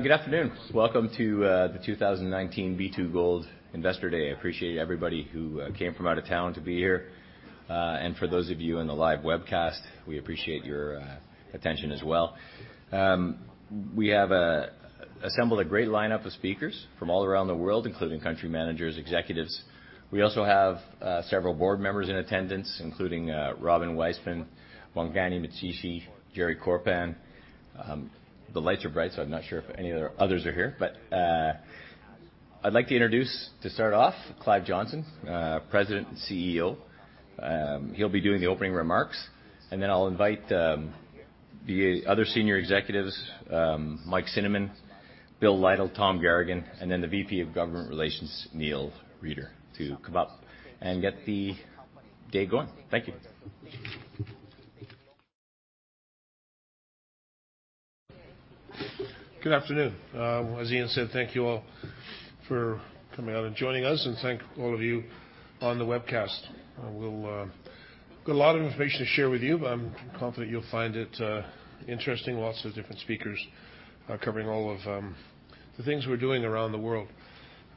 Good afternoon. Welcome to the 2019 B2Gold Investor Day. I appreciate everybody who came from out of town to be here. For those of you in the live webcast, we appreciate your attention as well. We have assembled a great lineup of speakers from all around the world, including country managers, executives. We also have several Board members in attendance, including Robin Weisman, Bongani Mtshisi, Jerry Korpan. The lights are bright, so I'm not sure if any others are here. I'd like to introduce, to start off, Clive Johnson, President and CEO. He'll be doing the opening remarks, and then I'll invite the other Senior Executives, Mike Cinnamond, Bill Lytle, Tom Garagan, and then the VP of Government Relations, Neil Reeder, to come up and get the day going. Thank you. Good afternoon. As Ian said, thank you all for coming out and joining us, and thank all of you on the webcast. Got a lot of information to share with you, I'm confident you'll find it interesting. Lots of different speakers covering all of the things we're doing around the world.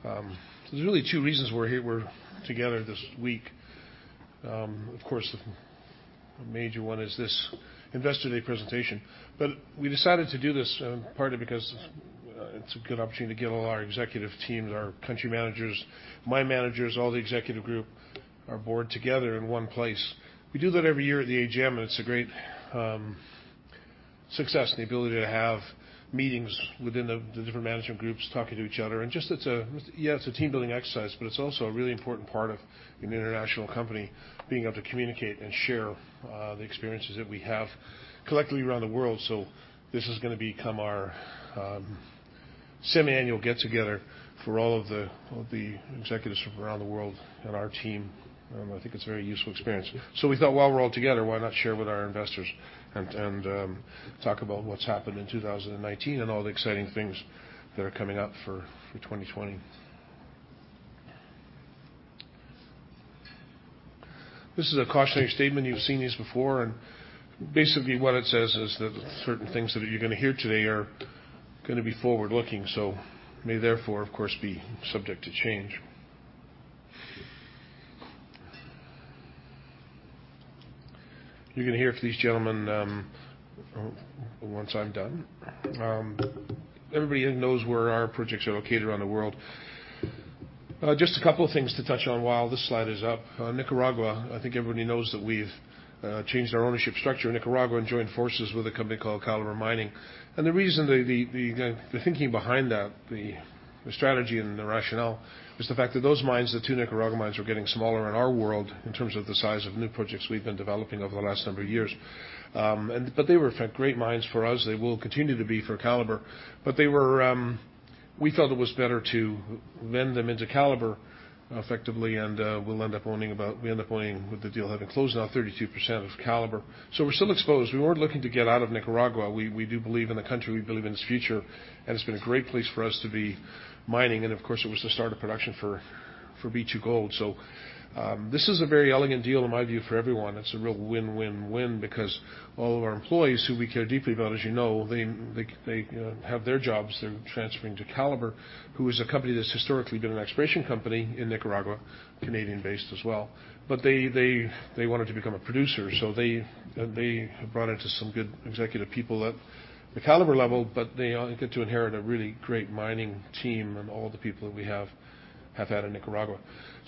There's really two reasons we're here, we're together this week. Of course, the major one is this Investor Day presentation. We decided to do this partly because it's a good opportunity to get all our executive team, our country managers, mine managers, all the executive group, our Board together in one place. We do that every year at the AGM, and it's a great success, and the ability to have meetings within the different management groups talking to each other. Just it's a team-building exercise, but it's also a really important part of an international company being able to communicate and share the experiences that we have collectively around the world. This is going to become our semiannual get-together for all of the executives from around the world and our team. I think it's a very useful experience. We thought, while we're all together, why not share with our investors and talk about what's happened in 2019 and all the exciting things that are coming up for 2020. This is a cautionary statement. You've seen these before, and basically what it says is that certain things that you're going to hear today are going to be forward-looking, so may therefore, of course, be subject to change. You're going to hear from these gentlemen once I'm done. Everybody here knows where our projects are located around the world. Just a couple of things to touch on while this slide is up. Nicaragua, I think everybody knows that we've changed our ownership structure in Nicaragua and joined forces with a company called Calibre Mining. The reason, the thinking behind that, the strategy and the rationale is the fact that those mines, the two Nicaragua mines, were getting smaller in our world in terms of the size of new projects we've been developing over the last number of years. They were, in fact, great mines for us. They will continue to be for Calibre. We felt it was better to vend them into Calibre effectively, and we end up owning, with the deal having closed now, 32% of Calibre. We're still exposed. We weren't looking to get out of Nicaragua. We do believe in the country, we believe in its future, and it's been a great place for us to be mining. Of course, it was the start of production for B2Gold. This is a very elegant deal, in my view, for everyone. It's a real win-win-win because all of our employees, who we care deeply about, as you know, they have their jobs. They're transferring to Calibre, who is a company that's historically been an exploration company in Nicaragua, Canadian-based as well. They wanted to become a producer, so they have brought in some good executive people at the Calibre level, but they get to inherit a really great mining team and all the people that we have had in Nicaragua.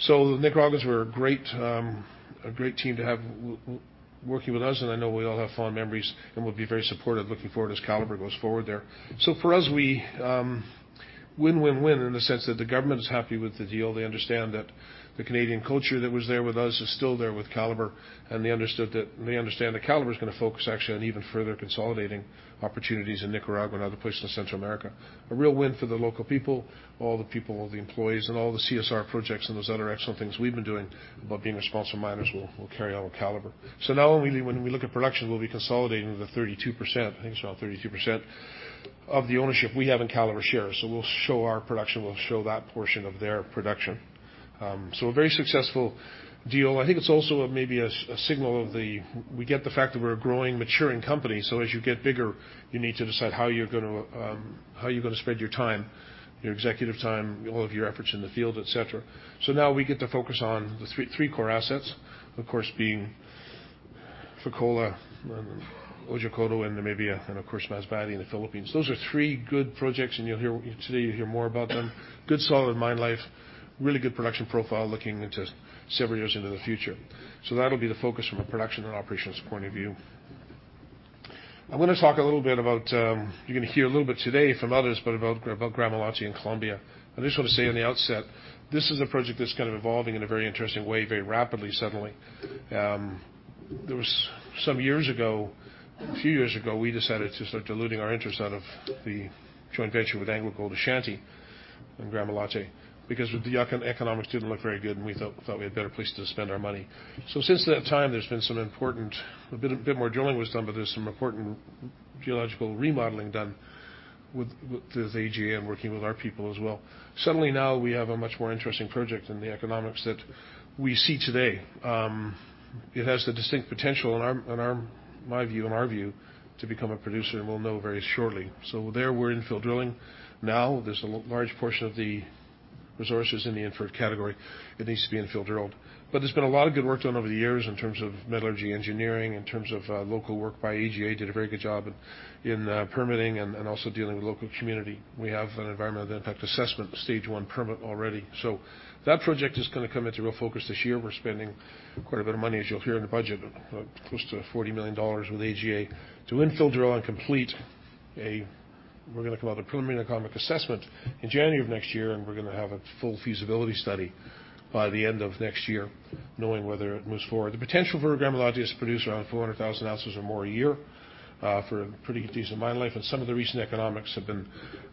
Nicaragua's were a great team to have working with us, and I know we all have fond memories and we'll be very supportive looking forward as Calibre goes forward there. For us, we win-win-win in the sense that the government is happy with the deal. They understand that the Canadian culture that was there with us is still there with Calibre, and they understand that Calibre is going to focus actually on even further consolidating opportunities in Nicaragua and other places in Central America. A real win for the local people, all the people, all the employees, and all the CSR projects and those other excellent things we've been doing about being responsible miners will carry on with Calibre. Now when we look at production, we'll be consolidating the 32%, I think it's about 32%, of the ownership we have in Calibre shares. We'll show our production, we'll show that portion of their production. A very successful deal. I think it's also maybe a signal of the fact that we're a growing, maturing company, as you get bigger, you need to decide how you're going to spend your time, your executive time, all of your efforts in the field, etc. Now we get to focus on the three core assets. Of course, being Fekola and Otjikoto in Namibia and, of course, Masbate in the Philippines. Those are three good projects, you'll hear today, you'll hear more about them. Good, solid mine life, really good production profile looking into several years into the future. That'll be the focus from a production and operations point of view. You're going to hear a little bit today from others about Gramalote in Colombia. I just want to say on the outset, this is a project that's kind of evolving in a very interesting way, very rapidly, suddenly. There was a few years ago, we decided to start diluting our interest out of the joint venture with AngloGold Ashanti and Gramalote because the economics didn't look very good, and we thought we had better places to spend our money. Since that time, a bit more drilling was done, but there's some important geological remodeling done with AngloGold Ashanti working with our people as well. Suddenly now we have a much more interesting project in the economics that we see today. It has the distinct potential, in my view and our view, to become a producer, and we'll know very shortly. There we're infill drilling. There's a large portion of the resources in the inferred category, it needs to be infill drilled. There's been a lot of good work done over the years in terms of metallurgy engineering, in terms of local work by AGA, did a very good job in permitting and also dealing with local community. We have an environmental impact assessment stage one permit already. That project is going to come into real focus this year. We're spending quite a bit of money, as you'll hear in the budget, close to $40 million with AGA to infill drill. We're going to come out with a preliminary economic assessment in January of next year, and we're going to have a full feasibility study by the end of next year, knowing whether it moves forward. The potential for Gramalote is to produce around 400,000 oz or more a year for a pretty decent mine life, and some of the recent economics have been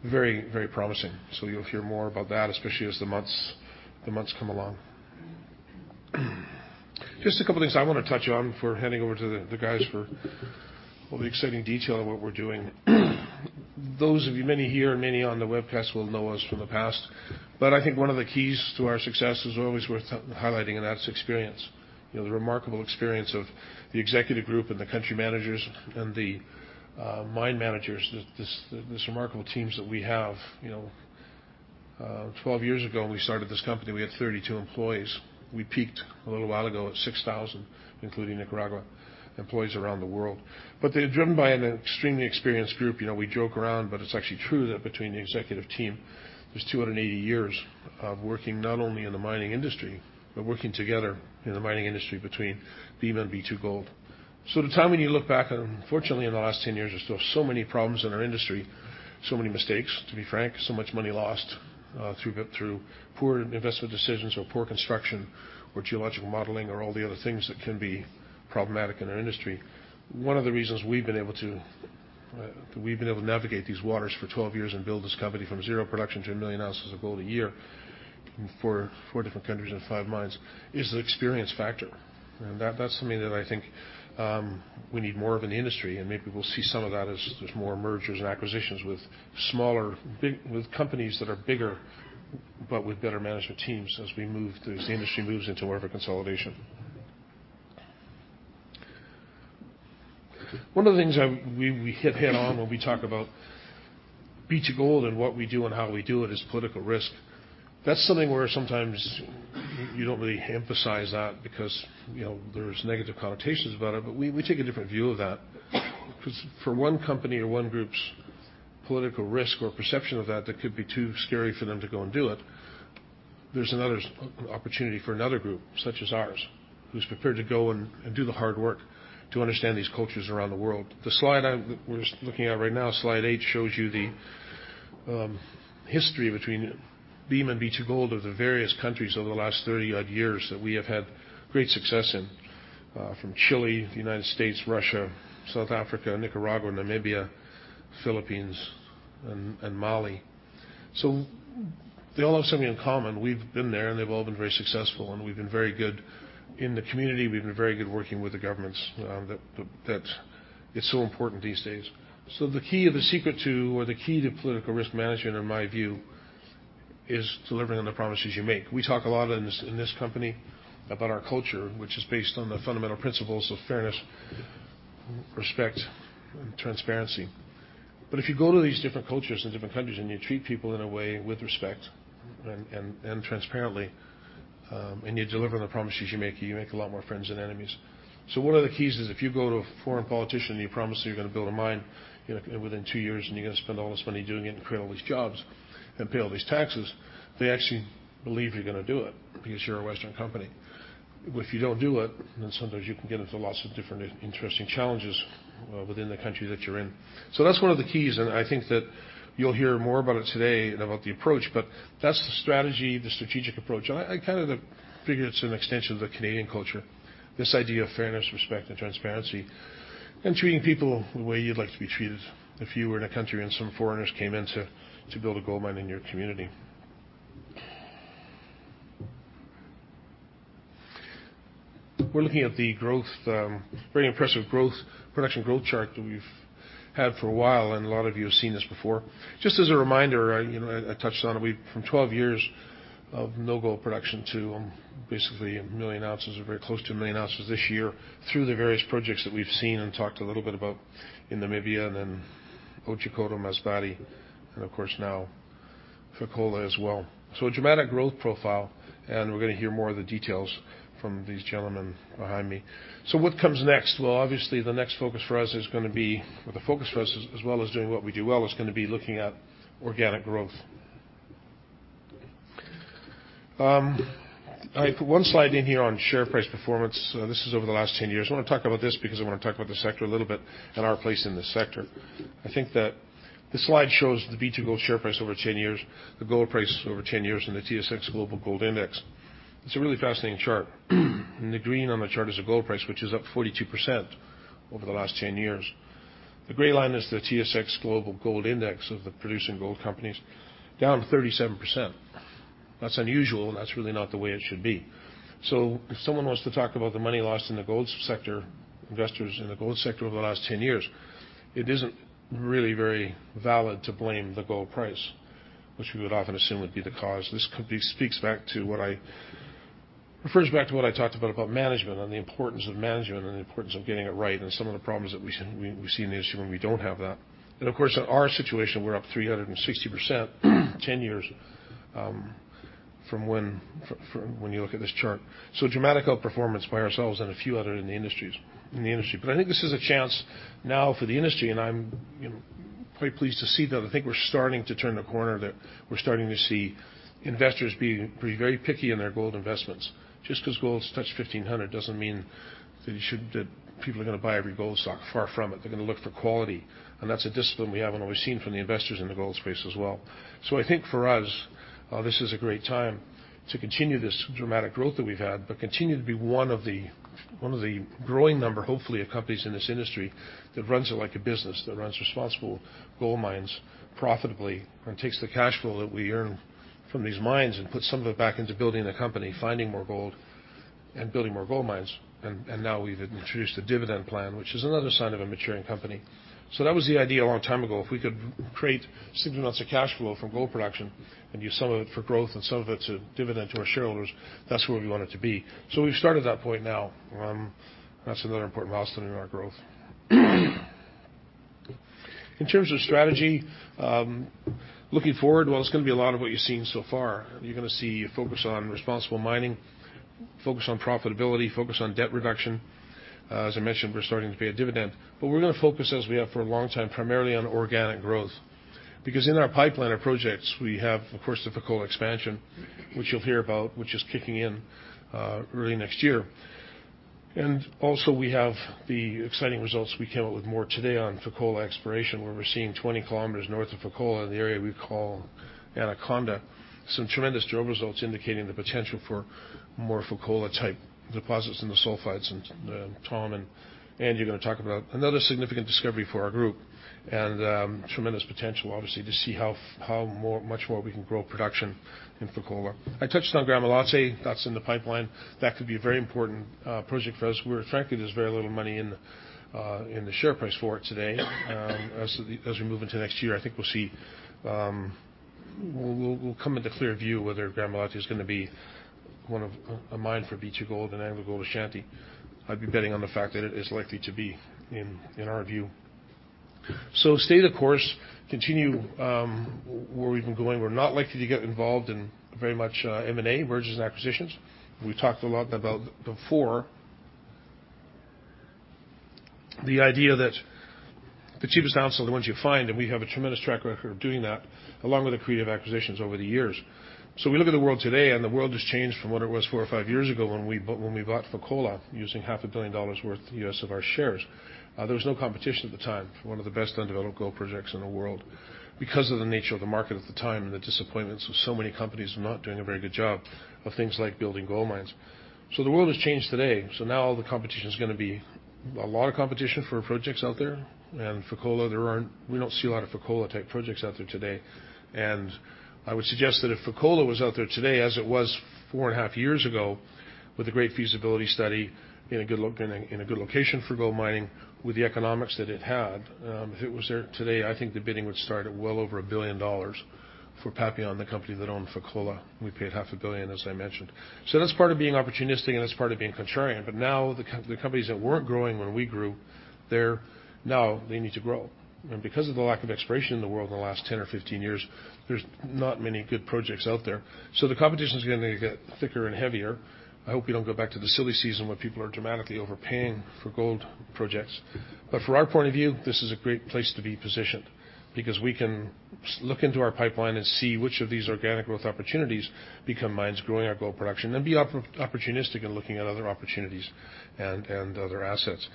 very promising. You'll hear more about that, especially as the months come along. Just a couple of things I want to touch on before handing over to the guys for all the exciting detail on what we're doing. Those of you, many here and many on the webcast will know us from the past. I think one of the keys to our success is always worth highlighting, and that's experience. The remarkable experience of the executive group and the country managers and the mine managers, these remarkable teams that we have. 12 years ago, we started this company, we had 32 employees. We peaked a little while ago at 6,000, including Nicaragua, employees around the world. They're driven by an extremely experienced group. We joke around, but it's actually true that between the executive team, there's 280 years of working not only in the mining industry, but working together in the mining industry between B2Gold. The time when you look back, unfortunately in the last 10 years, there's still so many problems in our industry, so many mistakes, to be frank, so much money lost through poor investment decisions or poor construction or geological modeling or all the other things that can be problematic in our industry. One of the reasons we've been able to navigate these waters for 12 years and build this company from zero production to 1 million ounces of gold a year in four different countries and five mines is the experience factor. That's something that I think we need more of in the industry, and maybe we'll see some of that as there's more mergers and acquisitions with companies that are bigger but with better management teams as the industry moves into more of a consolidation. One of the things we hit head on when we talk about B2Gold and what we do and how we do it is political risk. That's something where sometimes you don't really emphasize that because there's negative connotations about it. We take a different view of that. For one company or one group's political risk or perception of that could be too scary for them to go and do it. There's another opportunity for another group, such as ours, who's prepared to go and do the hard work to understand these cultures around the world. The slide we're looking at right now, slide eight, shows you the history between Bema and B2Gold of the various countries over the last 30 odd years that we have had great success in. From Chile, the U.S., Russia, South Africa, Nicaragua, Namibia, the Philippines, and Mali. They all have something in common. We've been there, and they've all been very successful, and we've been very good in the community. We've been very good working with the governments. That is so important these days. The key or the secret to, or the key to political risk management, in my view, is delivering on the promises you make. We talk a lot in this company about our culture, which is based on the fundamental principles of fairness, respect, and transparency. If you go to these different cultures and different countries and you treat people in a way with respect and transparently, and you deliver on the promises you make, you make a lot more friends than enemies. One of the keys is if you go to a foreign politician and you promise that you're going to build a mine within two years, and you're going to spend all this money doing it and create all these jobs and pay all these taxes, they actually believe you're going to do it because you're a Western company. If you don't do it, sometimes you can get into lots of different interesting challenges within the country that you're in. That's one of the keys, and I think that you'll hear more about it today and about the approach. That's the strategy, the strategic approach. I kind of figure it's an extension of the Canadian culture, this idea of fairness, respect, and transparency, and treating people the way you'd like to be treated if you were in a country and some foreigners came in to build a gold mine in your community. We're looking at the very impressive production growth chart that we've had for a while, and a lot of you have seen this before. Just as a reminder, I touched on it. From 12 years of no gold production to basically 1 million ounces or very close to 1 million ounces this year through the various projects that we've seen and talked a little bit about in Namibia and then Otjikoto, Masbate, and of course, now Fekola as well. A dramatic growth profile, and we're going to hear more of the details from these gentlemen behind me. What comes next? Well, obviously, the next focus for us is going to be, or the focus for us, as well as doing what we do well, is going to be looking at organic growth. I put one slide in here on share price performance. This is over the last 10 years. I want to talk about this because I want to talk about the sector a little bit and our place in the sector. I think that this slide shows the B2Gold share price over 10 years, the gold price over 10 years, and the S&P/TSX Global Gold Index. It's a really fascinating chart. The green on the chart is the gold price, which is up 42% over the last 10 years. The gray line is the S&P/TSX Global Gold Index of the producing gold companies, down 37%. That's unusual, and that's really not the way it should be. If someone wants to talk about the money lost in the gold sector, investors in the gold sector over the last 10 years, it isn't really very valid to blame the gold price, which we would often assume would be the cause. This refers back to what I talked about management and the importance of management and the importance of getting it right and some of the problems that we see in the industry when we don't have that. Of course, in our situation, we're up 360% 10 years from when you look at this chart. Dramatic outperformance by ourselves and a few others in the industry. I think this is a chance now for the industry, and I'm quite pleased to see that I think we're starting to turn the corner, that we're starting to see investors be very picky in their gold investments. Just because gold's touched $1,500 doesn't mean that people are going to buy every gold stock. Far from it. They're going to look for quality, and that's a discipline we haven't always seen from the investors in the gold space as well. I think for us, this is a great time to continue this dramatic growth that we've had, but continue to be one of the growing number, hopefully, of companies in this industry that runs it like a business, that runs responsible gold mines profitably and takes the cash flow that we earn from these mines and put some of it back into building the company, finding more gold and building more gold mines. Now we've introduced a dividend plan, which is another sign of a maturing company. That was the idea a long time ago. If we could create significant amounts of cash flow from gold production and use some of it for growth and some of it to dividend to our shareholders, that's where we want it to be. We've started that point now. That's another important milestone in our growth. In terms of strategy, looking forward, well, it's going to be a lot of what you've seen so far. You're going to see a focus on responsible mining, focus on profitability, focus on debt reduction. As I mentioned, we're starting to pay a dividend. We're going to focus, as we have for a long time, primarily on organic growth. In our pipeline of projects, we have, of course, the Fekola expansion, which you'll hear about, which is kicking in early next year. Also, we have the exciting results we came out with more today on Fekola exploration, where we're seeing 20 km north of Fekola in the area we call Anaconda, some tremendous drill results indicating the potential for more Fekola type deposits in the sulfides. Tom and Andy are going to talk about another significant discovery for our group and tremendous potential, obviously, to see how much more we can grow production in Fekola. I touched on Gramalote. That's in the pipeline. That could be a very important project for us, where frankly, there's very little money in the share price for it today. As we move into next year, I think we'll come into clear view whether Gramalote is going to be a mine for B2Gold and AngloGold Ashanti. I'd be betting on the fact that it is likely to be, in our view. Stay the course, continue where we've been going. We're not likely to get involved in very much M&A, mergers and acquisitions. We've talked a lot about before the idea that the cheapest ounces are the ones you find, and we have a tremendous track record of doing that, along with accretive acquisitions over the years. We look at the world today, and the world has changed from what it was four or five years ago when we bought Fekola using $500 million worth U.S. of our shares. There was no competition at the time for one of the best undeveloped gold projects in the world because of the nature of the market at the time and the disappointments of so many companies not doing a very good job of things like building gold mines. The world has changed today. Now the competition is going to be a lot of competition for projects out there. Fekola, we don't see a lot of Fekola type projects out there today. I would suggest that if Fekola was out there today as it was four and a half years ago with a great feasibility study in a good location for gold mining with the economics that it had, if it was there today, I think the bidding would start at well over $1 billion for Papillon, the company that owned Fekola. We paid $500 million, as I mentioned. That's part of being opportunistic and that's part of being contrarian. Now the companies that weren't growing when we grew, they need to grow. Because of the lack of exploration in the world in the last 10 or 15 years, there's not many good projects out there. The competition is going to get thicker and heavier. I hope we don't go back to the silly season where people are dramatically overpaying for gold projects. From our point of view, this is a great place to be positioned because we can look into our pipeline and see which of these organic growth opportunities become mines growing our gold production and be opportunistic in looking at other opportunities and other assets.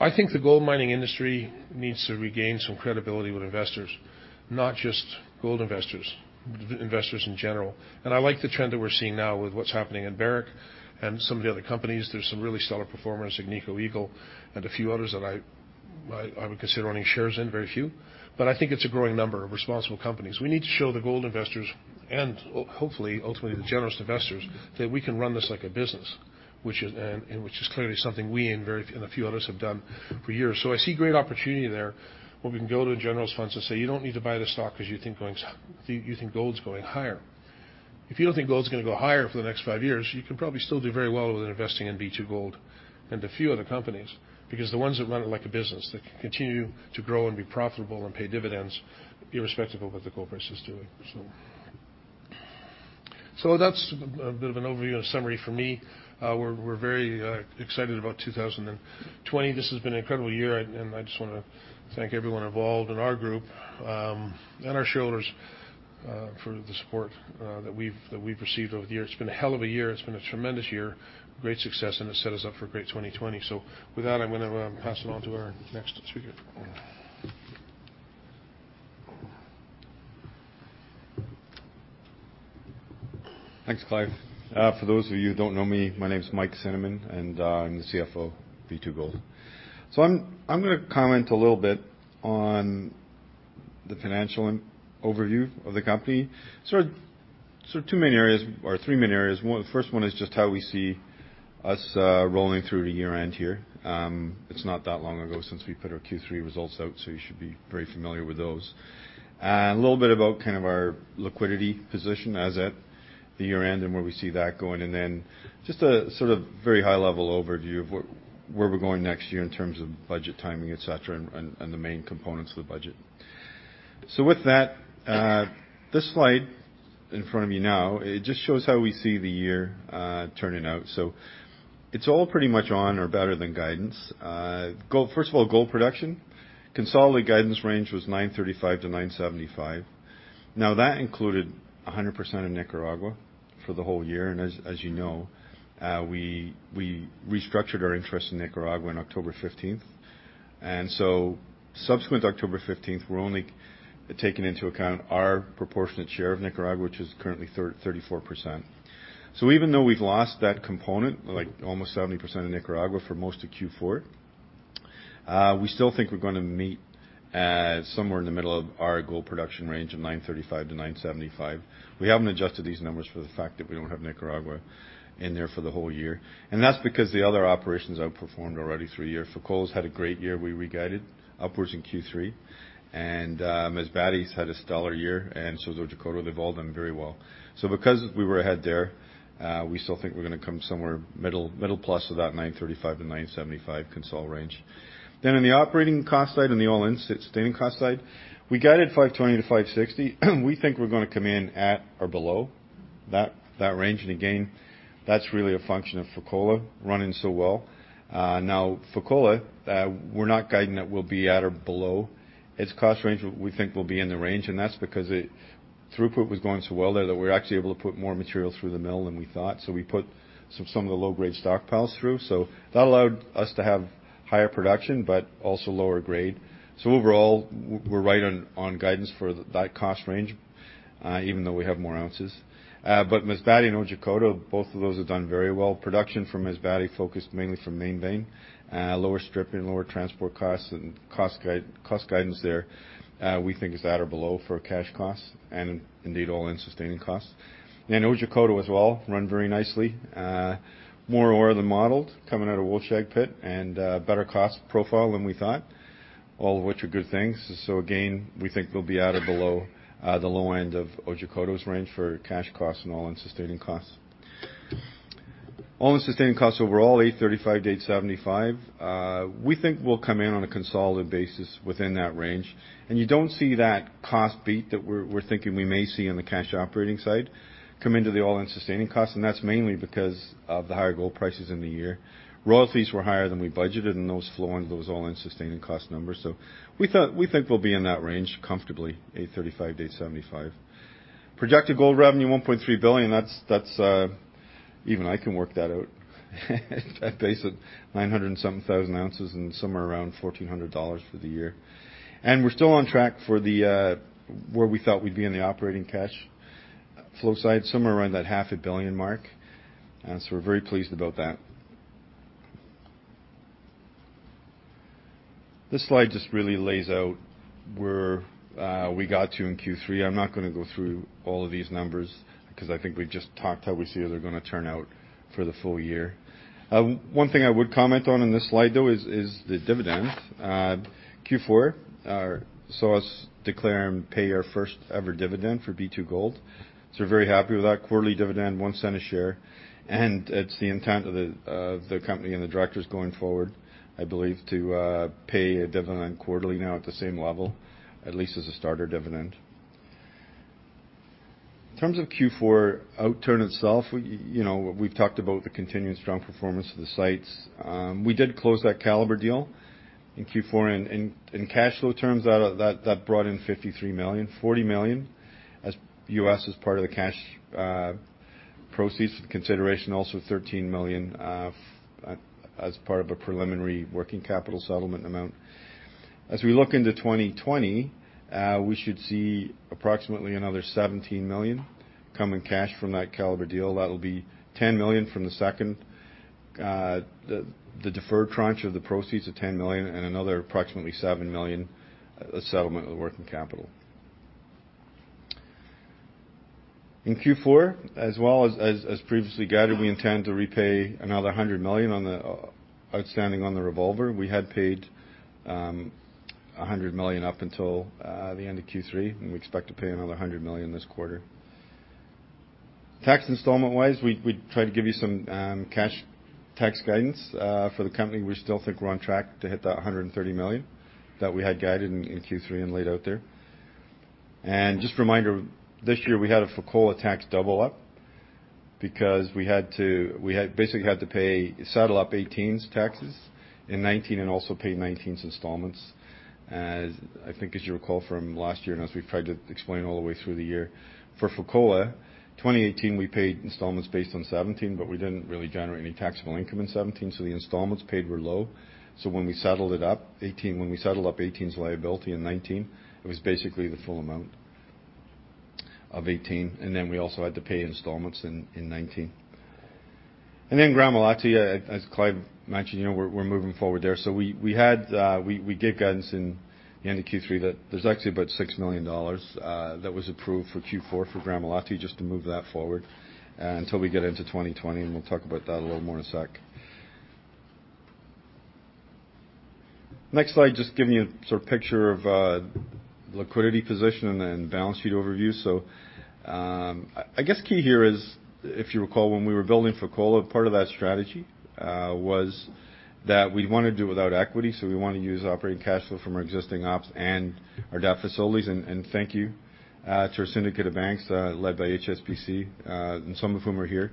I think the gold mining industry needs to regain some credibility with investors, not just gold investors in general. I like the trend that we're seeing now with what's happening in Barrick and some of the other companies. There's some really stellar performers like Agnico Eagle and a few others that I would consider owning shares in, very few. I think it's a growing number of responsible companies. We need to show the gold investors and hopefully, ultimately, the generous investors that we can run this like a business, which is clearly something we and a few others have done for years. I see great opportunity there where we can go to the general funds and say, "You don't need to buy this stock because you think gold's going higher." If you don't think gold's going to go higher for the next five years, you can probably still do very well with investing in B2Gold and a few other companies, because the ones that run it like a business, that can continue to grow and be profitable and pay dividends irrespective of what the gold price is doing. That's a bit of an overview and a summary from me. We're very excited about 2020. This has been an incredible year, and I just want to thank everyone involved in our group and our shareholders for the support that we've received over the years. It's been a hell of a year. It's been a tremendous year, great success, and it set us up for a great 2020. With that, I'm going to pass it on to our next speaker. Thanks, Clive. For those of you who don't know me, my name is Mike Cinnamond, and I'm the CFO of B2Gold. I'm going to comment a little bit on the financial overview of the company. Two main areas or three main areas. The first one is just how we see us rolling through to year-end here. It's not that long ago since we put our Q3 results out, you should be very familiar with those. A little bit about our liquidity position as at the year-end and where we see that going, just a very high-level overview of where we're going next year in terms of budget timing, etc, and the main components of the budget. With that, this slide in front of you now, it just shows how we see the year turning out. It's all pretty much on or better than guidance. First of all, gold production, consolidated guidance range was $935-$975. That included 100% in Nicaragua for the whole year, and as you know, we restructured our interest in Nicaragua on October 15th. Subsequent to October 15th, we're only taking into account our proportionate share of Nicaragua, which is currently 34%. Even though we've lost that component, almost 70% of Nicaragua for most of Q4, we still think we're going to meet somewhere in the middle of our gold production range of $935-$975. We haven't adjusted these numbers for the fact that we don't have Nicaragua in there for the whole year, and that's because the other operations outperformed already through a year. Fekola's had a great year. We guided upwards in Q3. Masbate's had a stellar year, and so has Otjikoto. They've all done very well. Because we were ahead there, we still think we're going to come somewhere middle plus of that $935-$975 consol range. On the operating cost side and the all-in sustaining cost side, we guided $520-$560. We think we're going to come in at or below that range. Again, that's really a function of Fekola running so well. Fekola, we're not guiding that we'll be at or below its cost range, but we think we'll be in the range, and that's because throughput was going so well there that we were actually able to put more material through the mill than we thought. We put some of the low-grade stockpiles through. That allowed us to have higher production, but also lower grade. Overall, we're right on guidance for that cost range, even though we have more ounces. Masbate and Otjikoto, both of those have done very well. Production from Masbate focused mainly from Main Vein, lower stripping, lower transport costs. Cost guidance there we think is at or below for cash costs and indeed all-in sustaining costs. Otjikoto as well, ran very nicely, more ore than modeled coming out of Wolfshag Pit and a better cost profile than we thought. All of which are good things. Again, we think they'll be at or below the low end of Otjikoto's range for cash costs and all-in sustaining costs. All-in sustaining costs overall, $835-$875. We think we'll come in on a consolidated basis within that range. You don't see that cost beat that we're thinking we may see on the cash operating side come into the all-in sustaining costs, that's mainly because of the higher gold prices in the year. Royalties were higher than we budgeted, those flow into those all-in sustaining cost numbers. We think we'll be in that range comfortably, $835-$875. Projected gold revenue, $1.3 billion. Even I can work that out at a base of 900 oz and something thousand ounces and somewhere around $1,400 for the year. We're still on track for where we thought we'd be in the operating cash flow side, somewhere around that $500 million mark. We're very pleased about that. This slide just really lays out where we got to in Q3. I'm not going to go through all of these numbers because I think we just talked how we see how they're going to turn out for the full year. One thing I would comment on in this slide, though, is the dividend. Q4 saw us declare and pay our first ever dividend for B2Gold. We're very happy with that. Quarterly dividend, $0.01 a share. It's the intent of the company and the Directors going forward, I believe, to pay a dividend quarterly now at the same level, at least as a starter dividend. In terms of Q4 outturn itself, we've talked about the continuing strong performance of the sites. We did close that Calibre deal in Q4. In cash flow terms, that brought in $53 million, $40 million U.S. as part of the cash proceeds for consideration, also $13 million as part of a preliminary working capital settlement amount. As we look into 2020, we should see approximately another $17 million come in cash from that Calibre deal. That'll be $10 million from the second, the deferred tranche of the proceeds of $10 million and another approximately $7 million of settlement of the working capital. In Q4, as well as previously guided, we intend to repay another $100 million outstanding on the revolver. We had paid $100 million up until the end of Q3, and we expect to pay another $100 million this quarter. Tax installment-wise, we tried to give you some cash tax guidance for the company. We still think we're on track to hit that $130 million that we had guided in Q3 and laid out there. Just a reminder, this year we had a Fekola tax double-up because we basically had to settle up 2018's taxes in 2019 and also pay 2019's installments. I think as you recall from last year and as we've tried to explain all the way through the year, for Fekola, 2018, we paid installments based on 2017, but we didn't really generate any taxable income in 2017, so the installments paid were low. When we settled up 2018's liability in 2019, it was basically the full amount of 2018. We also had to pay installments in 2019. Gramalote, as Clive mentioned, we're moving forward there. We gave guidance in the end of Q3 that there's actually about $6 million that was approved for Q4 for Gramalote just to move that forward until we get into 2020, and we'll talk about that a little more in a second. Next slide, just giving you a picture of liquidity position and balance sheet overview. I guess key here is, if you recall, when we were building Fekola, part of that strategy was that we want to do it without equity. We want to use operating cash flow from our existing ops and our debt facilities. Thank you to our syndicate of banks, led by HSBC, and some of whom are here,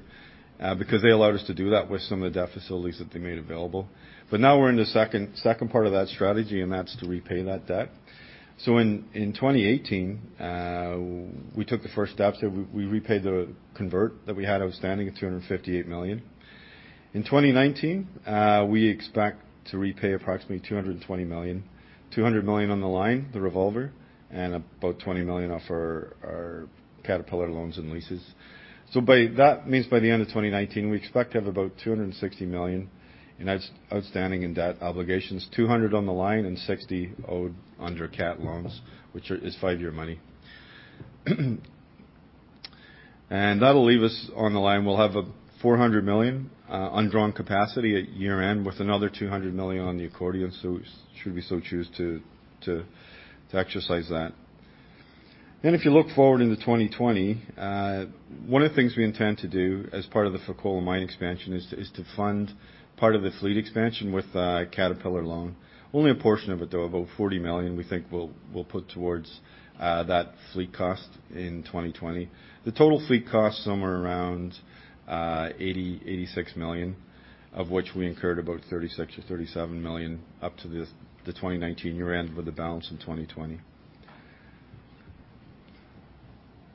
because they allowed us to do that with some of the debt facilities that they made available. Now we're in the second part of that strategy, and that's to repay that debt. In 2018, we took the first steps, we repaid the convert that we had outstanding at $258 million. In 2019, we expect to repay approximately $220 million, $200 million on the line, the revolver, and about $20 million off our Caterpillar loans and leases. That means by the end of 2019, we expect to have about $260 million in outstanding in debt obligations, $200 on the line and $60 owed under Cat loans, which is five-year money. That'll leave us, on the line, we'll have a $400 million undrawn capacity at year-end, with another $200 million on the accordion, should we so choose to exercise that. If you look forward into 2020, one of the things we intend to do as part of the Fekola mine expansion is to fund part of the fleet expansion with a Caterpillar loan. Only a portion of it, though, about $40 million we think we'll put towards that fleet cost in 2020. The total fleet cost, somewhere around, $80 million, $86 million, of which we incurred about $36 million or $37 million up to the 2019 year-end, with the balance in 2020.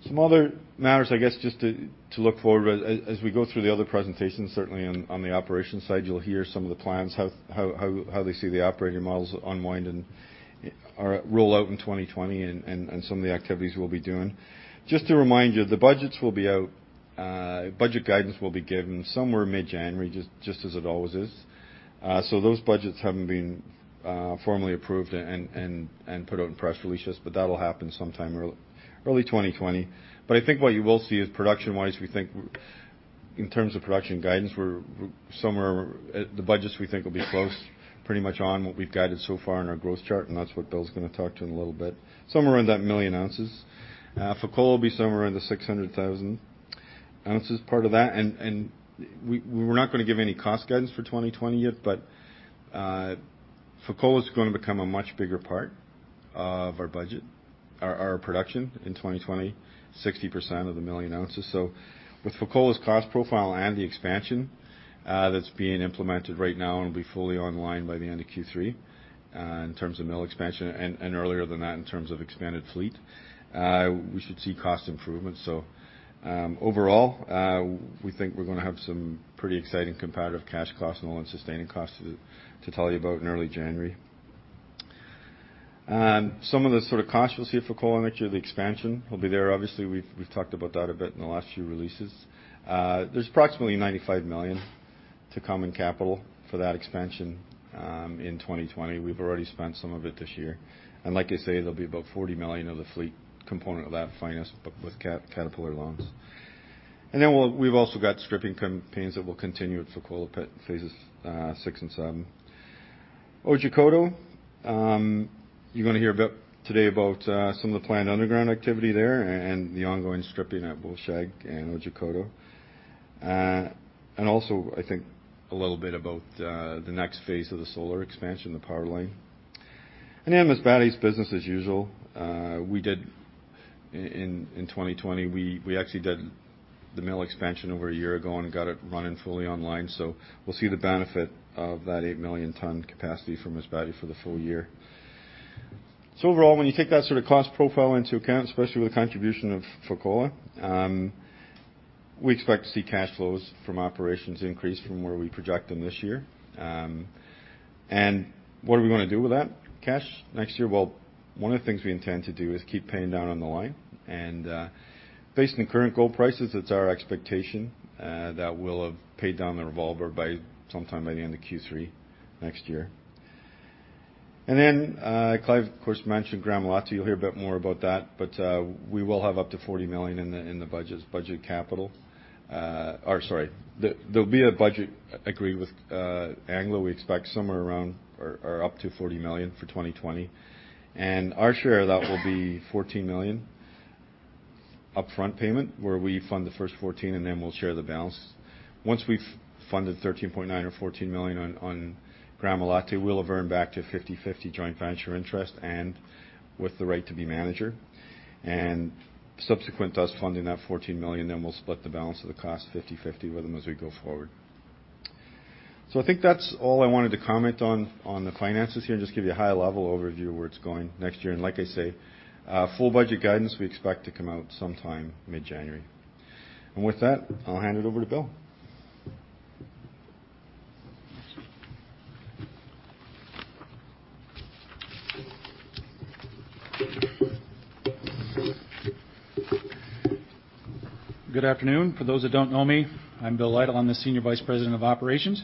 Some other matters, I guess, just to look forward, as we go through the other presentations, certainly on the operations side, you'll hear some of the plans, how they see the operating models unwind and roll out in 2020 and some of the activities we'll be doing. Just to remind you, the budgets will be out, budget guidance will be given somewhere mid-January, just as it always is. Those budgets haven't been formally approved and put out in press releases, but that'll happen sometime early 2020. I think what you will see is production-wise, we think in terms of production guidance, the budgets we think will be close, pretty much on what we've guided so far in our growth chart, and that's what Bill's going to talk to in a little bit. Somewhere around that million ounces. Fekola will be somewhere in the 600,000 oz part of that. We were not going to give any cost guidance for 2020 yet, Fekola is going to become a much bigger part of our production in 2020, 60% of the 1 million ounces. With Fekola's cost profile and the expansion that's being implemented right now and will be fully online by the end of Q3, in terms of mill expansion and earlier than that in terms of expanded fleet, we should see cost improvements. Overall, we think we're going to have some pretty exciting comparative cash costs and all-in sustaining costs to tell you about in early January. Some of the costs you will see at Fekola next year, the expansion will be there. Obviously, we've talked about that a bit in the last few releases. There's approximately $95 million to come in capital for that expansion in 2020. We've already spent some of it this year. Like I say, there'll be about $40 million of the fleet component of that financed with Caterpillar loans. Then we've also got stripping campaigns that will continue at Fekola phases VI and VII. Otjikoto, you're going to hear about today about some of the planned underground activity there and the ongoing stripping at Wolfshag and Otjikoto. Also, I think a little bit about the next phase of the solar expansion, the power line. Masbate is business as usual. In 2020, we actually did the mill expansion over a year ago and got it running fully online. We'll see the benefit of that 8 million ton capacity from Masbate for the full year. Overall, when you take that sort of cost profile into account, especially with the contribution of Fekola, we expect to see cash flows from operations increase from where we project them this year. What are we going to do with that cash next year? One of the things we intend to do is keep paying down on the line. Based on the current gold prices, it's our expectation that we'll have paid down the revolver by sometime by the end of Q3 next year. Clive, of course, mentioned Gramalote. You'll hear a bit more about that, we will have up to $40 million in the budget capital. There'll be a budget agreed with Anglo, we expect somewhere around or up to $40 million for 2020. Our share of that will be $14 million upfront payment, where we fund the first 14 and then we'll share the balance. Once we've funded $13.9 million or $14 million on Gramalote, we'll have earned back to 50/50 joint venture interest and with the right to be manager, and subsequent to us funding that $14 million, then we'll split the balance of the cost 50/50 with them as we go forward. I think that's all I wanted to comment on the finances here and just give you a high level overview of where it's going next year. Like I say, full budget guidance, we expect to come out sometime mid-January. With that, I'll hand it over to Bill. Good afternoon. For those that don't know me, I'm Bill Lytle. I'm the Senior Vice President of Operations.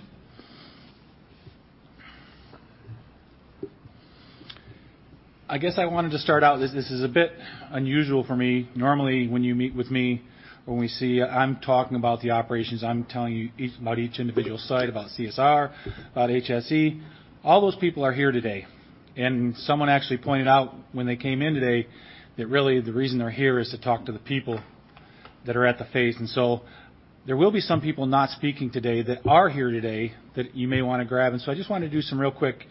I guess I wanted to start out, this is a bit unusual for me. Normally, when you meet with me, when we see, I'm talking about the operations, I'm telling you about each individual site, about CSR, about HSE. All those people are here today. Someone actually pointed out when they came in today that really the reason they're here is to talk to the people that are at the face. There will be some people not speaking today that are here today that you may want to grab. I just wanted to do some real quick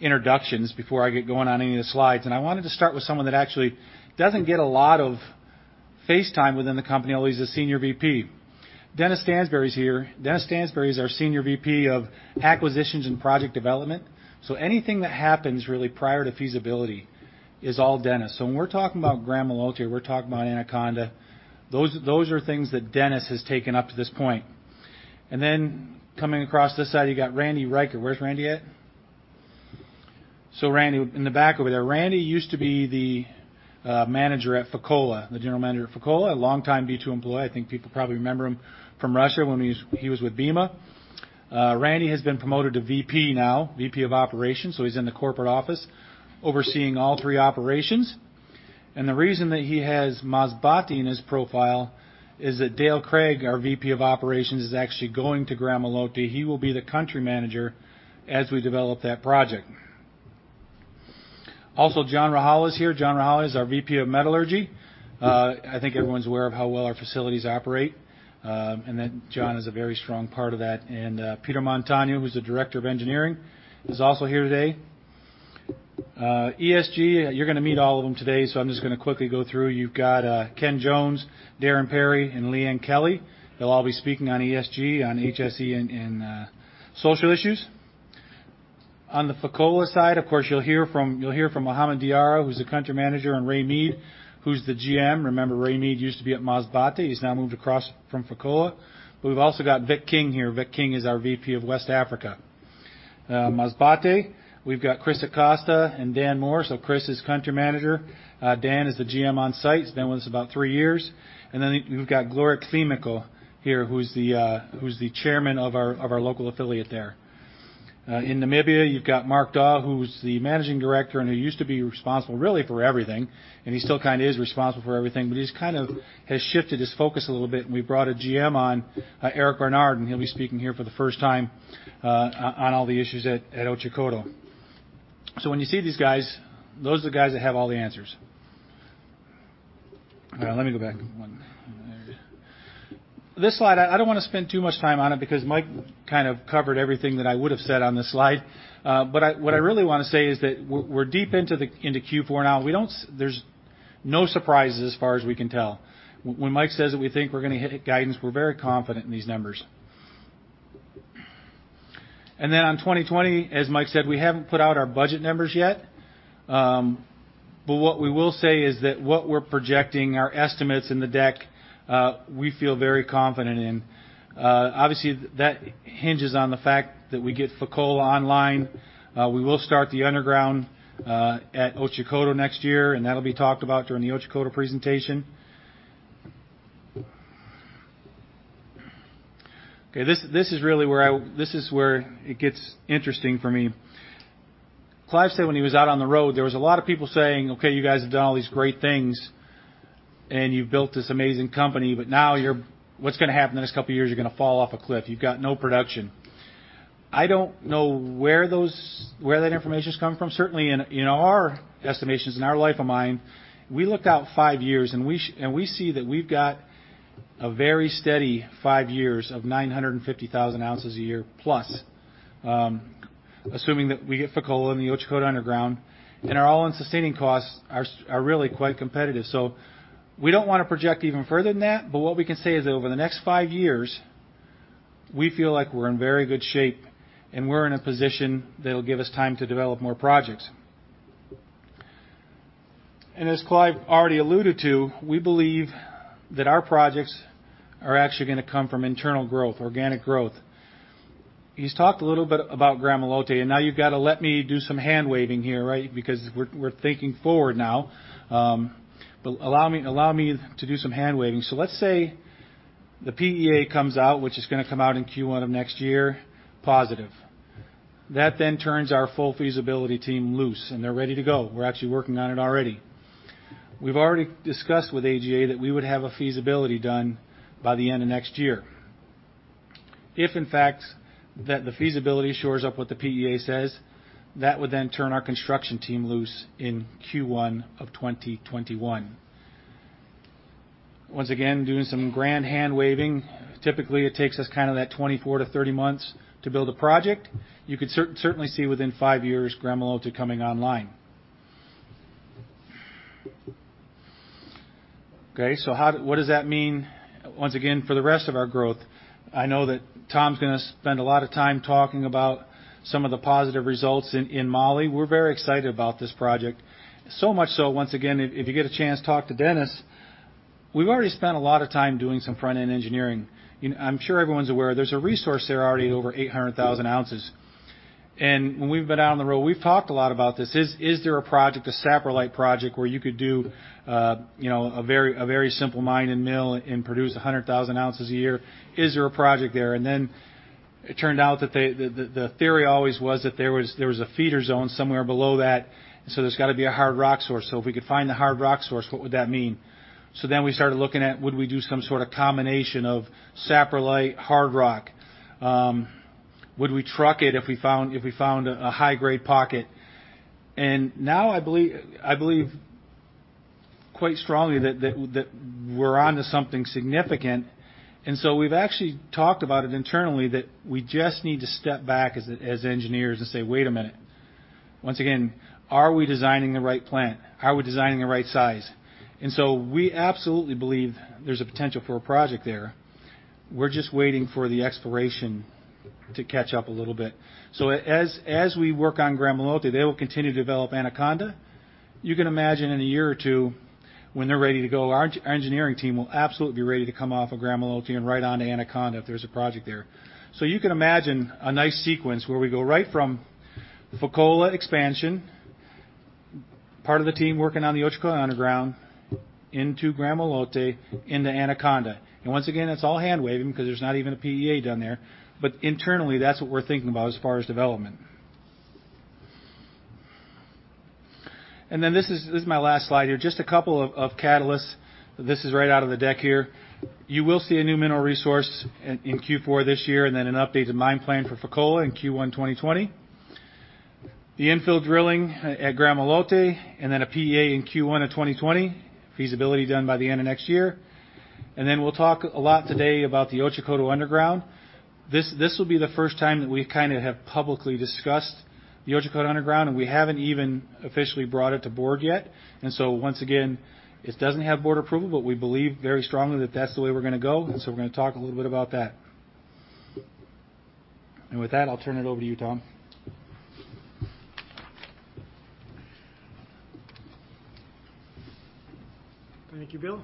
introductions before I get going on any of the slides. I wanted to start with someone that actually doesn't get a lot of face time within the company, although he's a Senior VP. Dennis Stansbury is here. Dennis Stansbury is our Senior VP of Acquisitions and Project Development. Anything that happens really prior to feasibility is all Dennis. When we're talking about Gramalote, we're talking about Anaconda, those are things that Dennis has taken up to this point. Then coming across this side, you got Randy Reichert. Where's Randy at? Randy in the back over there. Randy used to be the manager at Fekola, the General Manager of Fekola, a long time B2 employee. I think people probably remember him from Russia when he was with Bema. Randy has been promoted to VP now, VP of Operations, so he's in the corporate office overseeing all three operations. The reason that he has Masbate in his profile is that Dale Craig, our VP of Operations, is actually going to Gramalote. He will be the Country Manager as we develop that project. John Rajala is here. John Rajala is our VP of Metallurgy. I think everyone's aware of how well our facilities operate. John is a very strong part of that. Peter Montano, who's the Director of Engineering, is also here today. ESG, you're going to meet all of them today, so I'm just going to quickly go through. You've got Ken Jones, Darren Parry, and Liane Kelly. They'll all be speaking on ESG, on HSE, and social issues. On the Fekola side, of course, you'll hear from Mohamed Diarra, who's the Country Manager, and Ray Mead, who's the GM. Remember, Ray Mead used to be at Masbate. He's now moved across from Fekola. We've also got Vic King here. Vic King is our Vice President of West Africa. Masbate, we've got Cris Acosta and Dan Moore. Cris is Country Manager. Dan is the General Manager on site. Dan was about three years. Then we've got Gloria Climaco here, who's the Chairman of our local affiliate there. In Namibia, you've got Mark Dawe, who's the Managing Director, and who used to be responsible really for everything, and he still kind of is responsible for everything, but he kind of has shifted his focus a little bit, and we brought a General Manager on, Eric Barnard, and he'll be speaking here for the first time on all the issues at Otjikoto. When you see these guys, those are the guys that have all the answers. All right, let me go back one. This slide, I don't want to spend too much time on it because Mike kind of covered everything that I would have said on this slide. What I really want to say is that we're deep into Q4 now. There's no surprises as far as we can tell. When Mike says that we think we're going to hit guidance, we're very confident in these numbers. On 2020, as Mike said, we haven't put out our budget numbers yet. What we will say is that what we're projecting, our estimates in the deck, we feel very confident in. Obviously, that hinges on the fact that we get Fekola online. We will start the underground at Otjikoto next year, and that'll be talked about during the Otjikoto presentation. Okay, this is where it gets interesting for me. Clive said when he was out on the road, there was a lot of people saying, "Okay, you guys have done all these great things and you've built this amazing company, but now what's going to happen in this couple of years, you're going to fall off a cliff. You've got no production." I don't know where that information is coming from. Certainly in our estimations, in our life of mine, we looked out five years, and we see that we've got a very steady five years of 950,000 oz a year plus, assuming that we get Fekola and the Otjikoto underground, and our all-in sustaining costs are really quite competitive. We don't want to project even further than that, what we can say is that over the next five years, we feel like we're in very good shape, and we're in a position that'll give us time to develop more projects. As Clive already alluded to, we believe that our projects are actually going to come from internal growth, organic growth. He's talked a little bit about Gramalote, now you've got to let me do some hand-waving here, right? We're thinking forward now. Allow me to do some hand-waving. Let's say the PEA comes out, which is going to come out in Q1 of next year, positive. That then turns our full feasibility team loose, and they're ready to go. We're actually working on it already. We've already discussed with AGA that we would have a feasibility done by the end of next year. If, in fact, that the feasibility shores up what the PEA says, that would turn our construction team loose in Q1 of 2021. Once again, doing some grand hand-waving, typically it takes us kind of that 24-30 months to build a project. You could certainly see within five years Gramalote coming online. Okay, what does that mean, once again, for the rest of our growth? I know that Tom's going to spend a lot of time talking about some of the positive results in Mali. We're very excited about this project. So much so, once again, if you get a chance, talk to Dennis. We've already spent a lot of time doing some front-end engineering. I'm sure everyone's aware there's a resource there already over 800,000 oz. When we've been out on the road, we've talked a lot about this. Is there a project, a satellite project, where you could do a very simple mine and mill and produce 100,000 oz a year? Is there a project there? It turned out that the theory always was that there was a feeder zone somewhere below that, there's got to be a hard rock source. If we could find the hard rock source, what would that mean? We started looking at, would we do some sort of combination of saprolite, hard rock? Would we truck it if we found a high-grade pocket? Now I believe quite strongly that we're onto something significant, we've actually talked about it internally that we just need to step back as engineers and say, "Wait a minute." Once again, are we designing the right plant? Are we designing the right size? We absolutely believe there's a potential for a project there. We're just waiting for the exploration to catch up a little bit. As we work on Gramalote, they will continue to develop Anaconda. You can imagine in a year or two when they're ready to go, our engineering team will absolutely be ready to come off of Gramalote and right onto Anaconda if there's a project there. You can imagine a nice sequence where we go right from the Fekola expansion, part of the team working on the Otjikoto underground, into Gramalote, into Anaconda. Once again, it's all hand-waving because there's not even a PEA done there, but internally, that's what we're thinking about as far as development. This is my last slide here. Just a couple of catalysts. This is right out of the deck here. You will see a new mineral resource in Q4 this year, and then an updated mine plan for Fekola in Q1 2020. The infill drilling at Gramalote, and then a PEA in Q1 of 2020, feasibility done by the end of next year. We'll talk a lot today about the Otjikoto underground. This will be the first time that we have publicly discussed the Otjikoto underground, and we haven't even officially brought it to Board yet. Once again, it doesn't have Board approval, but we believe very strongly that that's the way we're going to go, and so we're going to talk a little bit about that. With that, I'll turn it over to you, Tom. Thank you, Bill.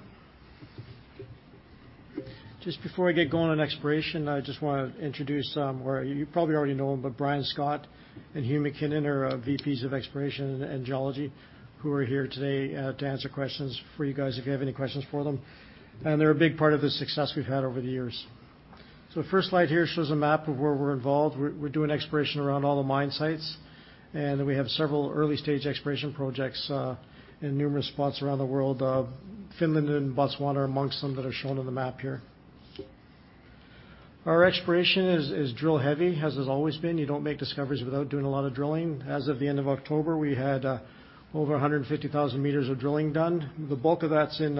Before I get going on exploration, I just want to introduce, well, you probably already know him, but Brian Scott and Hugh McKinnon are VPs of Exploration and Geology, who are here today to answer questions for you guys if you have any questions for them. They're a big part of the success we've had over the years. The first slide here shows a map of where we're involved. We're doing exploration around all the mine sites, and we have several early-stage exploration projects in numerous spots around the world. Finland and Botswana are amongst some that are shown on the map here. Our exploration is drill heavy, as it's always been. You don't make discoveries without doing a lot of drilling. As of the end of October, we had over 150,000 m of drilling done. The bulk of that's in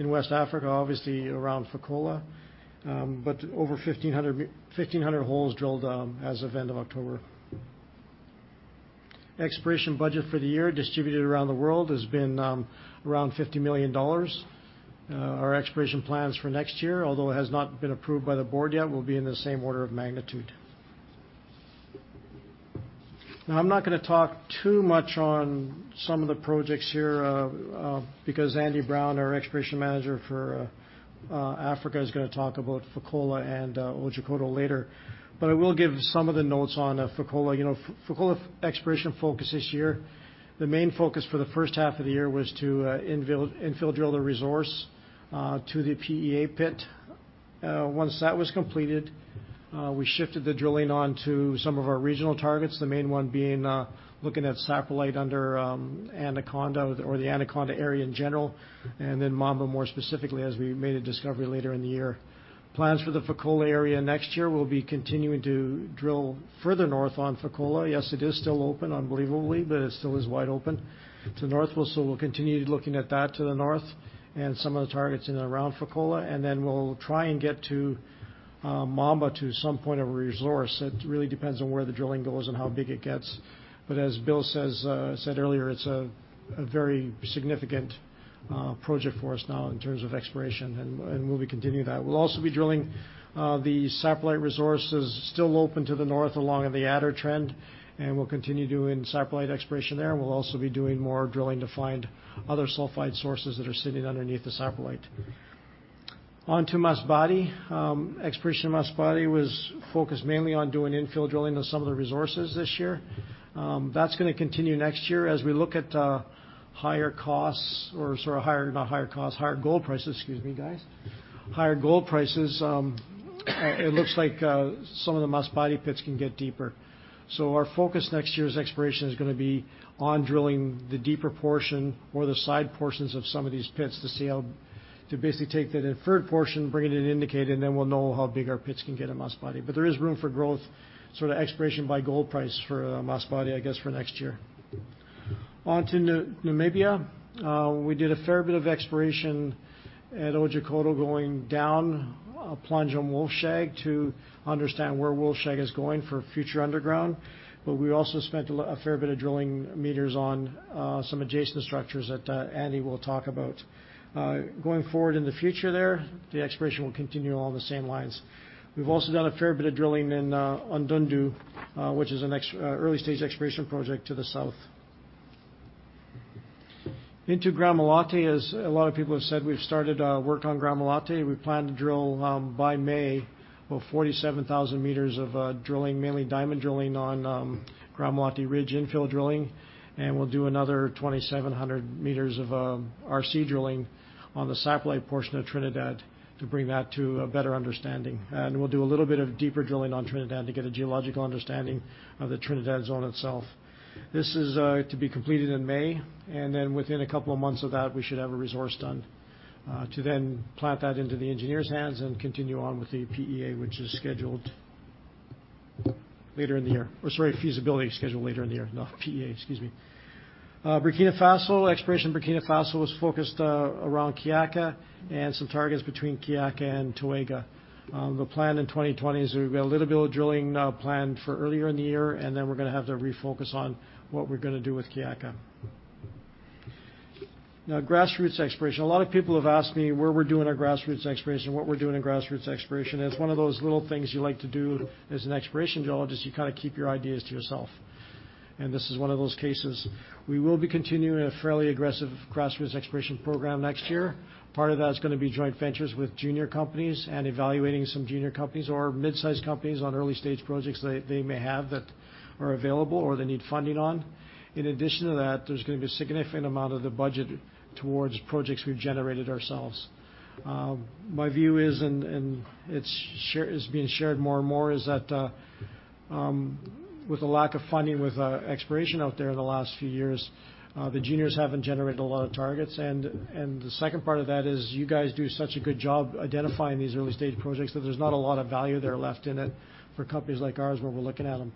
West Africa, obviously around Fekola, but over 1,500 holes drilled as of end of October. Exploration budget for the year distributed around the world has been around $50 million. Our exploration plans for next year, although it has not been approved by the Board yet, will be in the same order of magnitude. I'm not going to talk too much on some of the projects here, because Andy Brown, our Exploration Manager for Africa, is going to talk about Fekola and Otjikoto later. I will give some of the notes on Fekola. Fekola exploration focus this year, the main focus for the first half of the year was to infill drill the resource to the PEA pit. Once that was completed, we shifted the drilling on to some of our regional targets, the main one being looking at saprolite under Anaconda or the Anaconda area in general, and then Mamba more specifically as we made a discovery later in the year. Plans for the Fekola area next year will be continuing to drill further north on Fekola. Yes, it is still open, unbelievably, but it still is wide open to north. We'll continue looking at that to the north and some of the targets in and around Fekola, and then we'll try and get to Mamba to some point of a resource. It really depends on where the drilling goes and how big it gets. As Bill said earlier, it's a very significant project for us now in terms of exploration, and we'll be continuing that. We'll also be drilling the saprolite resources still open to the north along the Atar trend, and we'll continue doing saprolite exploration there. We'll also be doing more drilling to find other sulfide sources that are sitting underneath the saprolite. On to Masbate. Exploration Masbate was focused mainly on doing infill drilling of some of the resources this year. That's going to continue next year as we look at higher gold prices. Higher gold prices, it looks like some of the Masbate pits can get deeper. Our focus next year's exploration is going to be on drilling the deeper portion or the side portions of some of these pits to see how to basically take that inferred portion, bring it in indicated, and then we'll know how big our pits can get in Masbate. There is room for growth, sort of exploration by gold price for Masbate, I guess, for next year. On to Namibia. We did a fair bit of exploration at Otjikoto going down a plunge on Wolfshag to understand where Wolfshag is going for future underground. We also spent a fair bit of drilling meters on some adjacent structures that Andy will talk about. Going forward in the future there, the exploration will continue along the same lines. We've also done a fair bit of drilling on Ondundu, which is an early-stage exploration project to the south. Into Gramalote. As a lot of people have said, we've started our work on Gramalote. We plan to drill by May about 47,000 m of drilling, mainly diamond drilling on Gramalote Ridge infill drilling. We'll do another 2,700 m of RC drilling on the satellite portion of Trinidad to bring that to a better understanding. We'll do a little bit of deeper drilling on Trinidad to get a geological understanding of the Trinidad zone itself. This is to be completed in May, and then within a couple of months of that, we should have a resource done, to then plant that into the engineer's hands and continue on with the PEA, which is scheduled later in the year. Sorry, feasibility scheduled later in the year, not PEA, excuse me. Burkina Faso. Exploration in Burkina Faso was focused around Kiaka and some targets between Kiaka and Toega. The plan in 2020 is we've got a little bit of drilling planned for earlier in the year, and then we're going to have to refocus on what we're going to do with Kiaka. Now, grassroots exploration. A lot of people have asked me where we're doing our grassroots exploration, what we're doing in grassroots exploration. It's one of those little things you like to do as an exploration geologist, you keep your ideas to yourself. This is one of those cases. We will be continuing a fairly aggressive grassroots exploration program next year. Part of that is going to be joint ventures with junior companies and evaluating some junior companies or mid-size companies on early-stage projects they may have that are available or they need funding on. In addition to that, there's going to be a significant amount of the budget towards projects we've generated ourselves. My view is, and it's being shared more and more, is that with a lack of funding with exploration out there in the last few years, the juniors haven't generated a lot of targets. The second part of that is you guys do such a good job identifying these early-stage projects that there's not a lot of value there left in it for companies like ours when we're looking at them.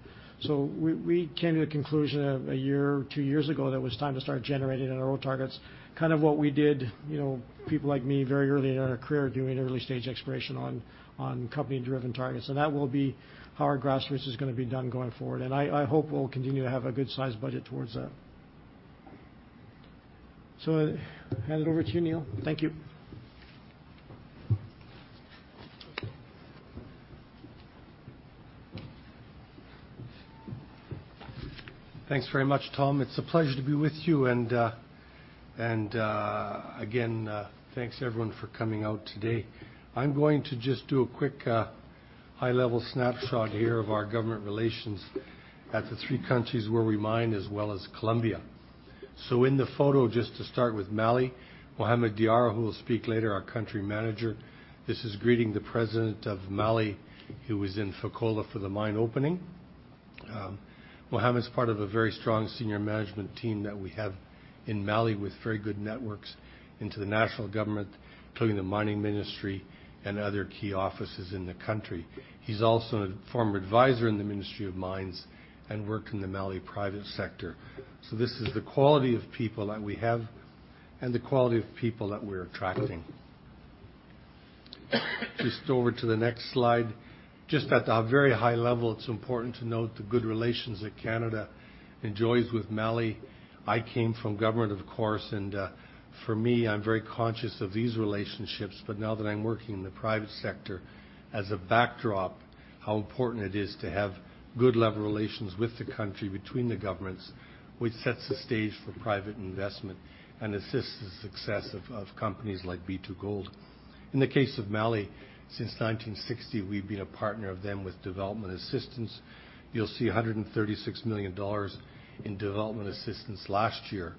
We came to the conclusion a year or two years ago that it was time to start generating our own targets, what we did, people like me very early in our career doing early-stage exploration on company-driven targets. That will be how our grassroots is going to be done going forward. I hope we'll continue to have a good size budget towards that. I hand it over to you, Neil. Thank you. Thanks very much, Tom. It's a pleasure to be with you. Again, thanks everyone for coming out today. I'm going to just do a quick high-level snapshot here of our government relations at the three countries where we mine as well as Colombia. In the photo, just to start with Mali, Mohamed Diarra, who will speak later, our Country Manager. This is greeting the President of Mali, who was in Fekola for the mine opening. Mohamed is part of a very strong senior management team that we have in Mali with very good networks into the national government, including the mining ministry and other key offices in the country. He's also a former advisor in the Ministry of Mines and worked in the Mali private sector. This is the quality of people that we have and the quality of people that we're attracting. Just over to the next slide. Just at a very high level, it's important to note the good relations that Canada enjoys with Mali. I came from government, of course, and for me, I'm very conscious of these relationships. Now that I'm working in the private sector, as a backdrop, how important it is to have good level relations with the country between the governments, which sets the stage for private investment and assists the success of companies like B2Gold. In the case of Mali, since 1960, we've been a partner of them with development assistance. You'll see $136 million in development assistance last year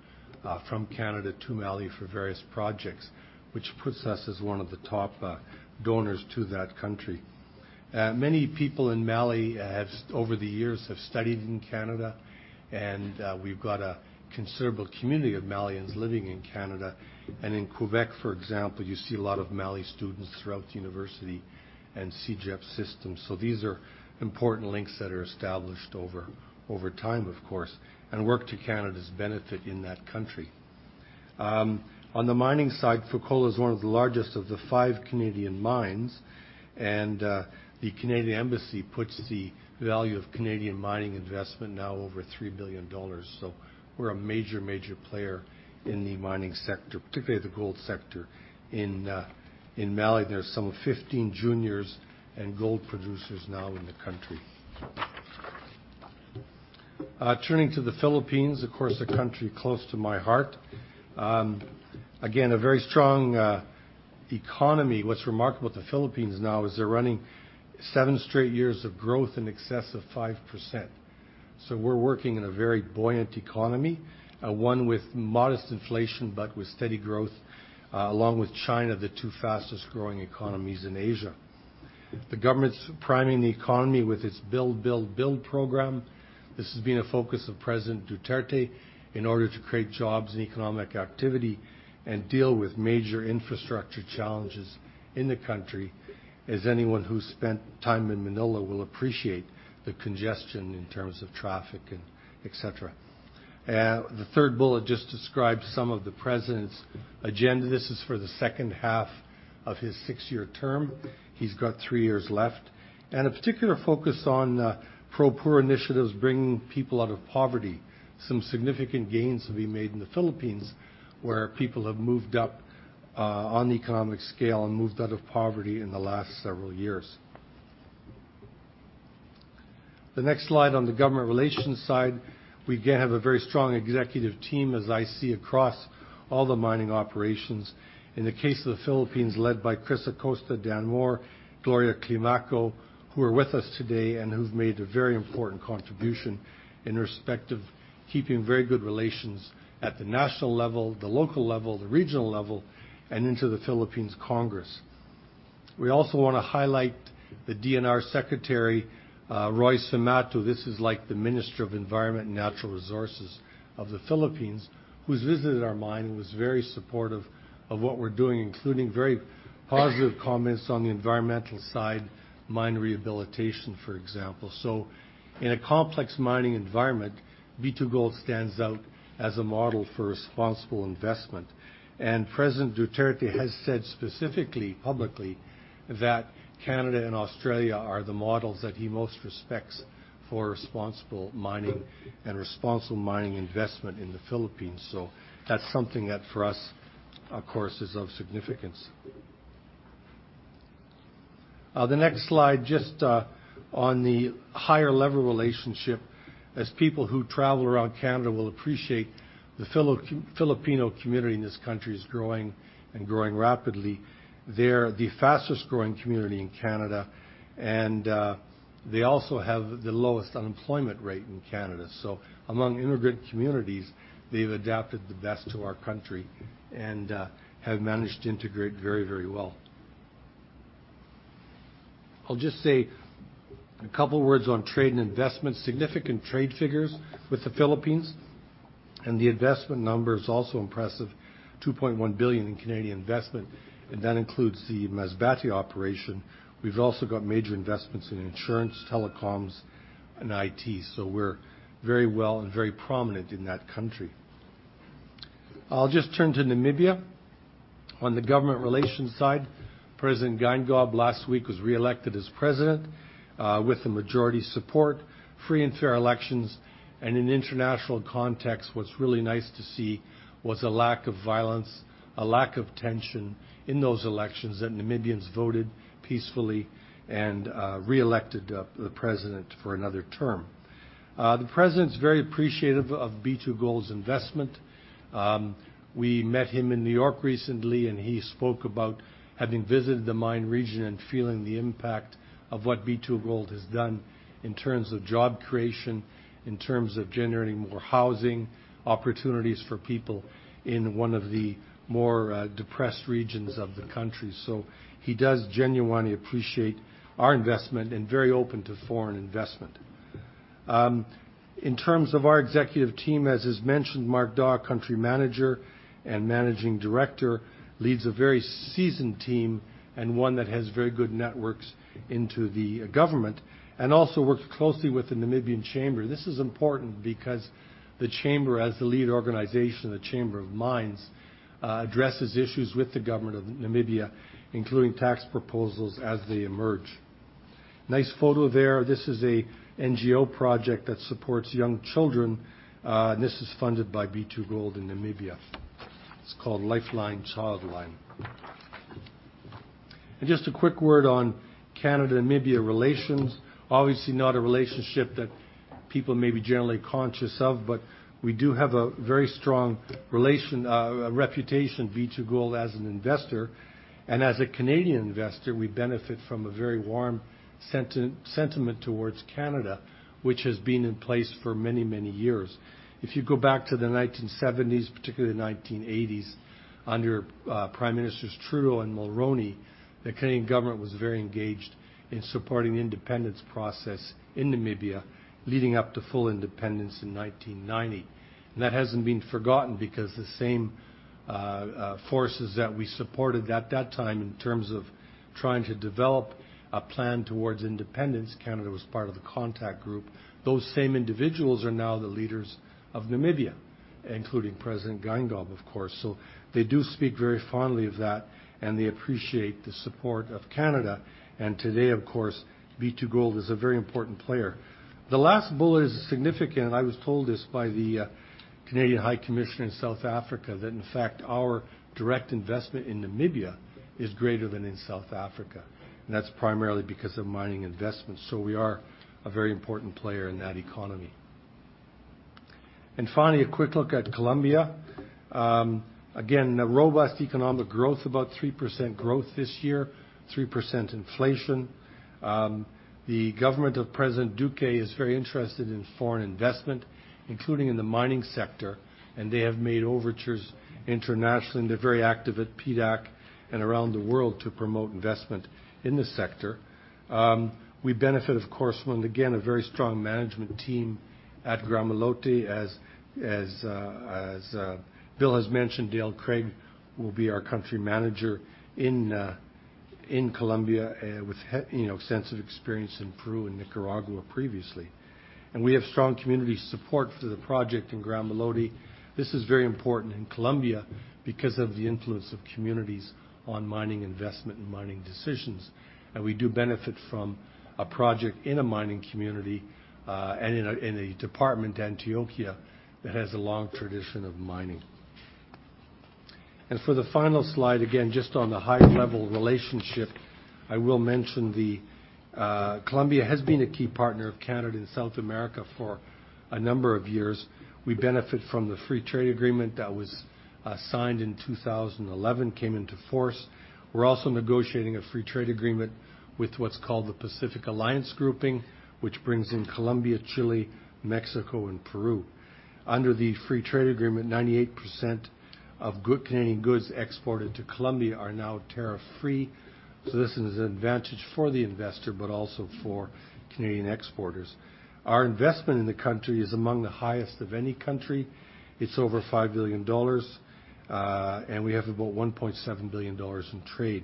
from Canada to Mali for various projects, which puts us as one of the top donors to that country. Many people in Mali over the years have studied in Canada, and we've got a considerable community of Malians living in Canada. In Quebec, for example, you see a lot of Mali students throughout the university and CEGEP system. These are important links that are established over time, of course, and work to Canada's benefit in that country. On the mining side, Fekola is one of the largest of the five Canadian mines, and the Canadian Embassy puts the value of Canadian mining investment now over $3 billion. We are a major player in mining sector, preferably gold sector. In Mali, there are some 15 juniors and gold producers now in the country. Turning to the Philippines, of course, a country close to my heart. Again, a very strong economy. What's remarkable with the Philippines now is they're running seven straight years of growth in excess of 5%. We're working in a very buoyant economy, one with modest inflation but with steady growth, along with China, the two fastest-growing economies in Asia. The government's priming the economy with its Build, Build program. This has been a focus of President Duterte in order to create jobs and economic activity and deal with major infrastructure challenges in the country, as anyone who's spent time in Manila will appreciate the congestion in terms of traffic and etc. The third bullet just describes some of the President's agenda. This is for the second half of his six-year term. He's got three years left. A particular focus on pro-poor initiatives, bringing people out of poverty. Some significant gains have been made in the Philippines, where people have moved up on the economic scale and moved out of poverty in the last several years. The next slide on the government relations side, we again have a very strong executive team, as I see across all the mining operations. In the case of the Philippines, led by Cris Acosta, Dan Moore, Gloria Climaco, who are with us today and who've made a very important contribution in respective keeping very good relations at the national level, the local level, the regional level, and into the Philippines Congress. We also want to highlight the DENR Secretary, Roy Cimatu. This is like the Minister of Environment and Natural Resources of the Philippines, who's visited our mine and was very supportive of what we're doing, including very positive comments on the environmental side, mine rehabilitation, for example. In a complex mining environment, B2Gold stands out as a model for responsible investment. President Duterte has said specifically, publicly, that Canada and Australia are the models that he most respects for responsible mining and responsible mining investment in the Philippines. That's something that for us, of course, is of significance. The next slide, just on the higher-level relationship. As people who travel around Canada will appreciate, the Filipino community in this country is growing and growing rapidly. They're the fastest growing community in Canada, and they also have the lowest unemployment rate in Canada. Among immigrant communities, they've adapted the best to our country and have managed to integrate very well. I'll just say a couple words on trade and investment. Significant trade figures with the Philippines, and the investment number is also impressive, 2.1 billion in Canadian investment, and that includes the Masbate operation. We've also got major investments in insurance, telecoms, and IT. We're very well and very prominent in that country. I'll just turn to Namibia. On the government relations side, President Geingob last week was reelected as President with the majority support, free and fair elections. In international context, what's really nice to see was a lack of violence, a lack of tension in those elections, that Namibians voted peacefully and reelected the president for another term. The President's very appreciative of B2Gold's investment. We met him in New York recently, and he spoke about having visited the mine region and feeling the impact of what B2Gold has done in terms of job creation, in terms of generating more housing opportunities for people in one of the more depressed regions of the country. He does genuinely appreciate our investment and very open to foreign investment. In terms of our executive team, as is mentioned, Mark Dawe, country manager and managing director, leads a very seasoned team and one that has very good networks into the government and also works closely with the Namibian Chamber. This is important because the Chamber, as the lead organization, the Chamber of Mines, addresses issues with the government of Namibia, including tax proposals as they emerge. Nice photo there. This is a NGO project that supports young children. This is funded by B2Gold in Namibia. It is called Lifeline Childline. Just a quick word on Canada-Namibia relations. Obviously, not a relationship that people may be generally conscious of, we do have a very strong reputation, B2Gold, as an investor. As a Canadian investor, we benefit from a very warm sentiment towards Canada, which has been in place for many years. If you go back to the 1970s, particularly 1980s, under Prime Ministers Trudeau and Mulroney, the Canadian government was very engaged in supporting the independence process in Namibia leading up to full independence in 1990. That hasn't been forgotten because the same forces that we supported at that time in terms of trying to develop a plan towards independence, Canada was part of the contact group. Those same individuals are now the leaders of Namibia, including President Geingob, of course. They do speak very fondly of that, and they appreciate the support of Canada. Today, of course, B2Gold is a very important player. The last bullet is significant, and I was told this by the Canadian High Commissioner in South Africa, that in fact, our direct investment in Namibia is greater than in South Africa, and that's primarily because of mining investments. We are a very important player in that economy. Finally, a quick look at Colombia. Again, a robust economic growth, about 3% growth this year, 3% inflation. The government of President Duque is very interested in foreign investment, including in the mining sector, and they have made overtures internationally, and they're very active at PDAC and around the world to promote investment in the sector. We benefit, of course, from, again, a very strong management team at Gramalote. As Bill has mentioned, Dale Craig will be our Country Manager in Colombia with extensive experience in Peru and Nicaragua previously. We have strong community support for the project in Gramalote. This is very important in Colombia because of the influence of communities on mining investment and mining decisions. We do benefit from a project in a mining community, and in a department, Antioquia, that has a long tradition of mining. For the final slide, again, just on the high level relationship, I will mention that Colombia has been a key partner of Canada and South America for a number of years. We benefit from the free trade agreement that was signed in 2011, came into force. We're also negotiating a free trade agreement with what's called the Pacific Alliance grouping, which brings in Colombia, Chile, Mexico, and Peru. Under the free trade agreement, 98% of Canadian goods exported to Colombia are now tariff free. This is an advantage for the investor, but also for Canadian exporters. Our investment in the country is among the highest of any country. It's over 5 billion dollars. We have about 1.7 billion dollars in trade.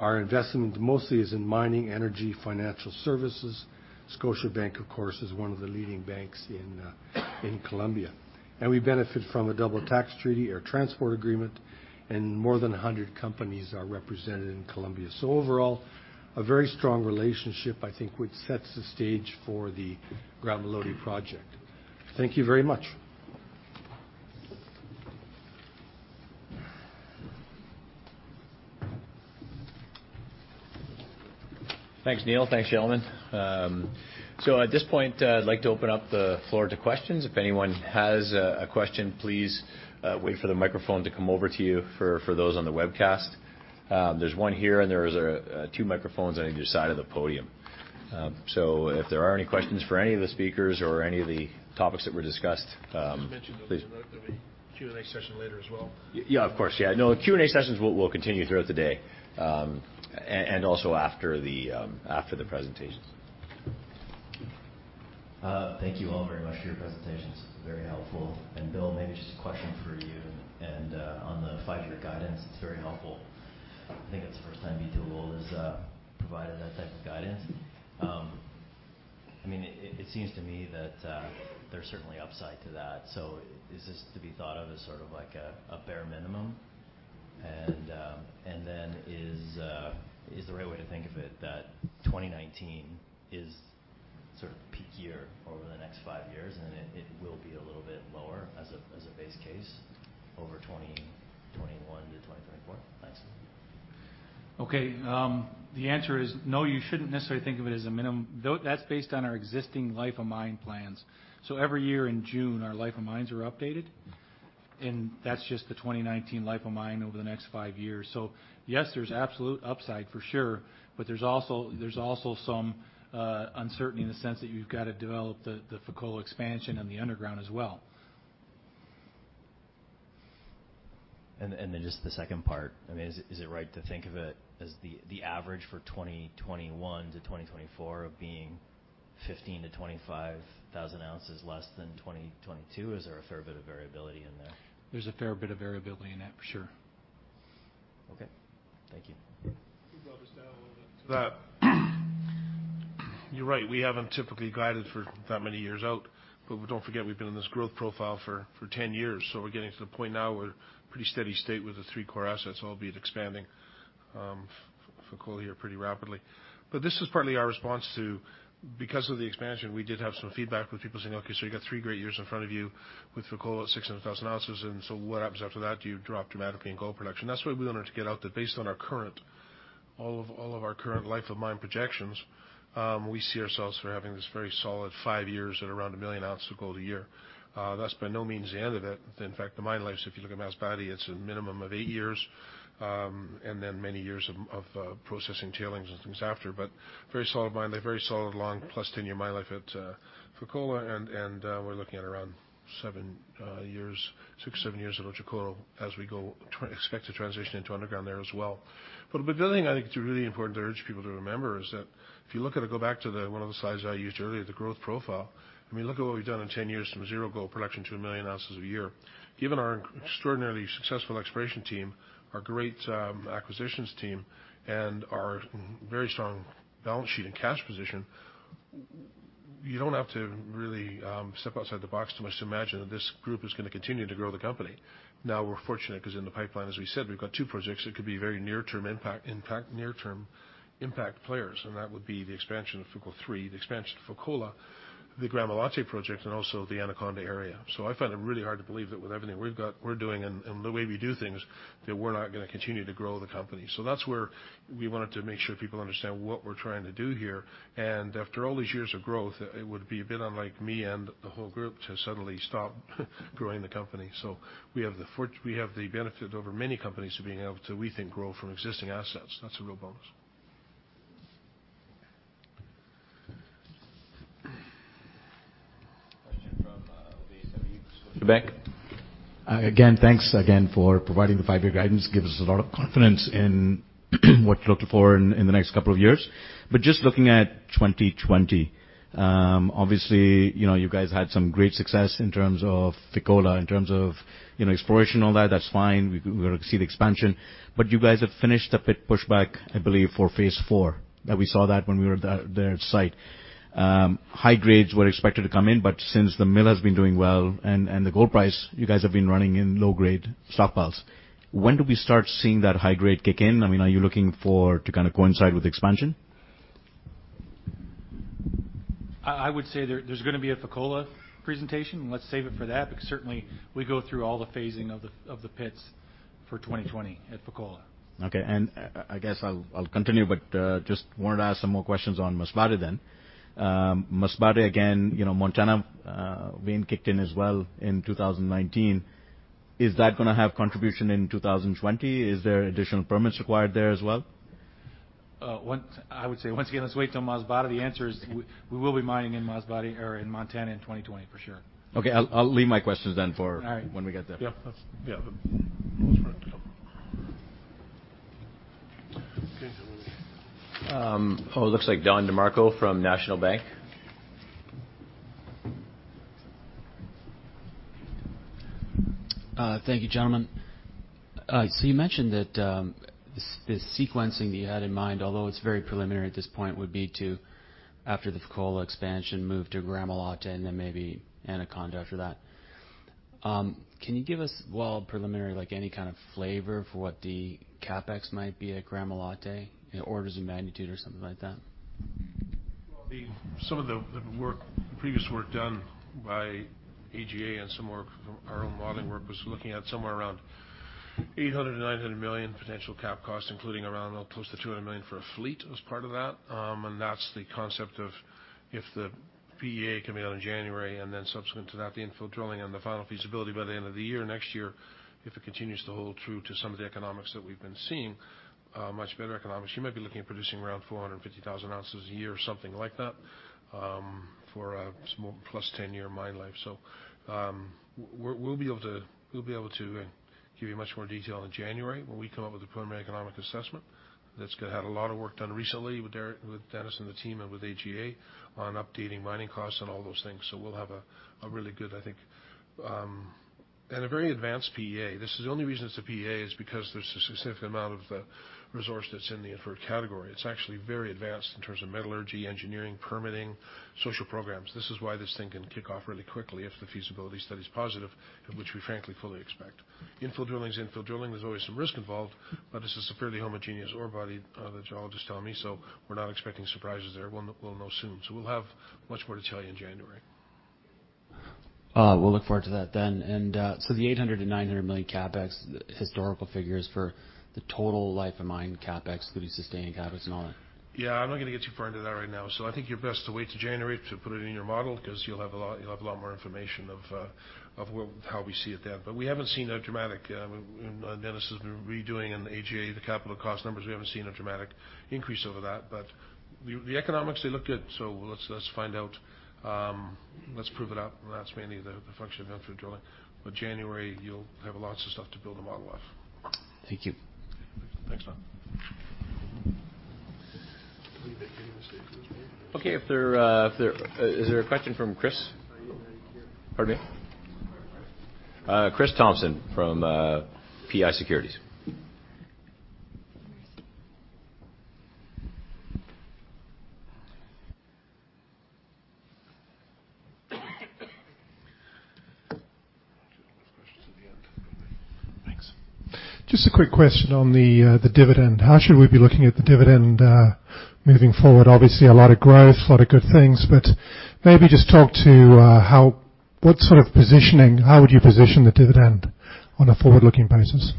Our investment mostly is in mining, energy, financial services. Scotiabank, of course, is one of the leading banks in Colombia. We benefit from a double tax treaty, air transport agreement, and more than 100 companies are represented in Colombia. Overall, a very strong relationship, I think, which sets the stage for the Gramalote project. Thank you very much. Thanks, Neil. Thanks, gentlemen. At this point, I'd like to open up the floor to questions. If anyone has a question, please wait for the microphone to come over to you for those on the webcast. There's one here, and there is two microphones on either side of the podium. If there are any questions for any of the speakers or any of the topics that were discussed, please. Just mention there'll be a Q&A session later as well. Yeah, of course. Q&A sessions will continue throughout the day, and also after the presentations. Thank you all very much for your presentations. Very helpful. Bill, maybe just a question for you. On the five-year guidance, it's very helpful. I think it's the first time B2Gold has provided that type of guidance. It seems to me that there's certainly upside to that. Is this to be thought of as sort of like a bare minimum? Is the right way to think of it that 2019 is sort of peak year over the next five years, and it will be a little bit lower as a base case over 2021-2024? Thanks. Okay. The answer is no, you shouldn't necessarily think of it as a minimum. That's based on our existing life of mine plans. Every year in June, our life of mines are updated, and that's just the 2019 life of mine over the next five years. Yes, there's absolute upside for sure, but there's also some uncertainty in the sense that you've got to develop the Fekola expansion and the underground as well. Just the second part, is it right to think of it as the average for 2021-2024 of being 15,000 oz-25,000 oz less than 2022? Is there a fair bit of variability in there? There's a fair bit of variability in that, for sure. Okay. Thank you. If I could just add a little bit to that. You're right, we haven't typically guided for that many years out, but don't forget, we've been in this growth profile for 10 years. We're getting to the point now we're pretty steady state with the three core assets, albeit expanding Fekola here pretty rapidly. This is partly our response to, because of the expansion, we did have some feedback with people saying, "Okay, so you got three great years in front of you with Fekola, 600,000 oz, what happens after that?" Do you drop dramatically in gold production? That's why we wanted to get out that based on all of our current life of mine projections, we see ourselves for having this very solid five years at around 1 million ounces of gold a year. That's by no means the end of it. In fact, the mine life, if you look at Masbate, it's a minimum of eight years, and then many years of processing tailings and things after. Very solid mine life, very solid long 10-year mine life at Fekola, and we're looking at around six, seven years at Otjikoto as we go, expect to transition into underground there as well. The other thing I think it's really important to urge people to remember is that if you go back to one of the slides I used earlier, the growth profile, look at what we've done in 10 years from zero gold production to 1 million ounces a year. Given our extraordinarily successful exploration team, our great acquisitions team, and our very strong balance sheet and cash position, you don't have to really step outside the box too much to imagine that this group is going to continue to grow the company. We're fortunate because in the pipeline, as we said, we've got two projects that could be very near term impact players, and that would be the expansion of Fekola3, the expansion of Fekola, the Gramalote project, and also the Anaconda Area. I find it really hard to believe that with everything we're doing and the way we do things, that we're not going to continue to grow the company. That's where we wanted to make sure people understand what we're trying to do here. After all these years of growth, it would be a bit unlike me and the whole group to suddenly stop growing the company. We have the benefit over many companies of being able to, we think, grow from existing assets. That's a real bonus. Question from Abhi Sood, Scotiabank. Thanks again for providing the five-year guidance. Gives us a lot of confidence in what to look for in the next couple of years. Just looking at 2020, obviously, you guys had some great success in terms of Fekola, in terms of exploration and all that. That's fine. We're going to see the expansion. You guys have finished the pit pushback, I believe, for phase IV. We saw that when we were there at site. High grades were expected to come in, but since the mill has been doing well and the gold price, you guys have been running in low grade stockpiles. When do we start seeing that high grade kick in? Are you looking for to kind of coincide with expansion? I would say there's going to be a Fekola presentation. Let's save it for that, because certainly we go through all the phasing of the pits for 2020 at Fekola. Okay. I guess I'll continue, just wanted to ask some more questions on Masbate then. Masbate, again, Montana vein kicked in as well in 2019. Is that going to have contribution in 2020? Is there additional permits required there as well? I would say, once again, let's wait till Masbate. The answer is, we will be mining in Masbate or in Montana in 2020 for sure. Okay. I'll leave my questions then for- All right. ...when we get there. Yeah. We'll start. Okay. It looks like Don DeMarco from National Bank. Thank you, gentlemen. You mentioned that this sequencing that you had in mind, although it's very preliminary at this point, would be to, after the Fekola Expansion, move to Gramalote and then maybe Anaconda after that. Can you give us, while preliminary, any kind of flavor for what the CapEx might be at Gramalote, in orders of magnitude or something like that? Well, some of the previous work done by AGA and some work from our own modeling work was looking at somewhere around $800 million-$900 million potential cap cost, including around close to $200 million for a fleet as part of that. That's the concept of if the PEA can be out in January, and then subsequent to that, the infill drilling and the final feasibility by the end of the year. Next year, if it continues to hold true to some of the economics that we've been seeing, much better economics, you might be looking at producing around 450,000 oz a year or something like that, for a small plus 10-year mine life. We'll be able to give you much more detail in January when we come up with a preliminary economic assessment. That's had a lot of work done recently with Dennis and the team and with AGA on updating mining costs and all those things. We'll have a really good, I think, and a very advanced PEA. The only reason it's a PEA is because there's a significant amount of resource that's in the inferred category. It's actually very advanced in terms of metallurgy, engineering, permitting, social programs. This is why this thing can kick off really quickly if the feasibility study is positive, and which we frankly fully expect. Infill drilling is infill drilling. There's always some risk involved, but this is a fairly homogeneous ore body, the geologists tell me, so we're not expecting surprises there. We'll know soon. We'll have much more to tell you in January. We'll look forward to that then. The $800 million-$900 million CapEx historical figure is for the total life of mine CapEx, including sustaining CapEx and all that? Yeah, I'm not going to get too far into that right now. I think you're best to wait till January to put it in your model because you'll have a lot more information of how we see it then. We haven't seen a dramatic Dennis has been redoing, and AGA, the capital cost numbers, we haven't seen a dramatic increase over that. The economics, they look good. Let's find out. Let's prove it out, and that's mainly the function of infill drilling. January, you'll have lots of stuff to build a model of. Thank you. Thanks, Don. I believe that answers it for me. Okay, is there a question from Chris? Pardon me? Chris Thompson from PI Securities. Two more questions at the end. Thanks. Just a quick question on the dividend. How should we be looking at the dividend moving forward? Obviously, a lot of growth, a lot of good things, but maybe just talk to what sort of positioning, how would you position the dividend on a forward-looking basis?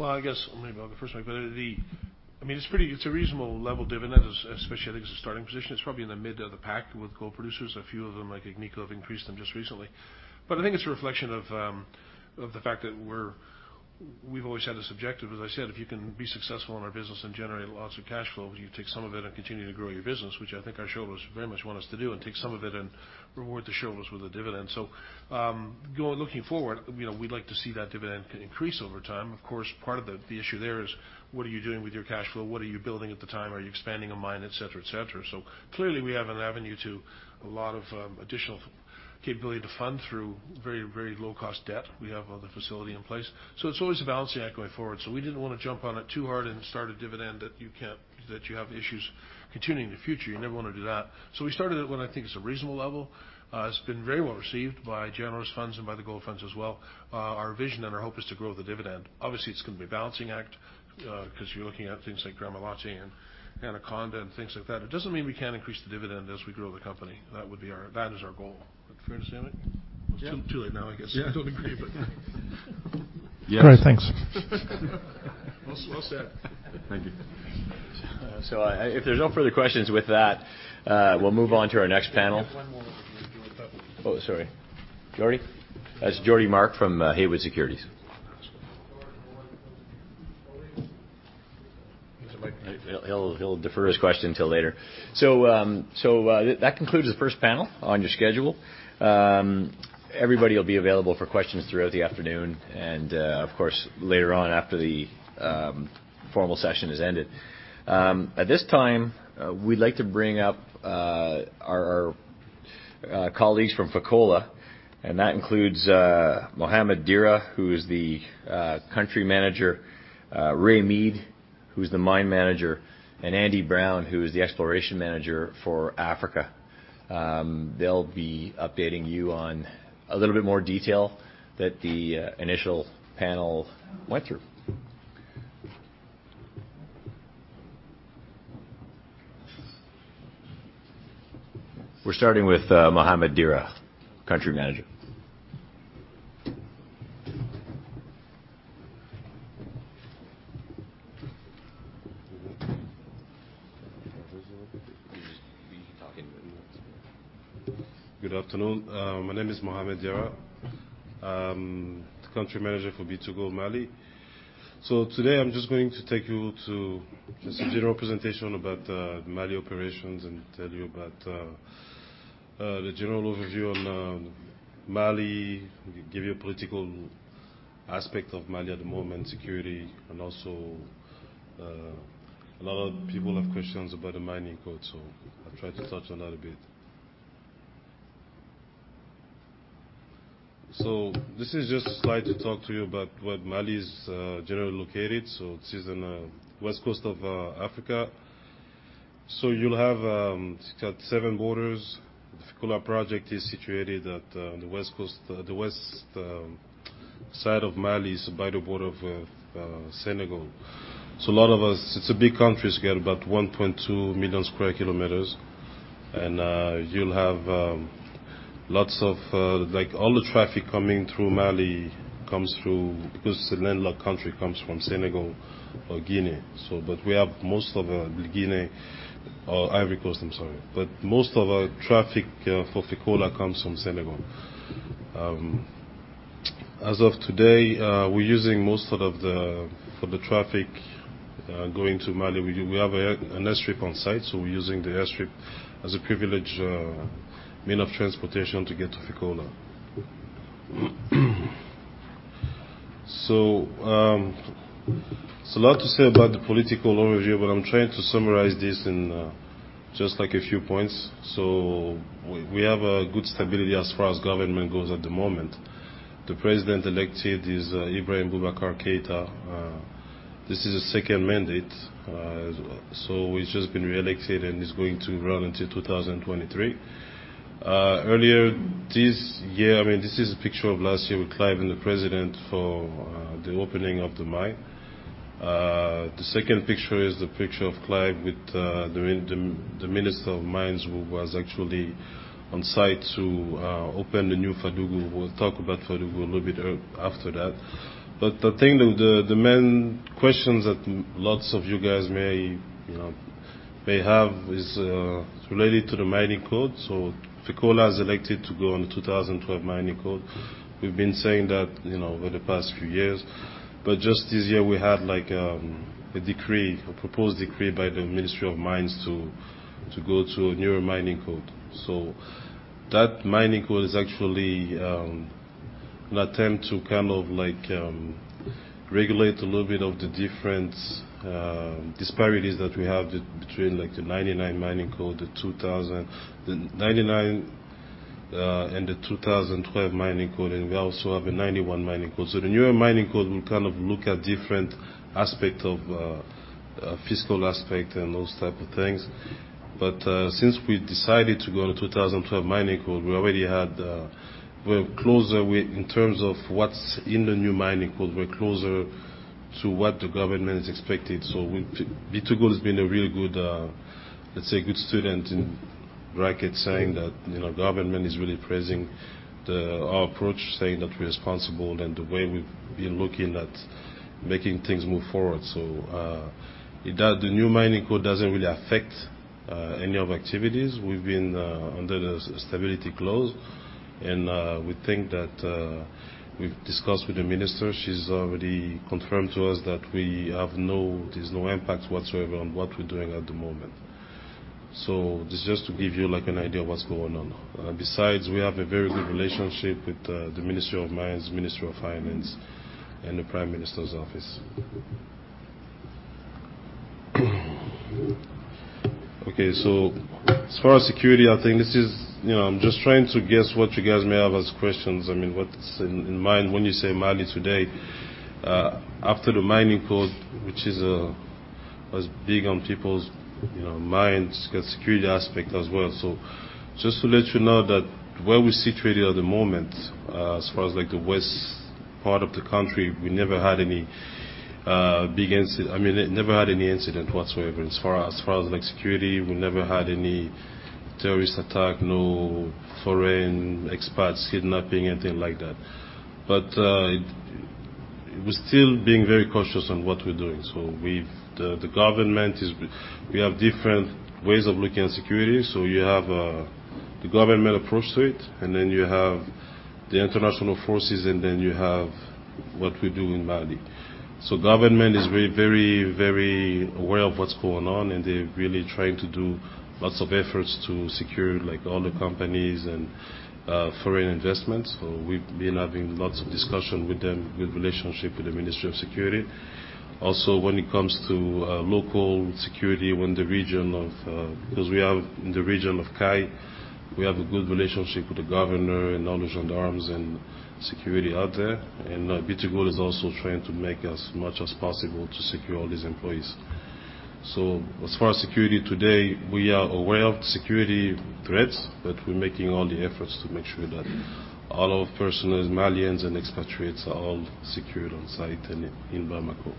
I guess maybe I'll go first. It's a reasonable level dividend, especially, I think, as a starting position. It's probably in the mid of the pack with gold producers. A few of them, like Agnico, have increased them just recently. I think it's a reflection of the fact that we've always had this objective. As I said, if you can be successful in our business and generate lots of cash flow, you take some of it and continue to grow your business, which I think our shareholders very much want us to do, and take some of it and reward the shareholders with a dividend. Looking forward, we'd like to see that dividend increase over time. Of course, part of the issue there is what are you doing with your cash flow? What are you building at the time? Are you expanding a mine, etc. Clearly, we have an avenue to a lot of additional capability to fund through very low-cost debt. We have the facility in place. It's always a balancing act going forward. We didn't want to jump on it too hard and start a dividend that you have issues continuing in the future. You never want to do that. We started at what I think is a reasonable level. It's been very well received by generalist funds and by the gold funds as well. Our vision and our hope is to grow the dividend. Obviously, it's going to be a balancing act because you're looking at things like Gramalote and Anaconda and things like that. It doesn't mean we can't increase the dividend as we grow the company. That is our goal. That fair to say, Chris? Yeah. Well, it's too late now, I guess. Yeah. You don't agree, but. All right, thanks. Well said. Thank you. If there's no further questions, with that, we'll move on to our next panel. We have one more, but then we have to do a couple. Oh, sorry. Geordie? That's Geordie Mark from Haywood Securities. Geordie Mark from- Use the mic. He'll defer his question till later. That concludes the first panel on your schedule. Everybody will be available for questions throughout the afternoon and, of course, later on after the formal session has ended. At this time, we'd like to bring up our colleagues from Fekola, and that includes Mohamed Diarra, who is the Country Manager, Ray Mead, who's the Mine Manager, and Andy Brown, who is the Exploration Manager for Africa. They'll be updating you on a little bit more detail that the initial panel went through. We're starting with Mohamed Diarra, Country Manager. Good afternoon. My name is Mohamed Diarra. I'm the country manager for B2Gold Mali. Today I'm just going to take you to just a general presentation about Mali operations and tell you about the general overview on Mali. Give you a political aspect of Mali at the moment, security, and also a lot of people have questions about the mining code, so I'll try to touch on that a bit. This is just a slide to talk to you about where Mali is generally located. This is in the west coast of Africa. You'll have seven borders. The Fekola project is situated at the west side of Mali, it's by the border of Senegal. It's a big country. It's got about 1.2 million square Kilometres. You'll have lots of All the traffic coming through Mali comes through, because it's an inland lock country, comes from Senegal or Guinea. We have most of our Guinea or Ivory Coast, I'm sorry. Most of our traffic for Fekola comes from Senegal. As of today, we're using most of the, for the traffic, going to Mali. We have an airstrip on site, so we're using the airstrip as a privileged mean of transportation to get to Fekola. There's a lot to say about the political overview, but I'm trying to summarize this in just a few points. We have a good stability as far as government goes at the moment. The President elected is Ibrahim Boubacar Keïta. This is his second mandate, so he's just been reelected and is going to run until 2023. Earlier this year. This is a picture of last year with Clive and the President for the opening of the mine. The second picture is the picture of Clive with the Minister of Mines who was actually on site to open the New Fadougou. We'll talk about Fadougou a little bit after that. The thing, the main questions that lots of you guys may have is related to the mining code. Fekola has elected to go on the 2012 mining code. We've been saying that over the past few years. Just this year we had a proposed decree by the Ministry of Mines to go to a newer mining code. That mining code is actually an attempt to regulate a little bit of the different disparities that we have between the 1999 mining code, the 2000, the 1999, and the 2012 mining code, and we also have a 1991 mining code. Since we decided to go on the 2012 mining code, we're closer in terms of what's in the new mining code. We're closer to what the government has expected. B2Gold has been a really good, let's say, good student in bracket saying that government is really praising our approach, saying that we're responsible and the way we've been looking at making things move forward. The new mining code doesn't really affect any of our activities. We've been under the stability clause, and we think that we've discussed with the minister. She's already confirmed to us that there's no impact whatsoever on what we're doing at the moment. This is just to give you an idea of what's going on. We have a very good relationship with the Ministry of Mines, Ministry of Finance, and the Prime Minister's office. As far as security, I'm just trying to guess what you guys may have as questions. What's in mind when you say Mali today? After the mining code, which was big on people's minds, got security aspect as well. Just to let you know that where we're situated at the moment, as far as the west part of the country, we never had any big incident. Never had any incident whatsoever. As far as security, we never had any terrorist attack, no foreign expats kidnapping, anything like that. We're still being very cautious on what we're doing. We have different ways of looking at security. You have the government approach to it, and then you have the international forces, and then you have what we do in Mali. Government is very aware of what's going on, and they're really trying to do lots of efforts to secure all the companies and foreign investments. We've been having lots of discussion with them, good relationship with the Ministry of Security. When it comes to local security, when the region of [Riyal] we have in the region of Kayes, we have a good relationship with the governor and all the gendarmes and security out there. B2Gold is also trying to make as much as possible to secure all these employees. As far as security today, we are aware of security threats, but we're making all the efforts to make sure that all our personnels, Malians and expatriates, are all secured on site and in Bamako.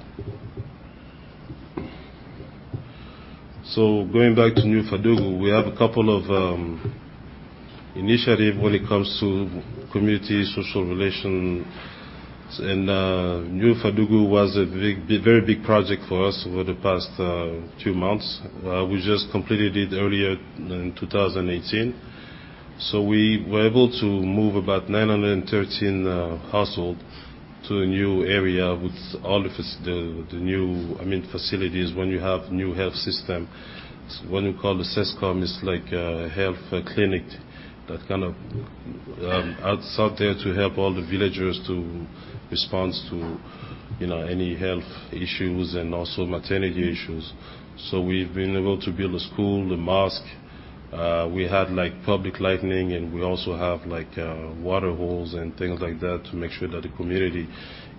Going back to New Fadougou, we have a couple of initiative when it comes to community, social relations. New Fadougou was a very big project for us over the past two months. We just completed it earlier in 2018. We were able to move about 913 household to a new area with all the new facilities. When you have new health system, what you call the CSCOM, it's like a health clinic that's kind of out there to help all the villagers to respond to any health issues and also maternity issues. We've been able to build a school, a mosque. We had public lighting, and we also have water holes and things like that to make sure that the community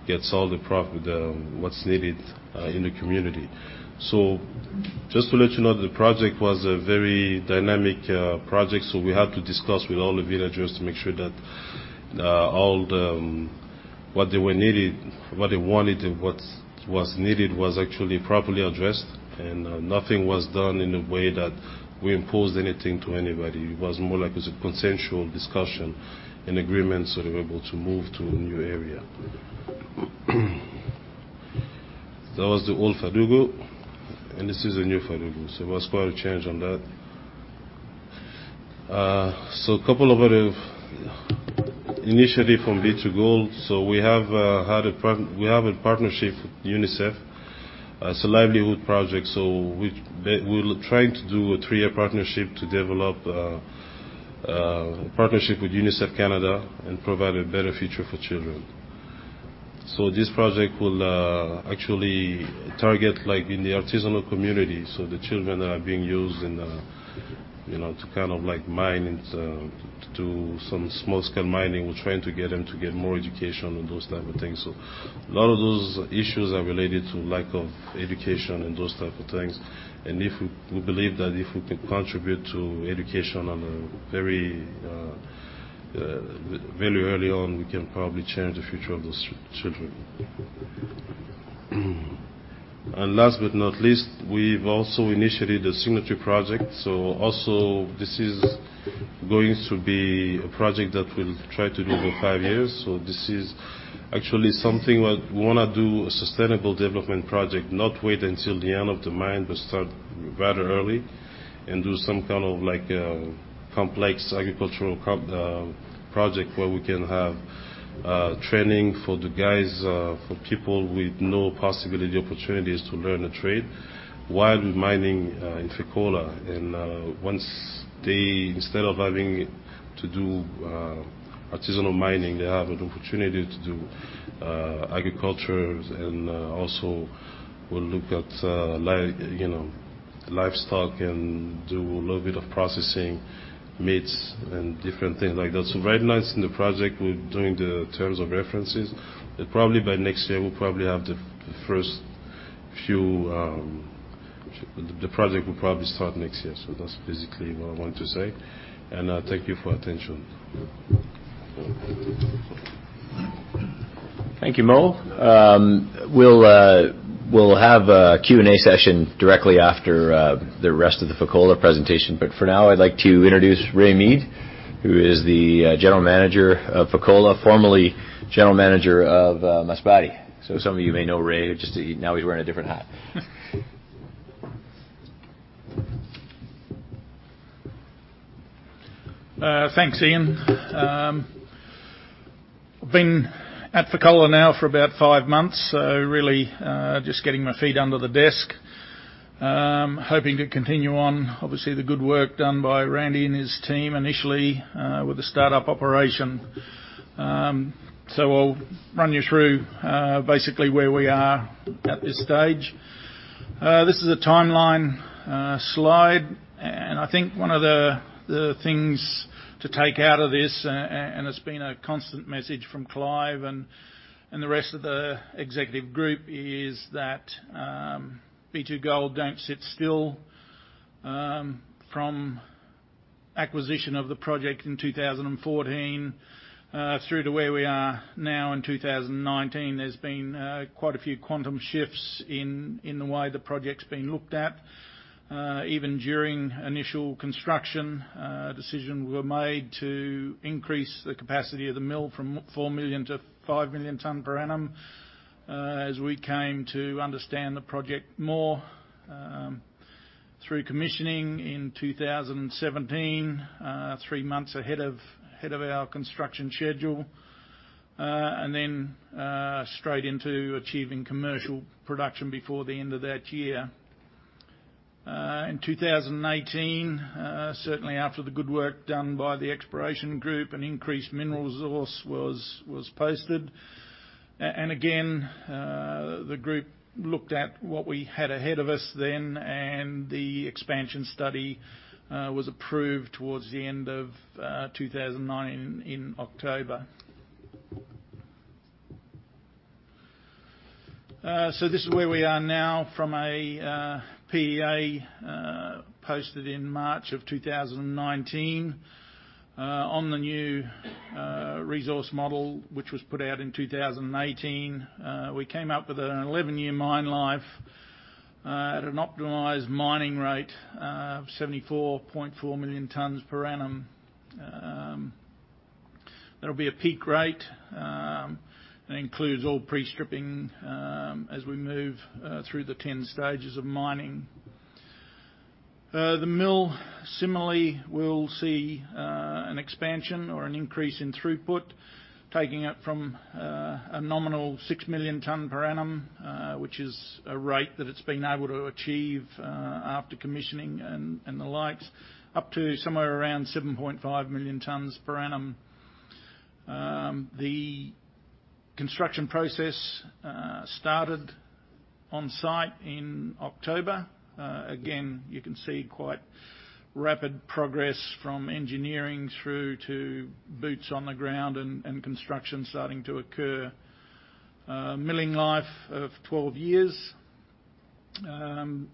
gets what's needed in the community. Just to let you know, the project was a very dynamic project, so we had to discuss with all the villagers to make sure that what they wanted and what was needed was actually properly addressed, and nothing was done in a way that we imposed anything to anybody. It was more like it was a consensual discussion and agreement, so we were able to move to a new area. That was the old Fadougou, and this is the New Fadougou, so it was quite a change on that. A couple of other initiative from B2Gold. We have a partnership with UNICEF. It's a livelihood project. We're trying to do a three-year partnership to develop a partnership with UNICEF Canada and provide a better future for children. This project will actually target in the artisanal community. The children that are being used to do some small-scale mining, we're trying to get them to get more education and those type of things. A lot of those issues are related to lack of education and those type of things. We believe that if we can contribute to education very early on, we can probably change the future of those children. Last but not least, we've also initiated a signatory project. Also, this is going to be a project that we'll try to do over five years. This is actually something what we wanna do a sustainable development project, not wait until the end of the mine, but start rather early and do some kind of complex agricultural project where we can have training for the guys, for people with no possibility or opportunities to learn a trade while mining in Fekola. Once they, instead of having to do artisanal mining, they have an opportunity to do agriculture, and also we'll look at livestock and do a little bit of processing meats and different things like that. Right now it's in the project. We're doing the terms of references, but probably by next year, the project will probably start next year. That's basically what I wanted to say. Thank you for attention. Thank you, Mo. We'll have a Q&A session directly after the rest of the Fekola presentation. For now, I'd like to introduce Ray Mead, who is the General Manager of Fekola, formerly General Manager of Masbate. Some of you may know Ray, just now he's wearing a different hat. Thanks, Ian. I've been at Fekola now for about five months, really just getting my feet under the desk. Hoping to continue on, obviously, the good work done by Randy and his team initially with the startup operation. I'll run you through basically where we are at this stage. This is a timeline slide, and I think one of the things to take out of this, and it's been a constant message from Clive and the rest of the executive group, is that B2Gold don't sit still. From acquisition of the project in 2014 through to where we are now in 2019, there's been quite a few quantum shifts in the way the project's been looked at. Even during initial construction, decisions were made to increase the capacity of the mill from 4 million ton-5 million ton per annum, as we came to understand the project more. Through commissioning in 2017, three months ahead of our construction schedule. Straight into achieving commercial production before the end of that year. In 2018, certainly after the good work done by the exploration group, an increased mineral resource was posted. Again, the group looked at what we had ahead of us then, the expansion study was approved towards the end of 2019 in October. This is where we are now from a PEA posted in March of 2019 on the new resource model, which was put out in 2018. We came up with an 11-year mine life at an optimized mining rate of 74.4 million tons per annum. That'll be a peak rate that includes all pre-stripping as we move through the 10 stages of mining. The mill, similarly, will see an expansion or an increase in throughput, taking it from a nominal 6 million ton per annum which is a rate that it's been able to achieve after commissioning and the like, up to somewhere around 7.5 million tons per annum. The construction process started on-site in October. Again, you can see quite rapid progress from engineering through to boots on the ground and construction starting to occur. Milling life of 12 years. Again,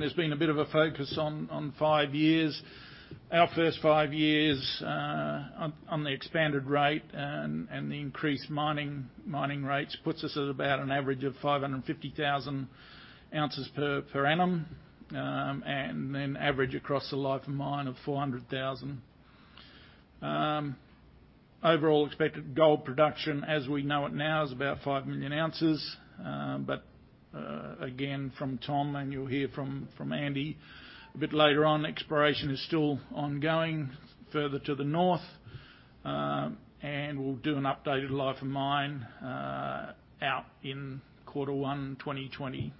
there's been a bit of a focus on five years. Our first five years on the expanded rate and the increased mining rates puts us at about an average of 550,000 oz per annum, and then average across the life of mine of 400,000 oz. Overall expected gold production, as we know it now, is about 5 million ounces. Again, from Tom and you'll hear from Andy a bit later on, exploration is still ongoing further to the north. We'll do an updated life of mine out in quarter one 2020.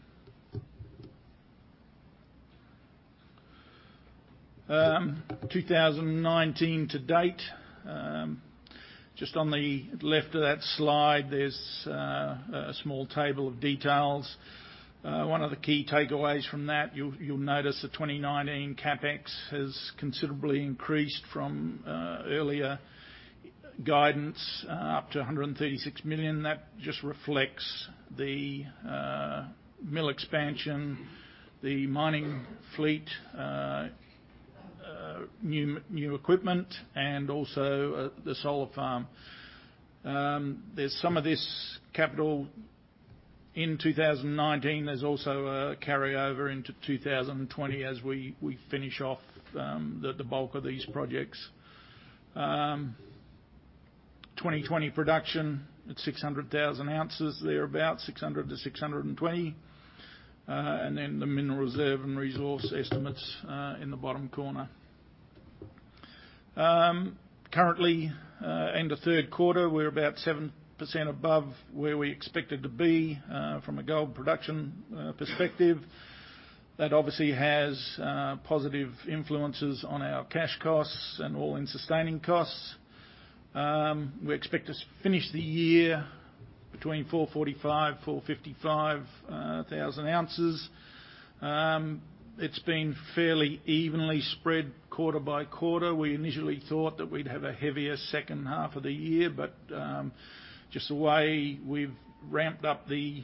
2019 to date. Just on the left of that slide, there's a small table of details. One of the key takeaways from that, you'll notice the 2019 CapEx has considerably increased from earlier guidance up to $136 million. That just reflects the mill expansion, the mining fleet, new equipment, and also the solar farm. There's some of this capital in 2019. There's also a carryover into 2020 as we finish off the bulk of these projects. 2020 production at 600,000 oz thereabout, 600,000 oz-620,000 oz. Then the mineral reserve and resource estimates in the bottom corner. Currently, end of third quarter, we're about 7% above where we expected to be from a gold production perspective. That obviously has positive influences on our cash costs and all-in sustaining costs. We expect to finish the year between 445,000 oz-455,000 oz. It's been fairly evenly spread quarter-by-quarter. We initially thought that we'd have a heavier second half of the year, but just the way we've ramped up the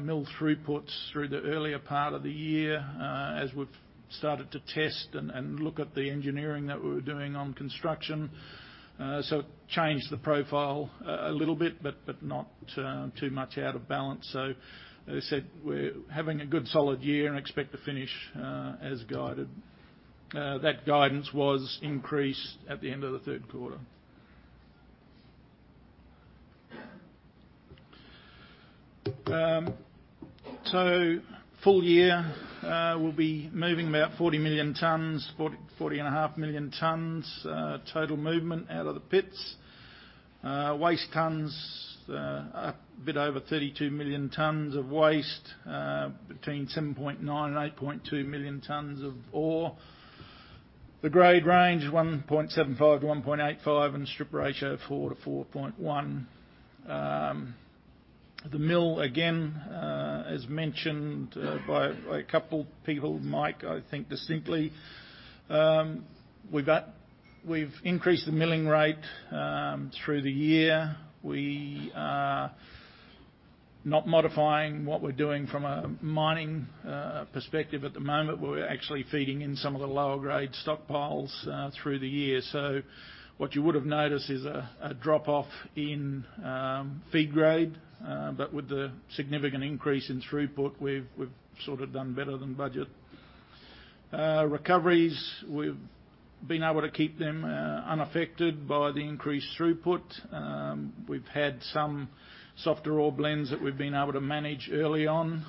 mill throughputs through the earlier part of the year, as we've started to test and look at the engineering that we were doing on construction. It changed the profile a little bit, but not too much out of balance. As I said, we're having a good solid year and expect to finish as guided. That guidance was increased at the end of the third quarter. Full year, we'll be moving about 40 million tons, 40.5 million tons total movement out of the pits. Waste tons, a bit over 32 million tons of waste. Between 7.9 million tons and 8.2 million tons of ore. The grade range is 1.75-1.85 and strip ratio 4:4.1. The mill, again, as mentioned by a couple people, Mike Cinnamond, I think, distinctly. We've increased the milling rate through the year. We are not modifying what we're doing from a mining perspective at the moment. We're actually feeding in some of the lower-grade stockpiles through the year. What you would have noticed is a drop-off in feed grade. With the significant increase in throughput, we've sort of done better than budget. Recoveries, we've been able to keep them unaffected by the increased throughput. We've had some softer ore blends that we've been able to manage early on.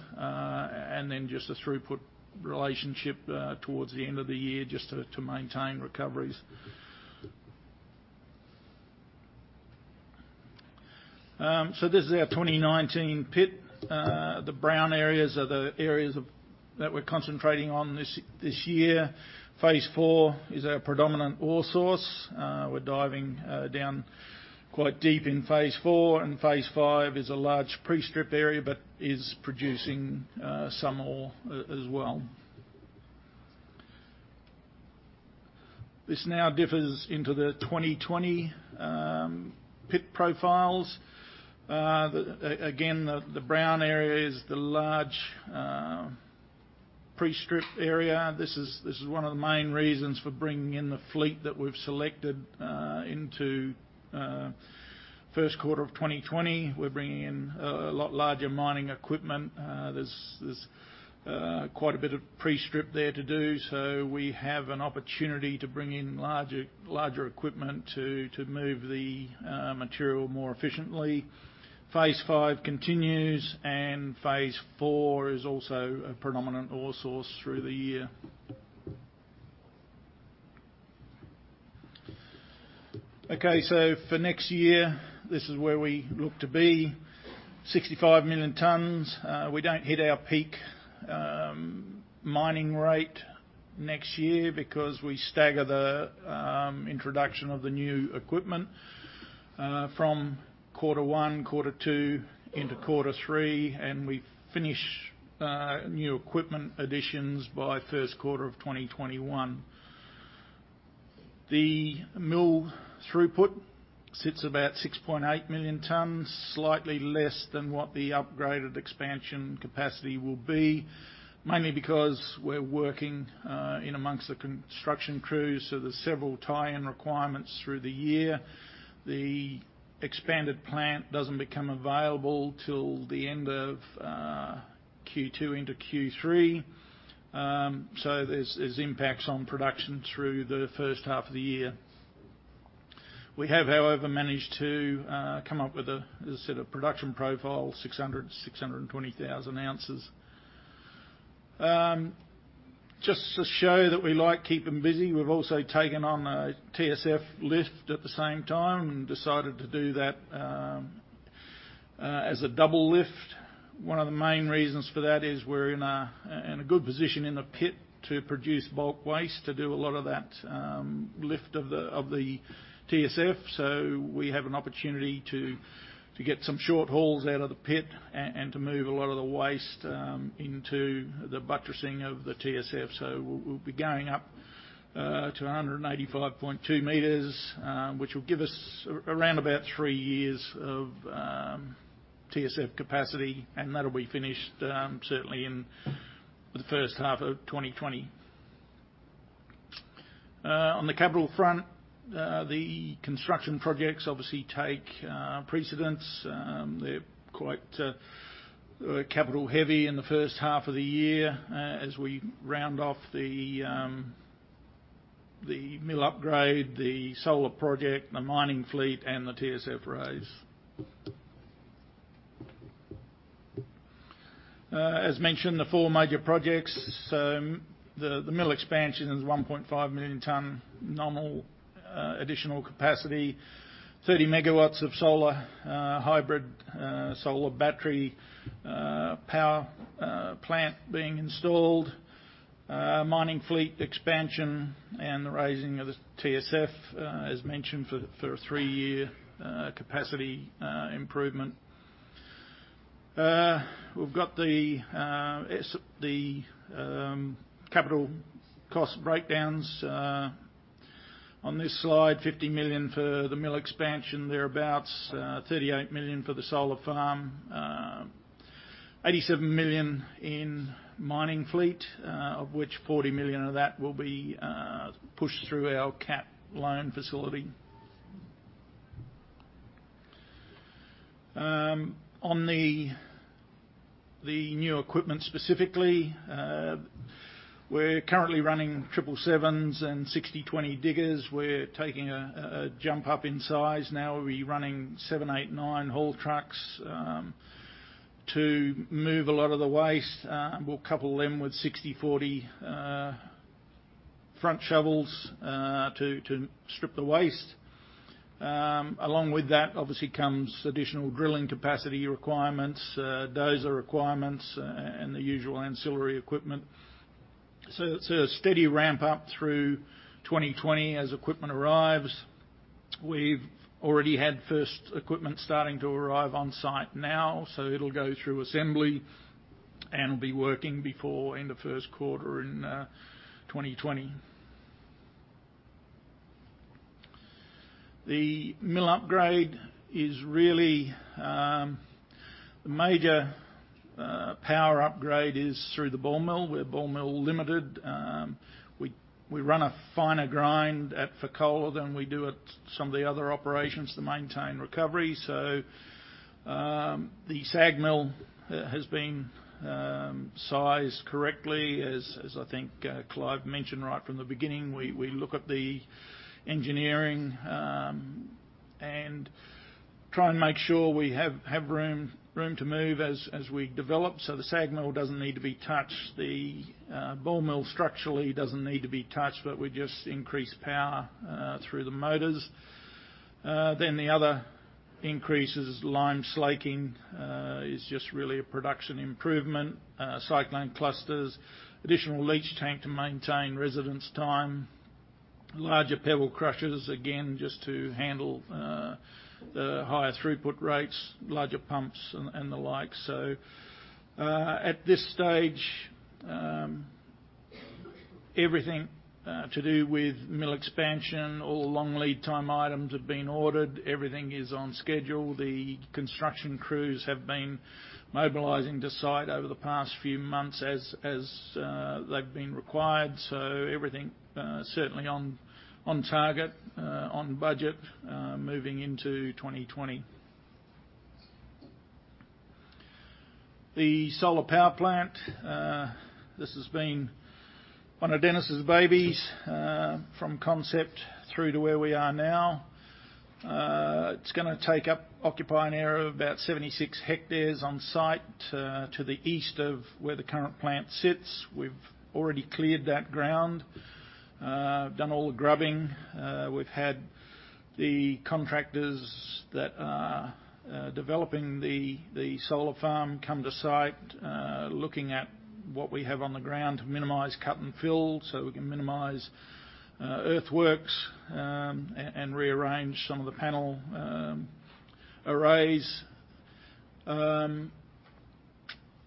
Just the throughput relationship towards the end of the year just to maintain recoveries. This is our 2019 pit. The brown areas are the areas that we're concentrating on this year. Phase IV is our predominant ore source. We're diving down quite deep in Phase IV. Phase V is a large pre-strip area, but is producing some ore as well. This now differs into the 2020 pit profiles. Again, the brown area is the large pre-strip area. This is one of the main reasons for bringing in the fleet that we've selected into first quarter of 2020. We're bringing in a lot larger mining equipment. There's quite a bit of pre-strip there to do, so we have an opportunity to bring in larger equipment to move the material more efficiently. Phase V continues, and phase IV is also a predominant ore source through the year. Okay, for next year, this is where we look to be. 65 million tonnes. We don't hit our peak mining rate next year because we stagger the introduction of the new equipment from quarter one, quarter two into quarter three, and we finish new equipment additions by first quarter of 2021. The mill throughput sits about 6.8 million tonnes, slightly less than what the upgraded expansion capacity will be, mainly because we're working in amongst the construction crews, so there's several tie-in requirements through the year. The expanded plant doesn't become available till the end of Q2 into Q3, so there's impacts on production through the first half of the year. We have, however, managed to come up with a set of production profiles, 600,000 oz, 620,000 oz. Just to show that we like keeping busy, we've also taken on a TSF lift at the same time and decided to do that as a double lift. One of the main reasons for that is we're in a good position in the pit to produce bulk waste, to do a lot of that lift of the TSF. We have an opportunity to get some short hauls out of the pit and to move a lot of the waste into the buttressing of the TSF. We'll be going up to 185.2 m, which will give us around about three years of TSF capacity, and that'll be finished certainly in the first half of 2020. On the capital front, the construction projects obviously take precedence. They're quite capital heavy in the first half of the year as we round off the mill upgrade, the solar project, the mining fleet, and the TSF raise. As mentioned, the four major projects. The mill expansion is 1.5 million tonne nominal additional capacity. 30 MW of solar, hybrid solar battery power plant being installed. Mining fleet expansion and the raising of the TSF, as mentioned, for a three-year capacity improvement. We've got the capital cost breakdowns on this slide. $50 million for the mill expansion thereabouts, $38 million for the solar farm, $87 million in mining fleet, of which $40 million of that will be pushed through our cap line facility. On the new equipment specifically, we're currently running 777s and 6020 diggers. We're taking a jump up in size. Now we'll be running 789 haul trucks to move a lot of the waste. We'll couple them with 6040 front shovels to strip the waste. Along with that obviously comes additional drilling capacity requirements, dozer requirements, and the usual ancillary equipment. It's a steady ramp up through 2020 as equipment arrives. We've already had first equipment starting to arrive on site now, so it'll go through assembly and will be working before end of first quarter in 2020. The mill upgrade is really the major power upgrade is through the ball mill. We're ball mill limited. We run a finer grind at Fekola than we do at some of the other operations to maintain recovery. The SAG mill has been sized correctly, as I think Clive mentioned right from the beginning. We look at the engineering and try and make sure we have room to move as we develop so the SAG mill doesn't need to be touched. The ball mill structurally doesn't need to be touched, but we just increase power through the motors. The other increase is lime slaking. It's just really a production improvement. Cyclone clusters, additional leach tank to maintain residence time, larger pebble crushers, again, just to handle the higher throughput rates, larger pumps and the like. Everything to do with mill expansion, all long lead time items have been ordered. Everything is on schedule. The construction crews have been mobilizing to site over the past few months as they've been required. Everything certainly on target, on budget, moving into 2020. The solar power plant, this has been one of Dennis' babies from concept through to where we are now. It's going to take up, occupy an area of about 76 hectares on site to the east of where the current plant sits. We've already cleared that ground, done all the grubbing. We've had the contractors that are developing the solar farm come to site, looking at what we have on the ground to minimize cut and fill so we can minimize earthworks, and rearrange some of the panel arrays.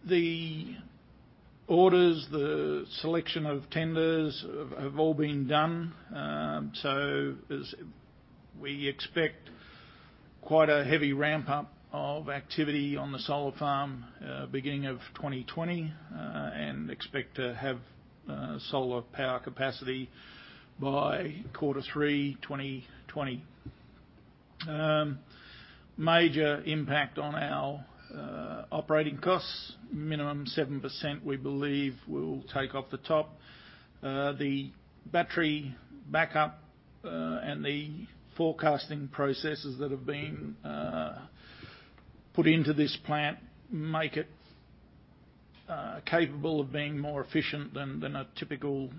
The orders, the selection of tenders have all been done. We expect quite a heavy ramp-up of activity on the solar farm beginning of 2020, and expect to have solar power capacity by quarter three 2020. Major impact on our operating costs, minimum 7%, we believe we'll take off the top. The battery backup, and the forecasting processes that have been put into this plant make it capable of being more efficient than a typical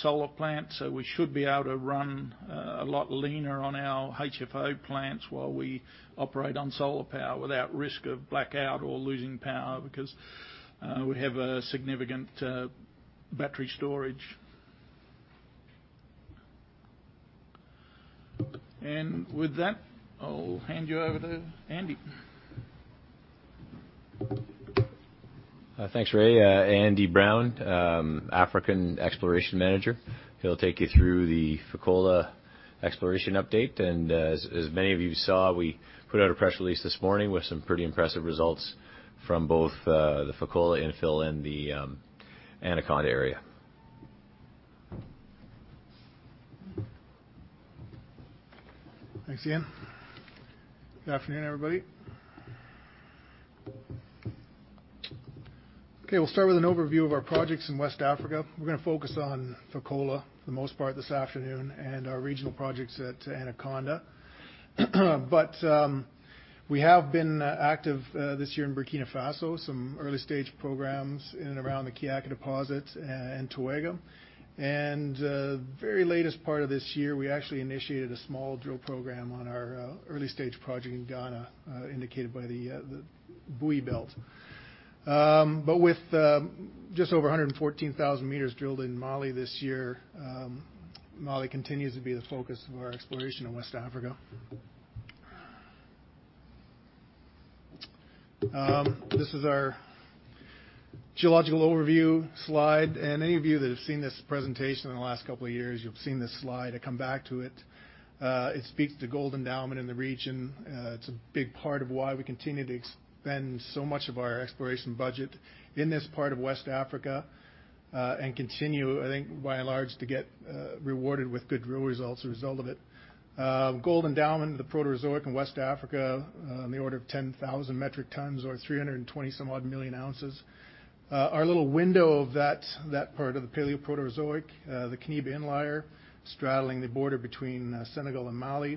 solar plant. We should be able to run a lot leaner on our HFO plants while we operate on solar power without risk of blackout or losing power, because we have a significant battery storage. With that, I'll hand you over to Andy. Thanks, Ray. Andy Brown, African Exploration Manager. He'll take you through the Fekola exploration update. As many of you saw, we put out a press release this morning with some pretty impressive results from both the Fekola infill and the Anaconda area. Thanks, Ian. Good afternoon, everybody. We'll start with an overview of our projects in West Africa. We're going to focus on Fekola for the most part this afternoon, and our regional projects at Anaconda. We have been active this year in Burkina Faso, some early-stage programs in and around the Kiaka deposit and Toega. Very latest part of this year, we actually initiated a small drill program on our early-stage project in Ghana, indicated by the Bui Belt. With just over 114,000 m drilled in Mali this year, Mali continues to be the focus of our exploration in West Africa. This is our geological overview slide, any of you that have seen this presentation in the last couple of years, you've seen this slide. I come back to it. It speaks to gold endowment in the region. It's a big part of why we continue to spend so much of our exploration budget in this part of West Africa, and continue, I think, by and large, to get rewarded with good drill results a result of it. Gold endowment in the Proterozoic in West Africa in the order of 10,000 metric tons or 320 some odd million ounces. Our little window of that part of the Paleoproterozoic, the Kéniéba-Baoulé inlier straddling the border between Senegal and Mali,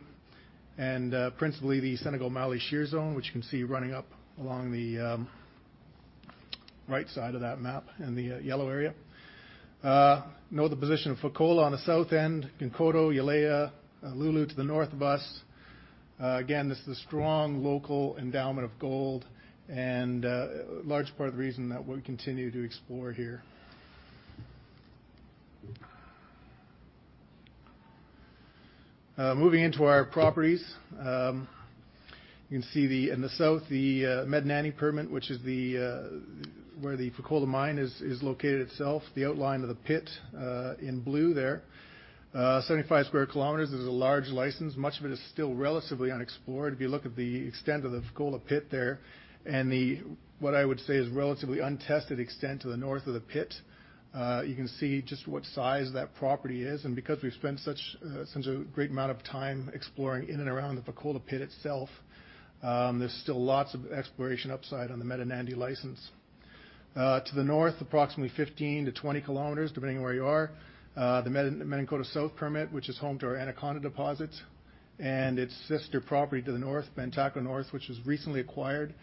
and principally the Senegal-Mali Shear Zone, which you can see running up along the right side of that map in the yellow area. Know the position of Fekola on the south end, Gounkoto, Yalea, Loulo to the north of us. Again, this is a strong local endowment of gold and a large part of the reason that we continue to explore here. Moving into our properties. You can see in the south, the Medinandi permit, which is where the Fekola Mine is located itself, the outline of the pit in blue there. 75 sq km, this is a large license. Much of it is still relatively unexplored. If you look at the extent of the Fekola Pit there, and what I would say is relatively untested extent to the north of the pit, you can see just what size that property is. Because we've spent such a great amount of time exploring in and around the Fekola Pit itself, there's still lots of exploration upside on the Medinandi license. To the north, approximately 15 km-20 km, depending on where you are, the Menankoto South permit, which is home to our Anaconda Deposit. Its sister property to the north, Bantako North, which was recently acquired,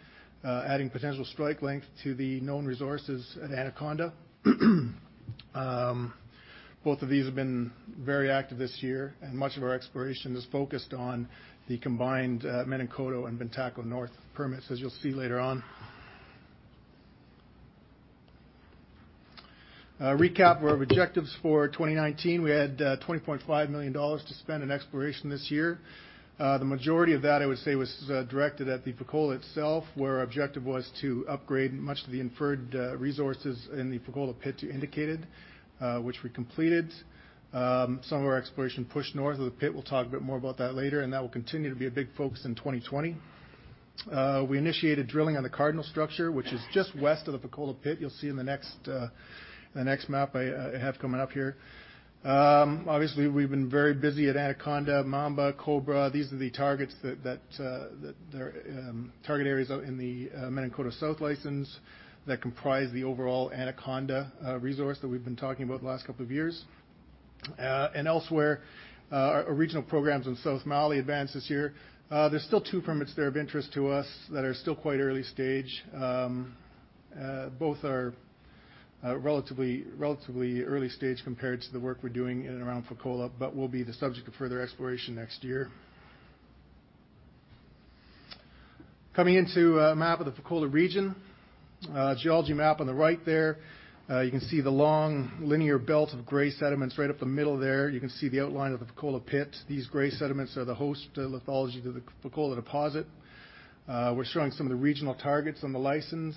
adding potential strike length to the known resources at Anaconda. Both of these have been very active this year, much of our exploration is focused on the combined Menankoto and Bantako North permits, as you'll see later on. A recap of our objectives for 2019. We had $20.5 million to spend on exploration this year. The majority of that, I would say, was directed at the Fekola itself, where our objective was to upgrade much of the inferred resources in the Fekola pit to indicated, which we completed. Some of our exploration pushed north of the pit. We'll talk a bit more about that later, that will continue to be a big focus in 2020. We initiated drilling on the Cardinal structure, which is just west of the Fekola pit. You'll see in the next map I have coming up here. Obviously, we've been very busy at Anaconda, Mamba, Cobra. These are the target areas out in the Menankoto South license that comprise the overall Anaconda resource that we've been talking about the last couple of years. Elsewhere, our regional programs in south Mali advanced this year. There's still two permits there of interest to us that are still quite early stage. Both are relatively early stage compared to the work we're doing in and around Fekola, but will be the subject of further exploration next year. Coming into a map of the Fekola region. Geology map on the right there. You can see the long linear belt of gray sediments right up the middle there. You can see the outline of the Fekola pit. These gray sediments are the host lithology to the Fekola deposit. We're showing some of the regional targets on the license.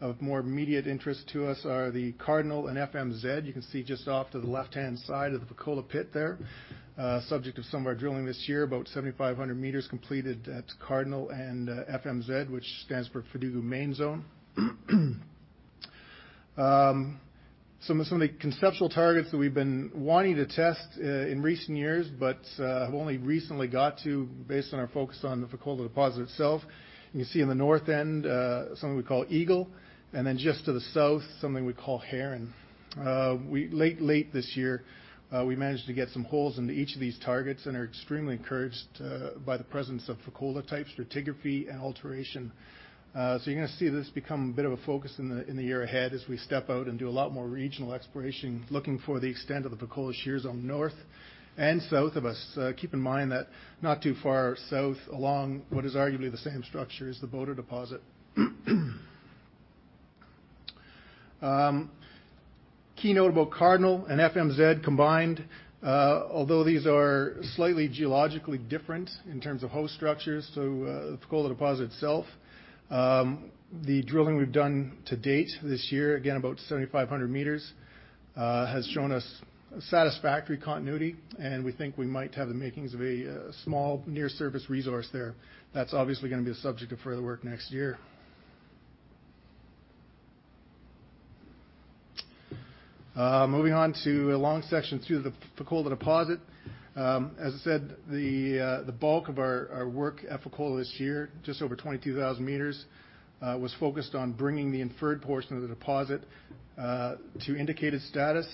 Of more immediate interest to us are the Cardinal and FMZ. You can see just off to the left-hand side of the Fekola pit there. Subject of some of our drilling this year, about 7,500 m completed at Cardinal and FMZ, which stands for Fadougou Main Zone. Some of the conceptual targets that we've been wanting to test in recent years, have only recently got to based on our focus on the Fekola deposit itself. You can see in the north end, something we call Eagle, and then just to the south, something we call Heron. Late this year, we managed to get some holes into each of these targets and are extremely encouraged by the presence of Fekola type stratigraphy and alteration. You're going to see this become a bit of a focus in the year ahead as we step out and do a lot more regional exploration, looking for the extent of the Fekola shears on north and south of us. Keep in mind that not too far south, along what is arguably the same structure, is the Boto deposit. Key note about Cardinal and FMZ combined, although these are slightly geologically different in terms of host structures, so the Fekola deposit itself. The drilling we've done to date this year, again, about 7,500 m, has shown us satisfactory continuity, and we think we might have the makings of a small near-surface resource there. That's obviously going to be the subject of further work next year. Moving on to a long section through the Fekola deposit. As I said, the bulk of our work at Fekola this year, just over 22,000 m, was focused on bringing the inferred portion of the deposit to indicated status.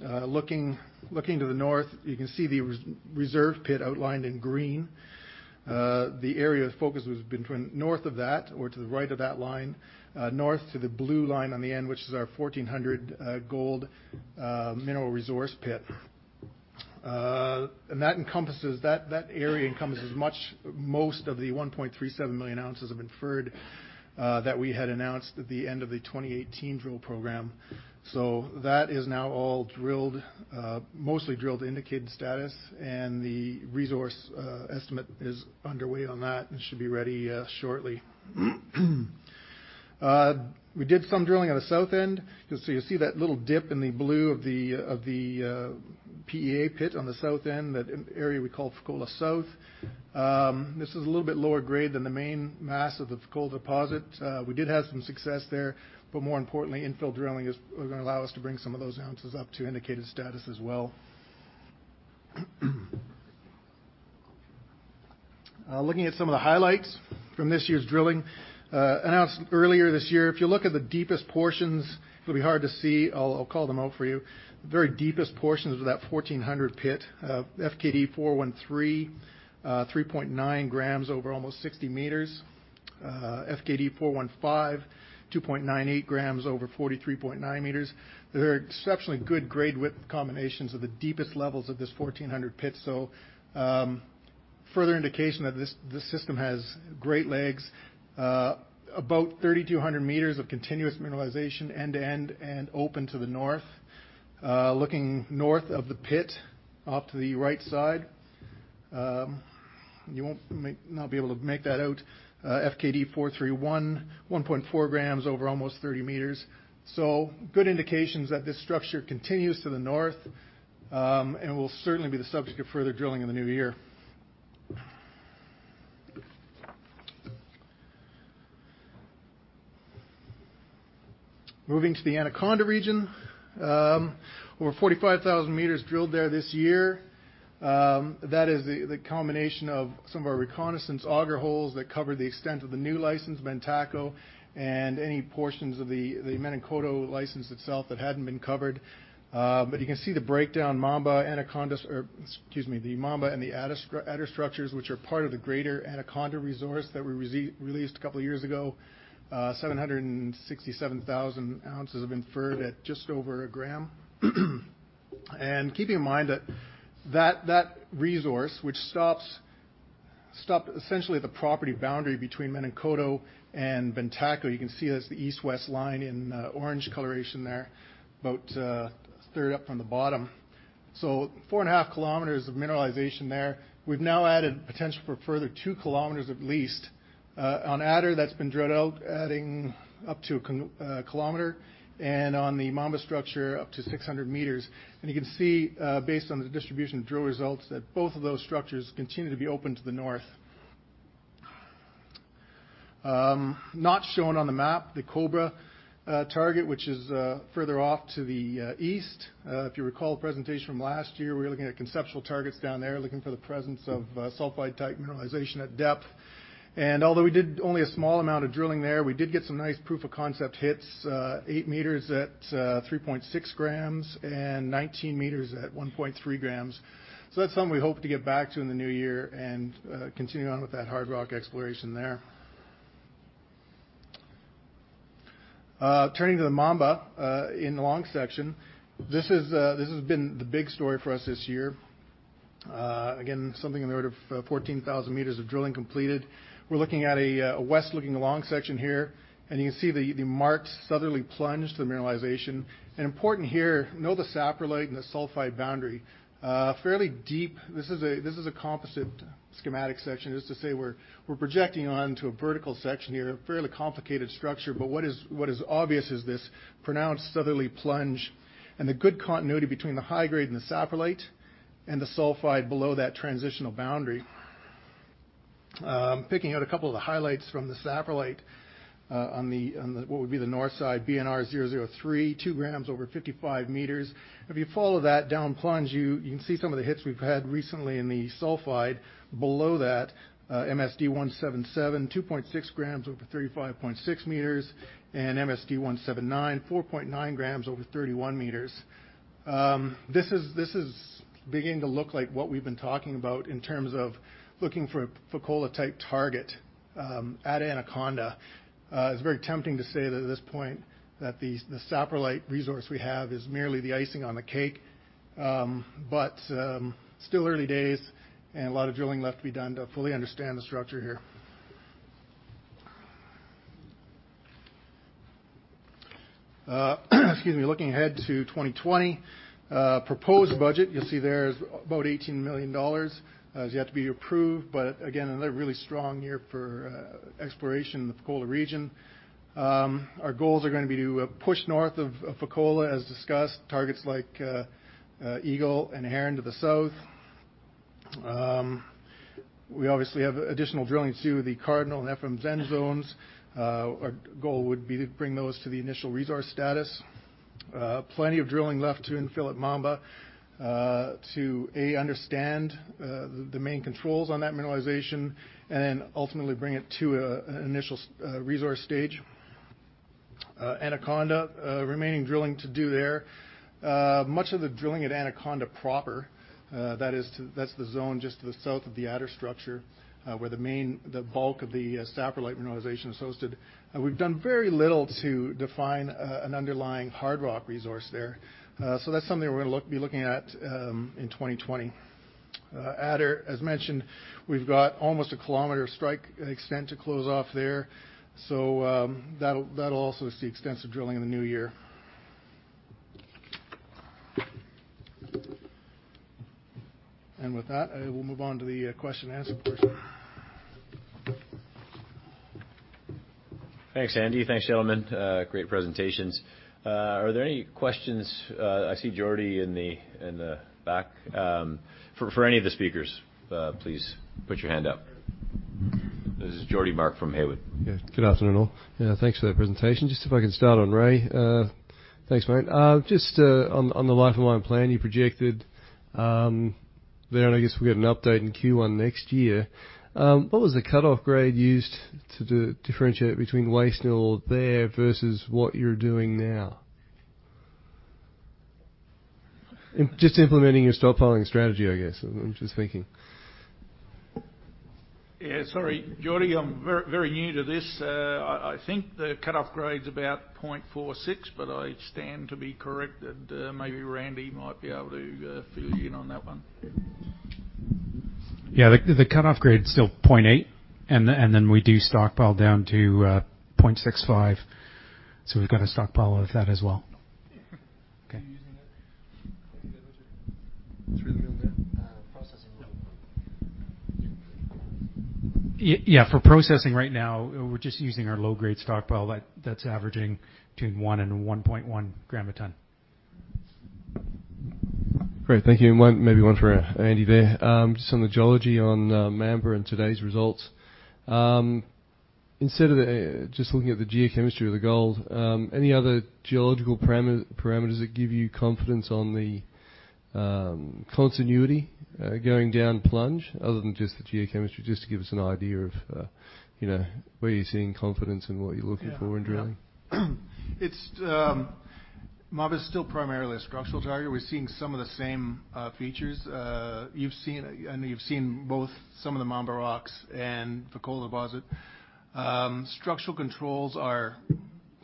Looking to the north, you can see the reserve pit outlined in green. The area of focus has been north of that or to the right of that line, north to the blue line on the end, which is our 1,400 gold mineral resource pit. That area encompasses most of the 1.37 million ounces of inferred that we had announced at the end of the 2018 drill program. That is now all mostly drilled indicated status, and the resource estimate is underway on that and should be ready shortly. We did some drilling on the south end. You'll see that little dip in the blue of the PEA pit on the south end, that area we call Fekola South. This is a little bit lower grade than the main mass of the Fekola deposit. We did have some success there, but more importantly, infill drilling is going to allow us to bring some of those ounces up to indicated status as well. Looking at some of the highlights from this year's drilling. Announced earlier this year, if you look at the deepest portions, it'll be hard to see. I'll call them out for you. The very deepest portions of that 1400 pit, FKD413, 3.9 g over almost 60 m. FKD415, 2.98 g over 43.9 m. They're exceptionally good grade width combinations of the deepest levels of this 1400 pit, so further indication that this system has great legs. About 3,200 m of continuous mineralization end to end and open to the north. Looking north of the pit, off to the right side. You won't be able to make that out. FKD431, 1.4 g over almost 30 m. Good indications that this structure continues to the north, and will certainly be the subject of further drilling in the new year. Moving to the Anaconda region. Over 45,000 m drilled there this year. That is the combination of some of our reconnaissance auger holes that cover the extent of the new license, Bantako, and any portions of the Menankoto license itself that hadn't been covered. You can see the breakdown, Mamba and the Adder structures, which are part of the greater Anaconda resource that we released a couple of years ago, 767,000 oz of inferred at just over 1 g. Keeping in mind that that resource, which stops essentially at the property boundary between Menankoto and Bantako. You can see it as the East-West line in orange coloration there, about 1/3 up from the bottom. 4.5 km of mineralization there. We've now added potential for a further 2 km at least. On Adder, that's been drilled out, adding up to 1 km, and on the Mamba structure, up to 600 m. You can see, based on the distribution of drill results, that both of those structures continue to be open to the north. Not shown on the map, the Cobra target, which is further off to the east. If you recall the presentation from last year, we were looking at conceptual targets down there, looking for the presence of sulfide-type mineralization at depth. Although we did only a small amount of drilling there, we did get some nice proof-of-concept hits, 8 m at 3.6 g and 19 m at 1.3 g. That's something we hope to get back to in the new year and continue on with that hard rock exploration there. Turning to the Mamba in the long section. This has been the big story for us this year. Again, something in the order of 14,000 m of drilling completed. We're looking at a west-looking long section here, and you can see the marked southerly plunge to the mineralization. Important here, know the saprolite and the sulfide boundary. Fairly deep. This is a composite schematic section. Just to say we're projecting onto a vertical section here, a fairly complicated structure. What is obvious is this pronounced southerly plunge and the good continuity between the high grade and the saprolite, and the sulfide below that transitional boundary. Picking out a couple of the highlights from the saprolite on what would be the north side, BNR003, 2 g over 55 m. If you follow that down plunge, you can see some of the hits we've had recently in the sulfide below that, MSD177, 2.6 g over 35.6 m, and MSD179, 4.9 g over 31 m. This is beginning to look like what we've been talking about in terms of looking for a Fekola-type target at Anaconda. It's very tempting to say that at this point that the saprolite resource we have is merely the icing on the cake. Still early days and a lot of drilling left to be done to fully understand the structure here. Excuse me. Looking ahead to 2020. Proposed budget, you'll see there, is about $18 million, is yet to be approved. Again, another really strong year for exploration in the Fekola region. Our goals are going to be to push north of Fekola, as discussed, targets like Eagle and Heron to the south. We obviously have additional drilling to do with the Cardinal and FMZ zones. Our goal would be to bring those to the initial resource status. Plenty of drilling left to infill at Mamba, to, A, understand the main controls on that mineralization and ultimately bring it to an initial resource stage. Anaconda, remaining drilling to do there. Much of the drilling at Anaconda proper, that's the zone just to the south of the Adder structure, where the bulk of the saprolite mineralization is hosted. We've done very little to define an underlying hard rock resource there. That's something we're going to be looking at in 2020. Adder, as mentioned, we've got almost a 1 km strike extent to close off there. That'll also see extensive drilling in the new year. With that, I will move on to the question and answer portion. Thanks, Andy. Thanks, gentlemen. Great presentations. Are there any questions, I see Geordie in the back, for any of the speakers? Please put your hand up. This is Geordie Mark from Haywood. Good afternoon, all. Thanks for that presentation. If I can start on Ray. Thanks, mate. On the life-of-mine plan you projected there, and I guess we'll get an update in Q1 next year. What was the cutoff grade used to differentiate between waste and ore there versus what you're doing now, implementing your stockpiling strategy, I guess? I'm just thinking. Yeah, sorry, Geordie, I'm very new to this. I think the cutoff grade's about 0.46, but I stand to be corrected. Maybe Randy might be able to fill you in on that one. Yeah, the cutoff grade is still 0.8, and then we do stockpile down to 0.65. We've got a stockpile of that as well. Okay. Are you using it? Through the mill there? Processing. Yeah. Yeah, for processing right now, we're just using our low-grade stockpile that's averaging between one and 1.1 gram a ton. Great. Thank you. Maybe one for Andy there. Just on the geology on Mamba and today's results. Instead of just looking at the geochemistry of the gold, any other geological parameters that give you confidence on the continuity going down plunge other than just the geochemistry, just to give us an idea of where you're seeing confidence and what you're looking for in drilling? Yeah. Mamba is still primarily a structural target. We're seeing some of the same features. I know you've seen both some of the Mamba rocks and Fekola deposit. Structural controls are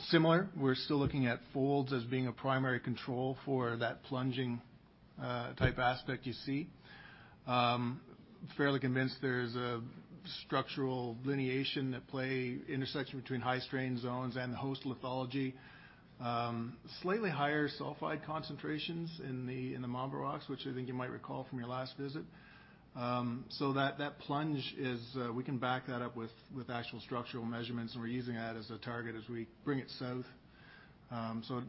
similar. We're still looking at folds as being a primary control for that plunging-type aspect you see. Fairly convinced there's a structural lineation at play, intersection between high strain zones and the host lithology. Slightly higher sulfide concentrations in the Mamba rocks, which I think you might recall from your last visit. We can back that up with actual structural measurements, and we're using that as a target as we bring it south.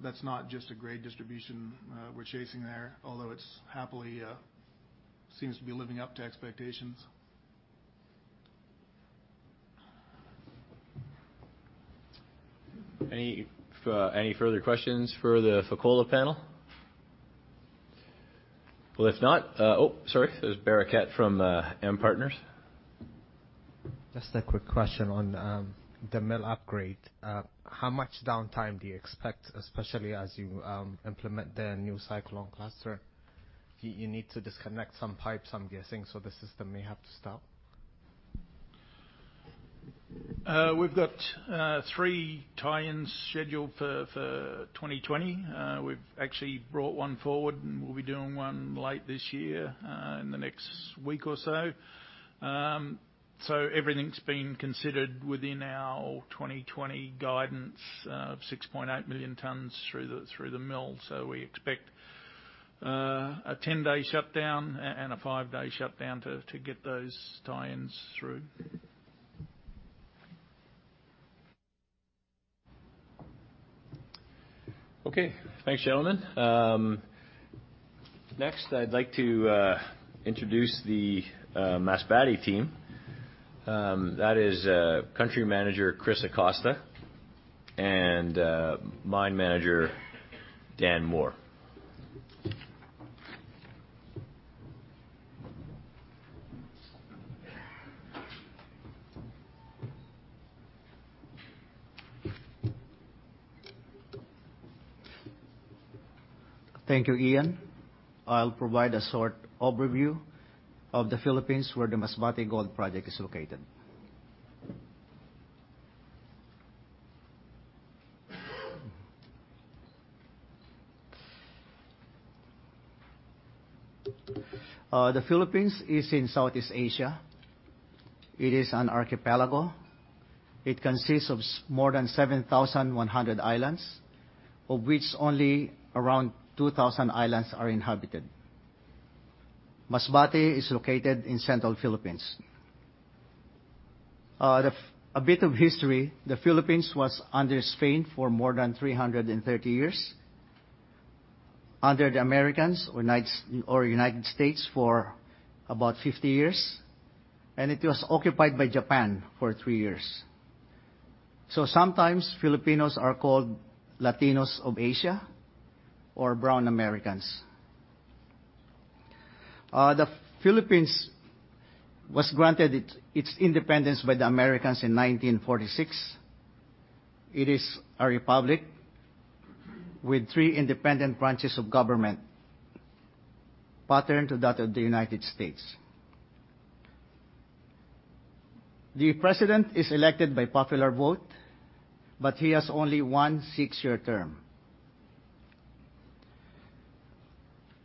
That's not just a grade distribution we're chasing there, although it happily seems to be living up to expectations. Any further questions for the Fekola panel? Oh, sorry. There's Barakat from AM Partners. Just a quick question on the mill upgrade. How much downtime do you expect, especially as you implement the new cyclone cluster? You need to disconnect some pipes, I'm guessing, so the system may have to stop. We've got three tie-ins scheduled for 2020. We've actually brought one forward, and we'll be doing one late this year, in the next week or so. Everything's been considered within our 2020 guidance of 6.8 million tons through the mill. We expect a 10-day shutdown and a five-day shutdown to get those tie-ins through. Okay. Thanks, gentlemen. Next, I'd like to introduce the Masbate team. That is Country Manager, Cris Acosta, and Mine Manager, Dan Moore. Thank you, Ian. I'll provide a short overview of the Philippines, where the Masbate Gold Project is located. The Philippines is in Southeast Asia. It is an archipelago. It consists of more than 7,100 islands, of which only around 2,000 islands are inhabited. Masbate is located in central Philippines. A bit of history, the Philippines was under Spain for more than 330 years, under the Americans or United States for about 50 years, and it was occupied by Japan for three years. Sometimes Filipinos are called Latinos of Asia or Brown Americans. The Philippines was granted its independence by the Americans in 1946. It is a republic with three independent branches of government, patterned to that of the United States. The President is elected by popular vote, but he has only one six-year term.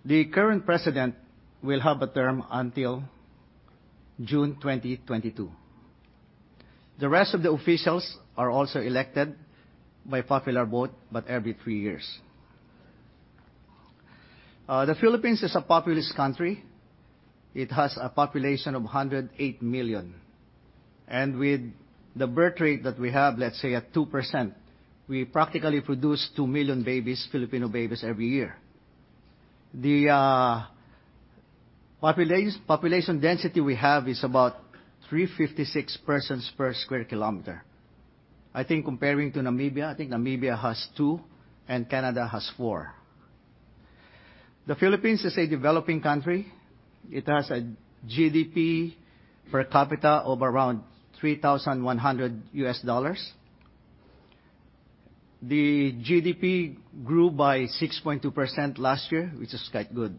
The current President will have a term until June 2022. The rest of the officials are also elected by popular vote, but every three years. The Philippines is a populous country. It has a population of 108 million, and with the birth rate that we have, let's say at 2%, we practically produce 2 million Filipino babies every year. The population density we have is about 356 persons per square kilometer. I think comparing to Namibia, I think Namibia has 2, and Canada has 4. The Philippines is a developing country. It has a GDP per capita of around $3,100. The GDP grew by 6.2% last year, which is quite good.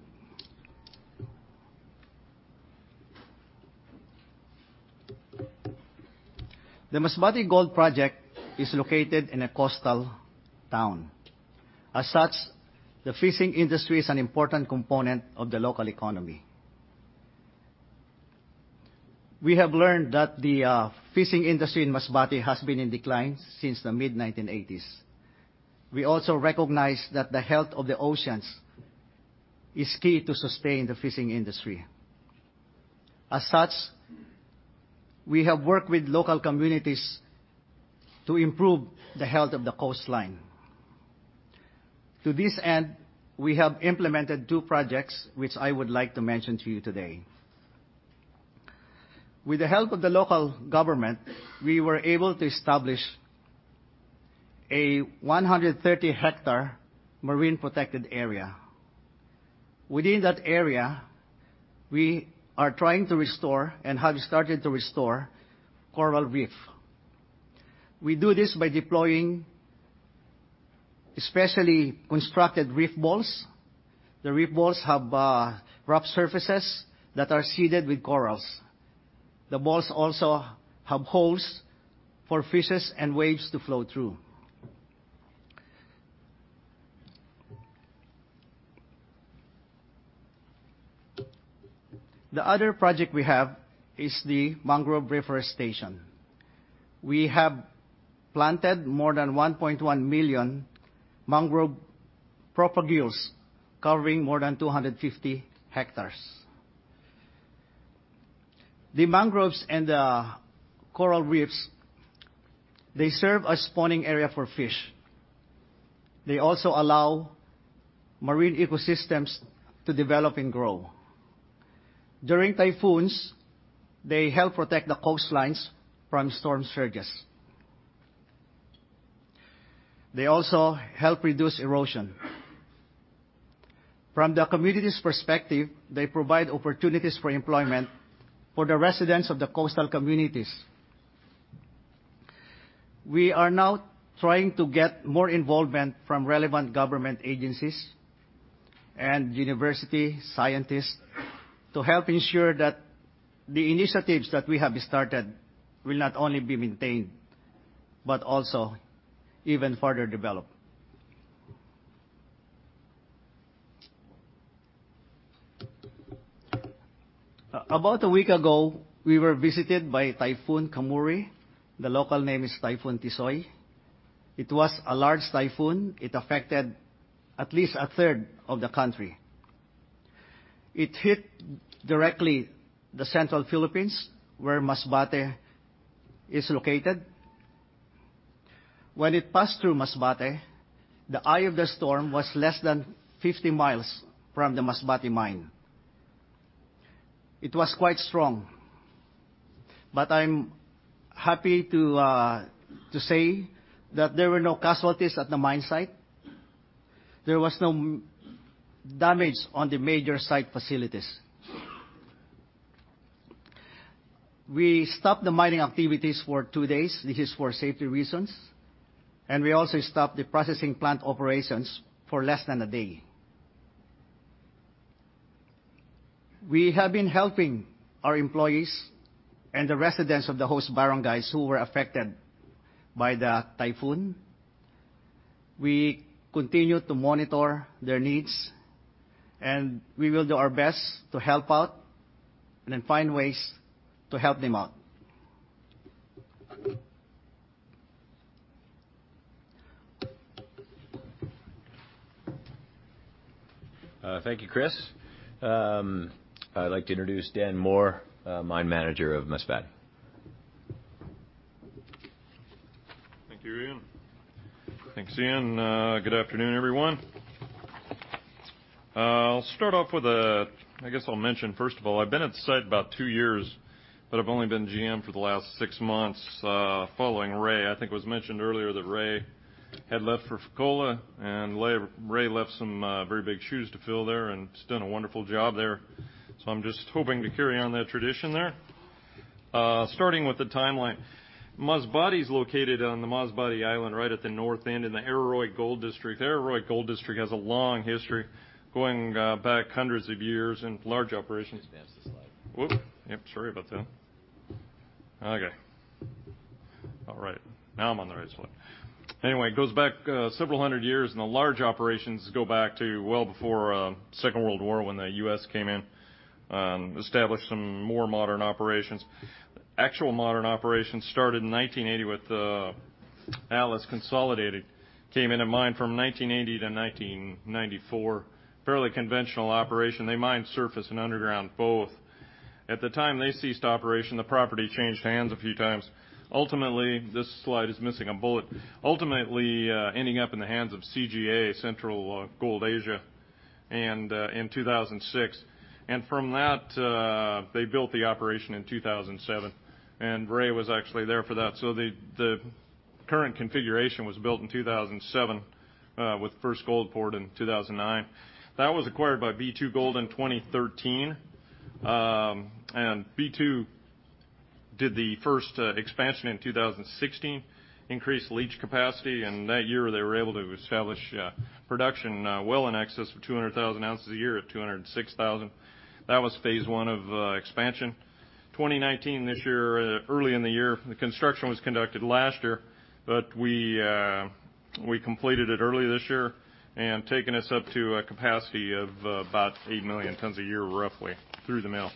The Masbate Gold Project is located in a coastal town. As such, the fishing industry is an important component of the local economy. We have learned that the fishing industry in Masbate has been in decline since the mid-1980s. We also recognize that the health of the oceans is key to sustaining the fishing industry. We have worked with local communities to improve the health of the coastline. We have implemented two projects, which I would like to mention to you today. With the help of the local government, we were able to establish a 130-hectare marine protected area. Within that area, we are trying to restore and have started to restore coral reef. We do this by deploying specially constructed reef balls. The reef balls have rough surfaces that are seeded with corals. The balls also have holes for fishes and waves to flow through. The other project we have is the mangrove reforestation. We have planted more than 1.1 million mangrove propagules covering more than 250 hectares. The mangroves and the coral reefs, they serve as spawning area for fish. They also allow marine ecosystems to develop and grow. During typhoons, they help protect the coastlines from storm surges. They also help reduce erosion. From the community's perspective, they provide opportunities for employment for the residents of the coastal communities. We are now trying to get more involvement from relevant government agencies and university scientists to help ensure that the initiatives that we have started will not only be maintained, but also even further developed. About a week ago, we were visited by Typhoon Kammuri. The local name is Typhoon Tisoy. It was a large typhoon. It affected at least a third of the country. It hit directly the central Philippines, where Masbate is located. When it passed through Masbate, the eye of the storm was less than 50 mi from the Masbate mine. It was quite strong. I'm happy to say that there were no casualties at the mine site. There was no damage on the major site facilities. We stopped the mining activities for two days. This is for safety reasons. We also stopped the processing plant operations for less than a day. We have been helping our employees and the residents of the host barangays who were affected by the typhoon. We continue to monitor their needs. We will do our best to help out and then find ways to help them out. Thank you, Cris. I'd like to introduce Dan Moore, Mine Manager of Masbate. Thank you, Ian. Thanks, Ian. Good afternoon, everyone. I'll start off with a I guess I'll mention, first of all, I've been at the site about two years, but I've only been GM for the last six months, following Ray. I think it was mentioned earlier that Ray had left for Fekola, and Ray left some very big shoes to fill there, and he's done a wonderful job there. I'm just hoping to carry on that tradition there. Starting with the timeline. Masbate is located on the Masbate Island right at the north end in the Aroroy Gold District. The Aroroy Gold District has a long history going back hundreds of years, and large operations. Just advance the slide. Whoop. Yep, sorry about that. Okay. All right. Now I'm on the right slide. It goes back several hundred years, and the large operations go back to well before Second World War, when the U.S. came in, established some more modern operations. Actual modern operations started in 1980 with the Atlas Consolidated came in a mine from 1980-1994. Fairly conventional operation. They mined surface and underground both. At the time they ceased operation, the property changed hands a few times. Ultimately, this slide is missing a bullet. Ultimately, ending up in the hands of CGA, Central Asia Gold, in 2006. From that, they built the operation in 2007, Ray was actually there for that. The current configuration was built in 2007, with first gold poured in 2009. That was acquired by B2Gold in 2013. B2 did the first expansion in 2016, increased leach capacity, and that year they were able to establish production well in excess of 200,000 oz a year at 206,000. That was phase I of expansion. 2019, this year early in the year, the construction was conducted last year, but we completed it early this year and taken us up to a capacity of about 8 million tons a year, roughly, through the mill.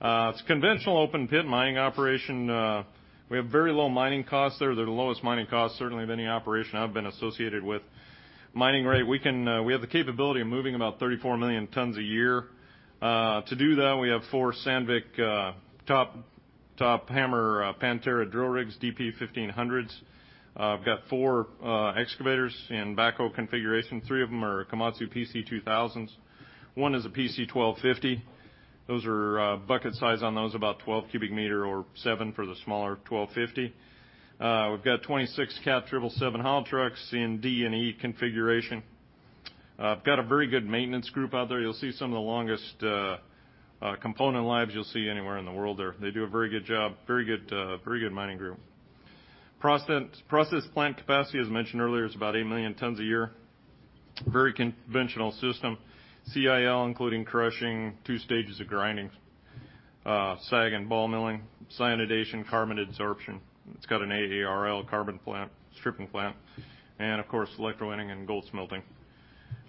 It's a conventional open-pit mining operation. We have very low mining costs there. They're the lowest mining costs, certainly, of any operation I've been associated with. Mining rate, we have the capability of moving about 34 million tons a year. To do that, we have four Sandvik top hammer Pantera drill rigs, DP1500s. We've got four excavators in backhoe configuration. Three of them are Komatsu PC2000s. One is a PC1250. Bucket size on those, about 12 cu m or seven for the smaller PC1250. We've got 26 Cat 777 haul trucks in D and E configuration. Got a very good maintenance group out there. You'll see some of the longest component lives you'll see anywhere in the world there. They do a very good job. Very good mining group. Process plant capacity, as mentioned earlier, is about 8 million tons a year. Very conventional system. CIL, including crushing, two stages of grinding, SAG and ball milling, cyanidation, carbon absorption. It's got an AARL carbon stripping plant, of course, electrowinning and gold smelting.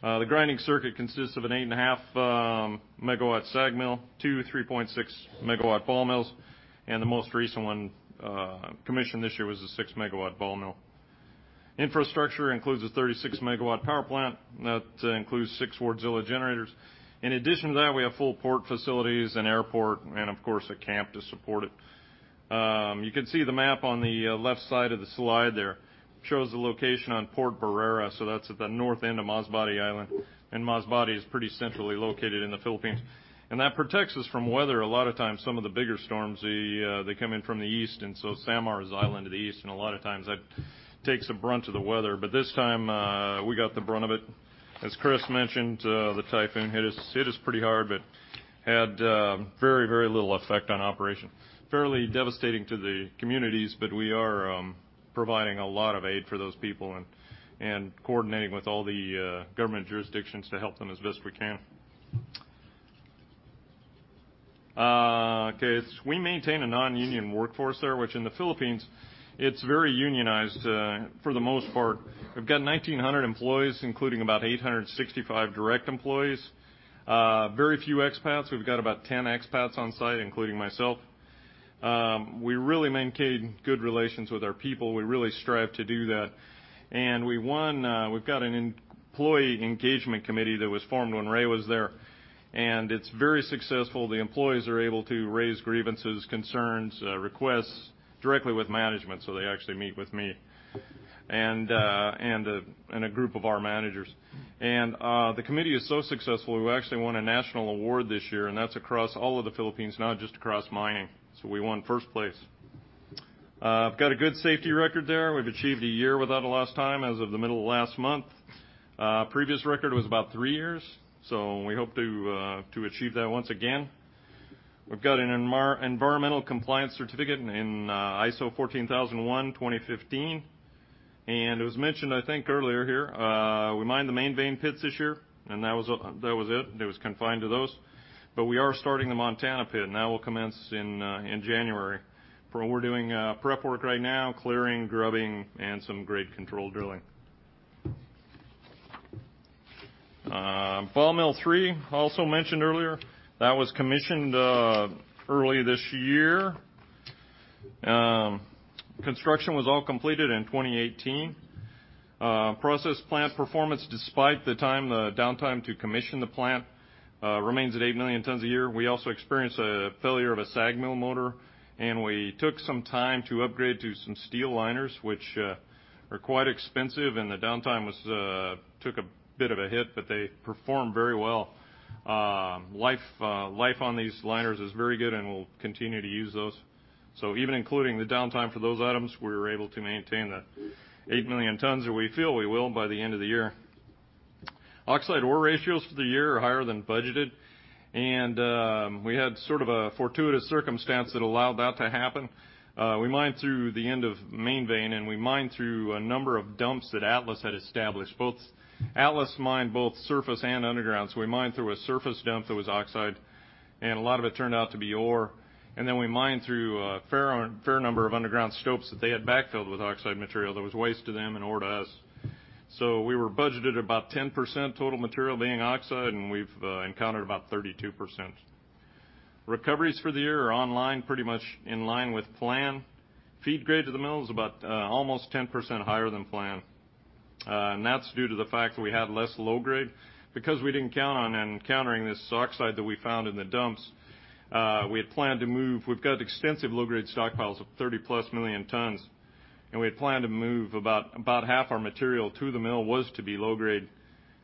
The grinding circuit consists of an 8.5 MW SAG mill, two 3.6 MW ball mills, the most recent one commissioned this year was a 6 MW ball mill. Infrastructure includes a 36 MW power plant. That includes six Wärtsilä generators. In addition to that, we have full port facilities, an airport, and of course, a camp to support it. You can see the map on the left side of the slide there. It shows the location on Port Barrera. That's at the north end of Masbate Island, and Masbate is pretty centrally located in the Philippines. That protects us from weather. A lot of times, some of the bigger storms, they come in from the east, and so Samar is the island to the east, and a lot of times that takes the brunt of the weather. This time, we got the brunt of it. As Cris mentioned, the typhoon hit us pretty hard, but had very, very little effect on operations. Fairly devastating to the communities. We are providing a lot of aid for those people and coordinating with all the government jurisdictions to help them as best we can. Okay. We maintain a non-union workforce there, which in the Philippines, it's very unionized, for the most part. We've got 1,900 employees, including about 865 direct employees. Very few expats. We've got about 10 expats on site, including myself. We really maintain good relations with our people. We really strive to do that. We've got an employee engagement committee that was formed when Ray was there, and it's very successful. The employees are able to raise grievances, concerns, requests directly with management, so they actually meet with me and a group of our managers. The committee is so successful, we actually won a national award this year, and that's across all of the Philippines, not just across mining. We won first place. I've got a good safety record there. We've achieved one year without a lost time as of the middle of last month. Previous record was about three years, we hope to achieve that once again. We've got an environmental compliance certificate in ISO 14001:2015, it was mentioned, I think earlier here, we mined the Main Vein pits this year, that was it. It was confined to those. We are starting the Montana pit, that will commence in January. We're doing prep work right now, clearing, grubbing, and some grade control drilling. Ball Mill III, also mentioned earlier, that was commissioned early this year. Construction was all completed in 2018. Process plant performance, despite the downtime to commission the plant, remains at 8 million tons a year. We also experienced a failure of a SAG mill motor. We took some time to upgrade to some steel liners, which are quite expensive, and the downtime took a bit of a hit. They perform very well. Life on these liners is very good. We'll continue to use those. Even including the downtime for those items, we were able to maintain the 8 million tons, or we feel we will by the end of the year. Oxide ore ratios for the year are higher than budgeted. We had sort of a fortuitous circumstance that allowed that to happen. We mined through the end of Main Vein. We mined through a number of dumps that Atlas had established. Atlas mined both surface and underground. We mined through a surface dump that was oxide. A lot of it turned out to be ore. We mined through a fair number of underground stopes that they had backfilled with oxide material that was waste to them and ore to us. We were budgeted about 10% total material being oxide, and we've encountered about 32%. Recoveries for the year are online, pretty much in line with plan. Feed grade to the mill is about almost 10% higher than plan. That's due to the fact that we had less low grade. We didn't count on encountering this oxide that we found in the dumps. We've got extensive low-grade stockpiles of 30+ million tons, and we had planned to move about half our material to the mill was to be low grade,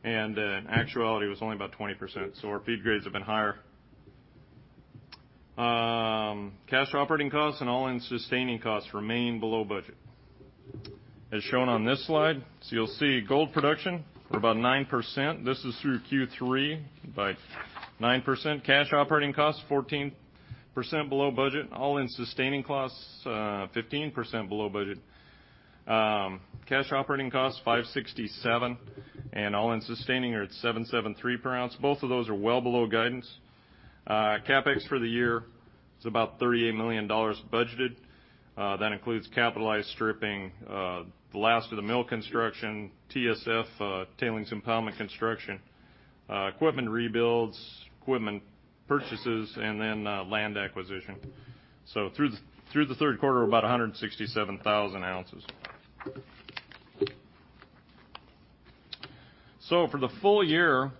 and in actuality, it was only about 20%. Our feed grades have been higher. Cash operating costs and all-in sustaining costs remain below budget. As shown on this slide, you'll see gold production, we're about 9%. This is through Q3. By 9%. Cash operating costs, 14% below budget. All-in sustaining costs, 15% below budget. Cash operating costs, $567, and all-in sustaining are at $773 per ounce. Both of those are well below guidance. CapEx for the year is about $38 million budgeted. That includes capitalized stripping, the last of the mill construction, TSF, tailings impoundment construction, equipment rebuilds, equipment purchases, and then land acquisition. Through the third quarter, about 167,000 oz. For the full year,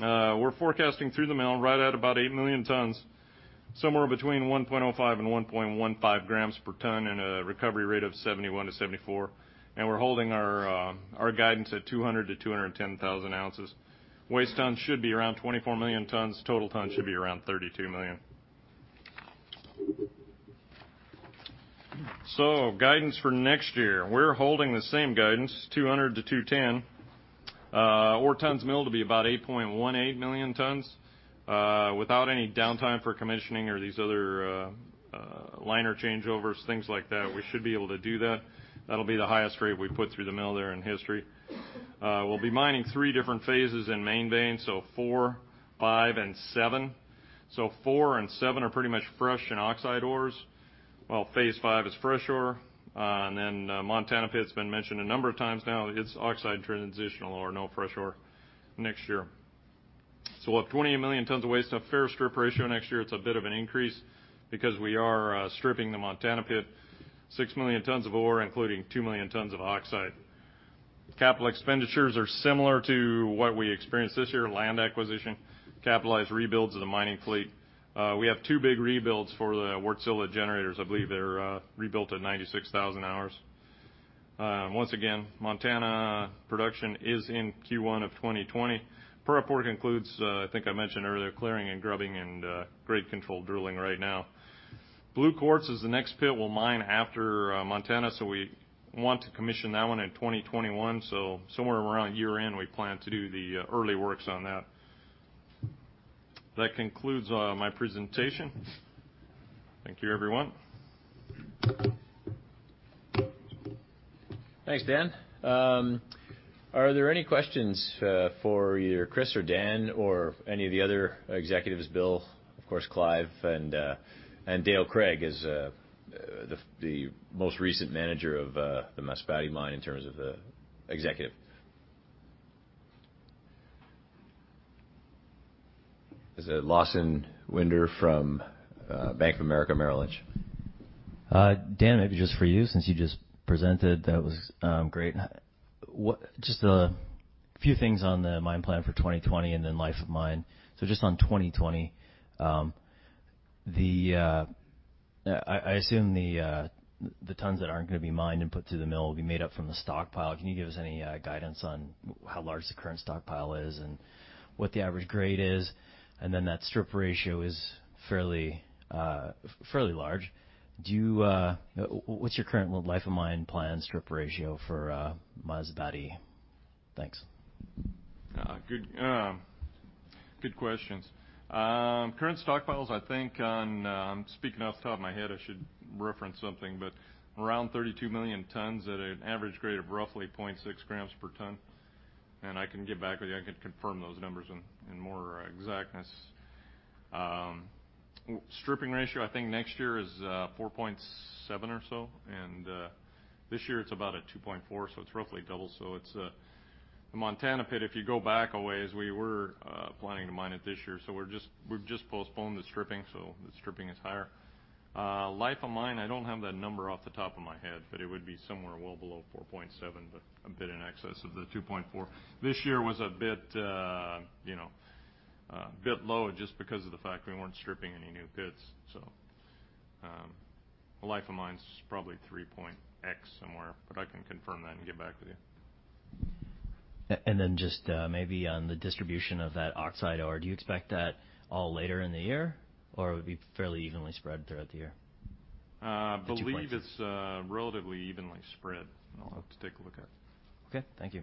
we're forecasting through the mill right at about 8 million tons, somewhere between 1.05 g and 1.15 g per ton, and a recovery rate of 71%-74%. We're holding our guidance at 200,000 oz-210,000 oz. Waste tons should be around 24 million tons. Total tons should be around 32 million tons. Guidance for next year. We're holding the same guidance, 200-210. Ore tons milled to be about 8.18 million tons. Without any downtime for commissioning or these other liner changeovers, things like that, we should be able to do that. That'll be the highest grade we've put through the mill there in history. We'll be mining three different phases in Main Vein, so IV, V, and VII. IV and VII are pretty much fresh in oxide ores, while phase V is fresh ore. Montana Pit's been mentioned a number of times now. It's oxide transitional ore, no fresh ore next year. We'll have 20 million tons of waste and a fair strip ratio next year. It's a bit of an increase because we are stripping the Montana Pit, 6 million tons of ore, including 2 million tons of oxide. Capital expenditures are similar to what we experienced this year, land acquisition, capitalized rebuilds of the mining fleet. We have two big rebuilds for the Wärtsilä generators. I believe they're rebuilt at 96,000 hours. Once again, Montana production is in Q1 of 2020. Prep work includes, I think I mentioned earlier, clearing and grubbing and grade control drilling right now. Blue Quartz is the next pit we'll mine after Montana, so we want to commission that one in 2021. Somewhere around year-end, we plan to do the early works on that. That concludes my presentation. Thank you, everyone. Thanks, Dan. Are there any questions for either Cris or Dan or any of the other executives, Bill, of course, Clive, and Dale Craig is, the most recent manager of the Masbate mine in terms of the executive. Is it Lawson Winder from Bank of America Merrill Lynch? Dan, maybe just for you since you just presented. That was great. A few things on the mine plan for 2020 and then life of mine. On 2020, I assume the tons that aren't going to be mined and put through the mill will be made up from the stockpile. Can you give us any guidance on how large the current stockpile is and what the average grade is? That strip ratio is fairly large. What's your current life of mine plan strip ratio for Masbate? Thanks. Good questions. Current stockpiles, I think on, I'm speaking off the top of my head, I should reference something, but around 32 million tons at an average grade of roughly 0.6 g per ton. I can get back with you. I can confirm those numbers in more exactness. Stripping ratio, I think next year is 4.7 g or so. This year it's about a 2.4 g, it's roughly double. The Montana Pit, if you go back a ways, we were planning to mine it this year, we've just postponed the stripping, the stripping is higher. Life of mine, I don't have that number off the top of my head, it would be somewhere well below 4.7 g, a bit in excess of the 2.4 g. This year was a bit low just because of the fact we weren't stripping any new pits. Life of mine is probably 3.x somewhere, but I can confirm that and get back with you. Just maybe on the distribution of that oxide ore, do you expect that all later in the year, or it would be fairly evenly spread throughout the year at two points? I believe it's relatively evenly spread. I'll have to take a look at it. Okay. Thank you.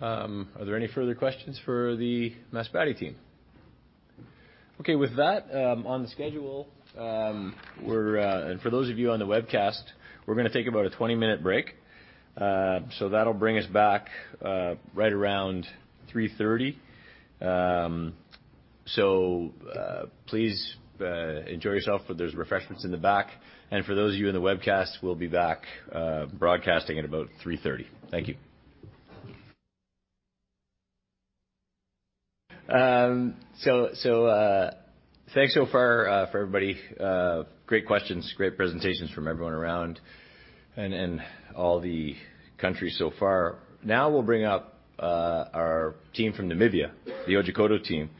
Are there any further questions for the Massoubra team? Okay. With that, on the schedule, for those of you on the webcast, we're going to take about a 20-minute break. That'll bring us back right around 3:30. Please enjoy yourself. There are refreshments in the back, and for those of you in the webcast, we'll be back broadcasting at about 3:30. Thank you. Thanks so far for everybody. Great questions. Great presentations from everyone around and all the countries so far. We'll bring up our team from Namibia, the Otjikoto team,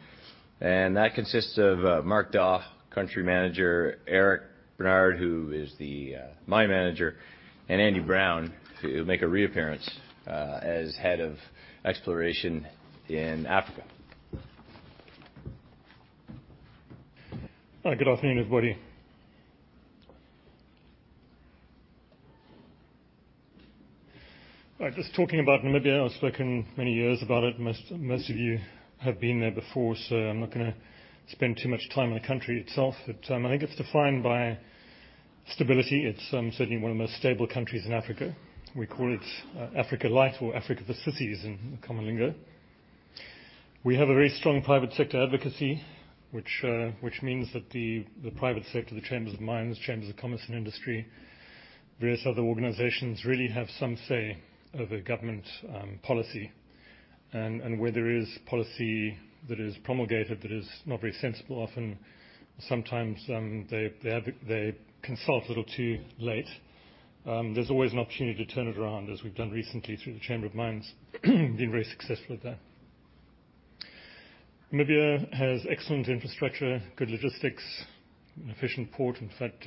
and that consists of Mark Dawe, country manager, Eric Barnard, who is the mine manager, and Andy Brown, who will make a reappearance as head of exploration in Africa. Good afternoon, everybody. Talking about Namibia, I've spoken many years about it. Most of you have been there before, I'm not going to spend too much time on the country itself. I think it's defined by stability. It's certainly one of the most stable countries in Africa. We call it Africa Light or Africa for Sissies in the common lingo. We have a very strong private sector advocacy, which means that the private sector, the Chambers of Mines, Chambers of Commerce and Industry, various other organizations really have some say over government policy. Where there is policy that is promulgated that is not very sensible often, sometimes, they consult a little too late. There's always an opportunity to turn it around, as we've done recently through the Chamber of Mines been very successful at that. Namibia has excellent infrastructure, good logistics, an efficient port. In fact,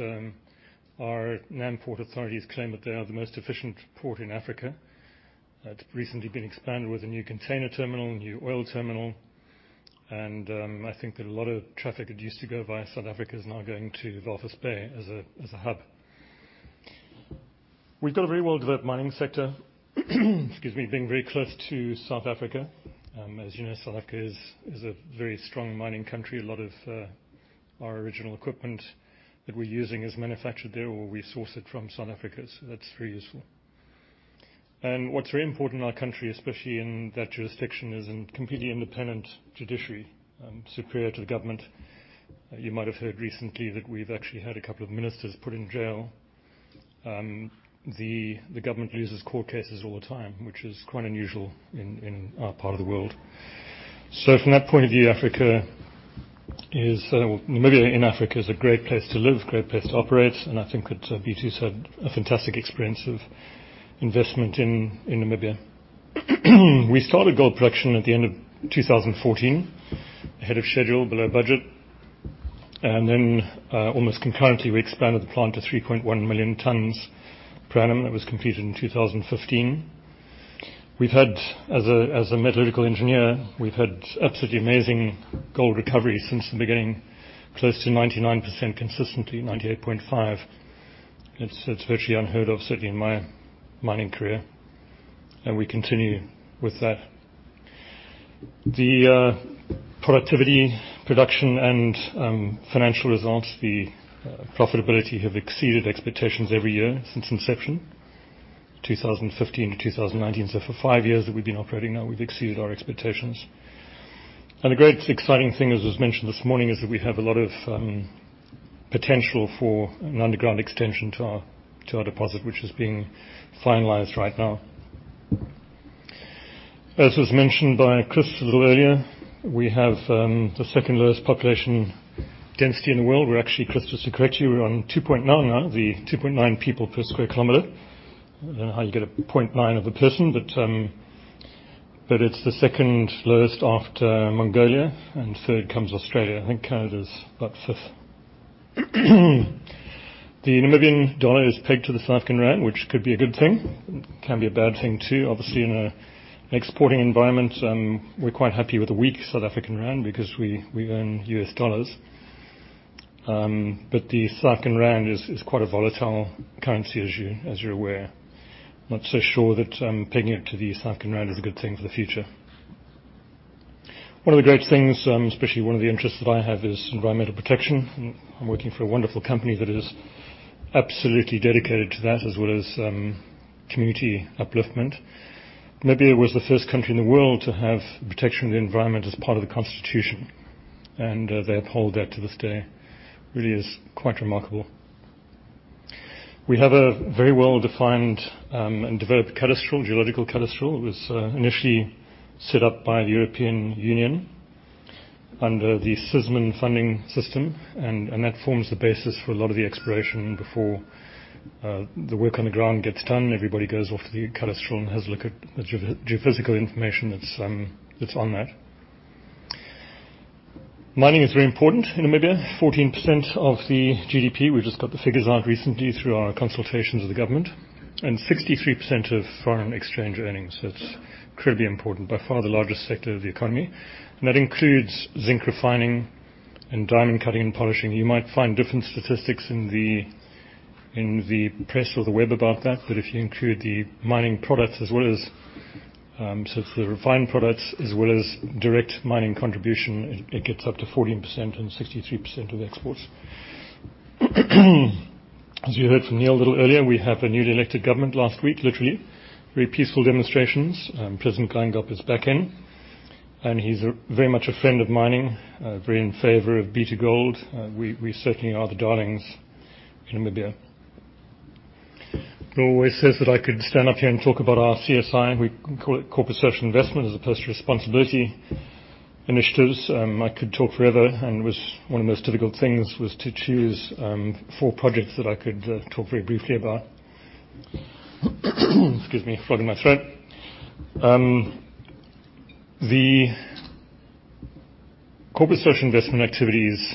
our Namport authorities claim that they are the most efficient port in Africa. It's recently been expanded with a new container terminal, a new oil terminal. I think that a lot of traffic that used to go via South Africa is now going to Walvis Bay as a hub. We've got a very well-developed mining sector, excuse me, being very close to South Africa. As you know, South Africa is a very strong mining country. A lot of our original equipment that we're using is manufactured there, or we source it from South Africa, so that's very useful. What's very important in our country, especially in that jurisdiction, is a completely independent judiciary, superior to the government. You might have heard recently that we've actually had a couple of ministers put in jail. The government loses court cases all the time, which is quite unusual in our part of the world. From that point of view, Namibia in Africa is a great place to live, great place to operate, and I think that B2's had a fantastic experience of investment in Namibia. We started gold production at the end of 2014, ahead of schedule, below budget. Almost concurrently, we expanded the plant to 3.1 million tons per annum. That was completed in 2015. As a metallurgical engineer, we've had absolutely amazing gold recovery since the beginning. Close to 99%, consistently 98.5%. It's virtually unheard of, certainly in my mining career, and we continue with that. The productivity, production, and financial results, the profitability have exceeded expectations every year since inception, 2015-2019. For five years that we've been operating now, we've exceeded our expectations. The great exciting thing, as was mentioned this morning, is that we have a lot of potential for an underground extension to our deposit, which is being finalized right now. As was mentioned by Cris a little earlier, we have the second lowest population density in the world. We're actually, Cris, just to correct you, we're on 2.9 now, the 2.9 people per square kilometer. I don't know how you get a 0.9 of a person, it's the second lowest after Mongolia, and third comes Australia. I think Canada's about fifth. The Namibian dollar is pegged to the South African rand, which could be a good thing. It can be a bad thing, too. Obviously, in an exporting environment, we're quite happy with the weak South African rand because we earn U.S. dollars. The South African rand is quite a volatile currency, as you're aware. Not so sure that pegging it to the South African rand is a good thing for the future. One of the great things, especially one of the interests that I have, is environmental protection. I'm working for a wonderful company that is absolutely dedicated to that, as well as community upliftment. Namibia was the first country in the world to have protection of the environment as part of the constitution, and they uphold that to this day. Really is quite remarkable. We have a very well-defined and developed cadastral, geological cadastral. It was initially set up by the European Union under the SYSMIN funding system, and that forms the basis for a lot of the exploration before the work on the ground gets done. Everybody goes off to the cadastral and has a look at the geophysical information that's on that. Mining is very important in Namibia. 14% of the GDP, we just got the figures out recently through our consultations with the government, and 63% of foreign exchange earnings. It's incredibly important, by far the largest sector of the economy. That includes zinc refining and diamond cutting and polishing. You might find different statistics in the press or the web about that, but if you include the mining products, so it's the refined products as well as direct mining contribution, it gets up to 14% and 63% of exports. As you heard from Neil a little earlier, we have a newly elected government last week, literally. Very peaceful demonstrations. President Geingob is back in, and he's very much a friend of mining, very in favor of B2Gold. We certainly are the darlings in Namibia. It always says that I could stand up here and talk about our CSI, we call it corporate social investment as opposed to responsibility initiatives. I could talk forever, and one of the most difficult things was to choose four projects that I could talk very briefly about. Excuse me, flu in my throat. The corporate social investment activities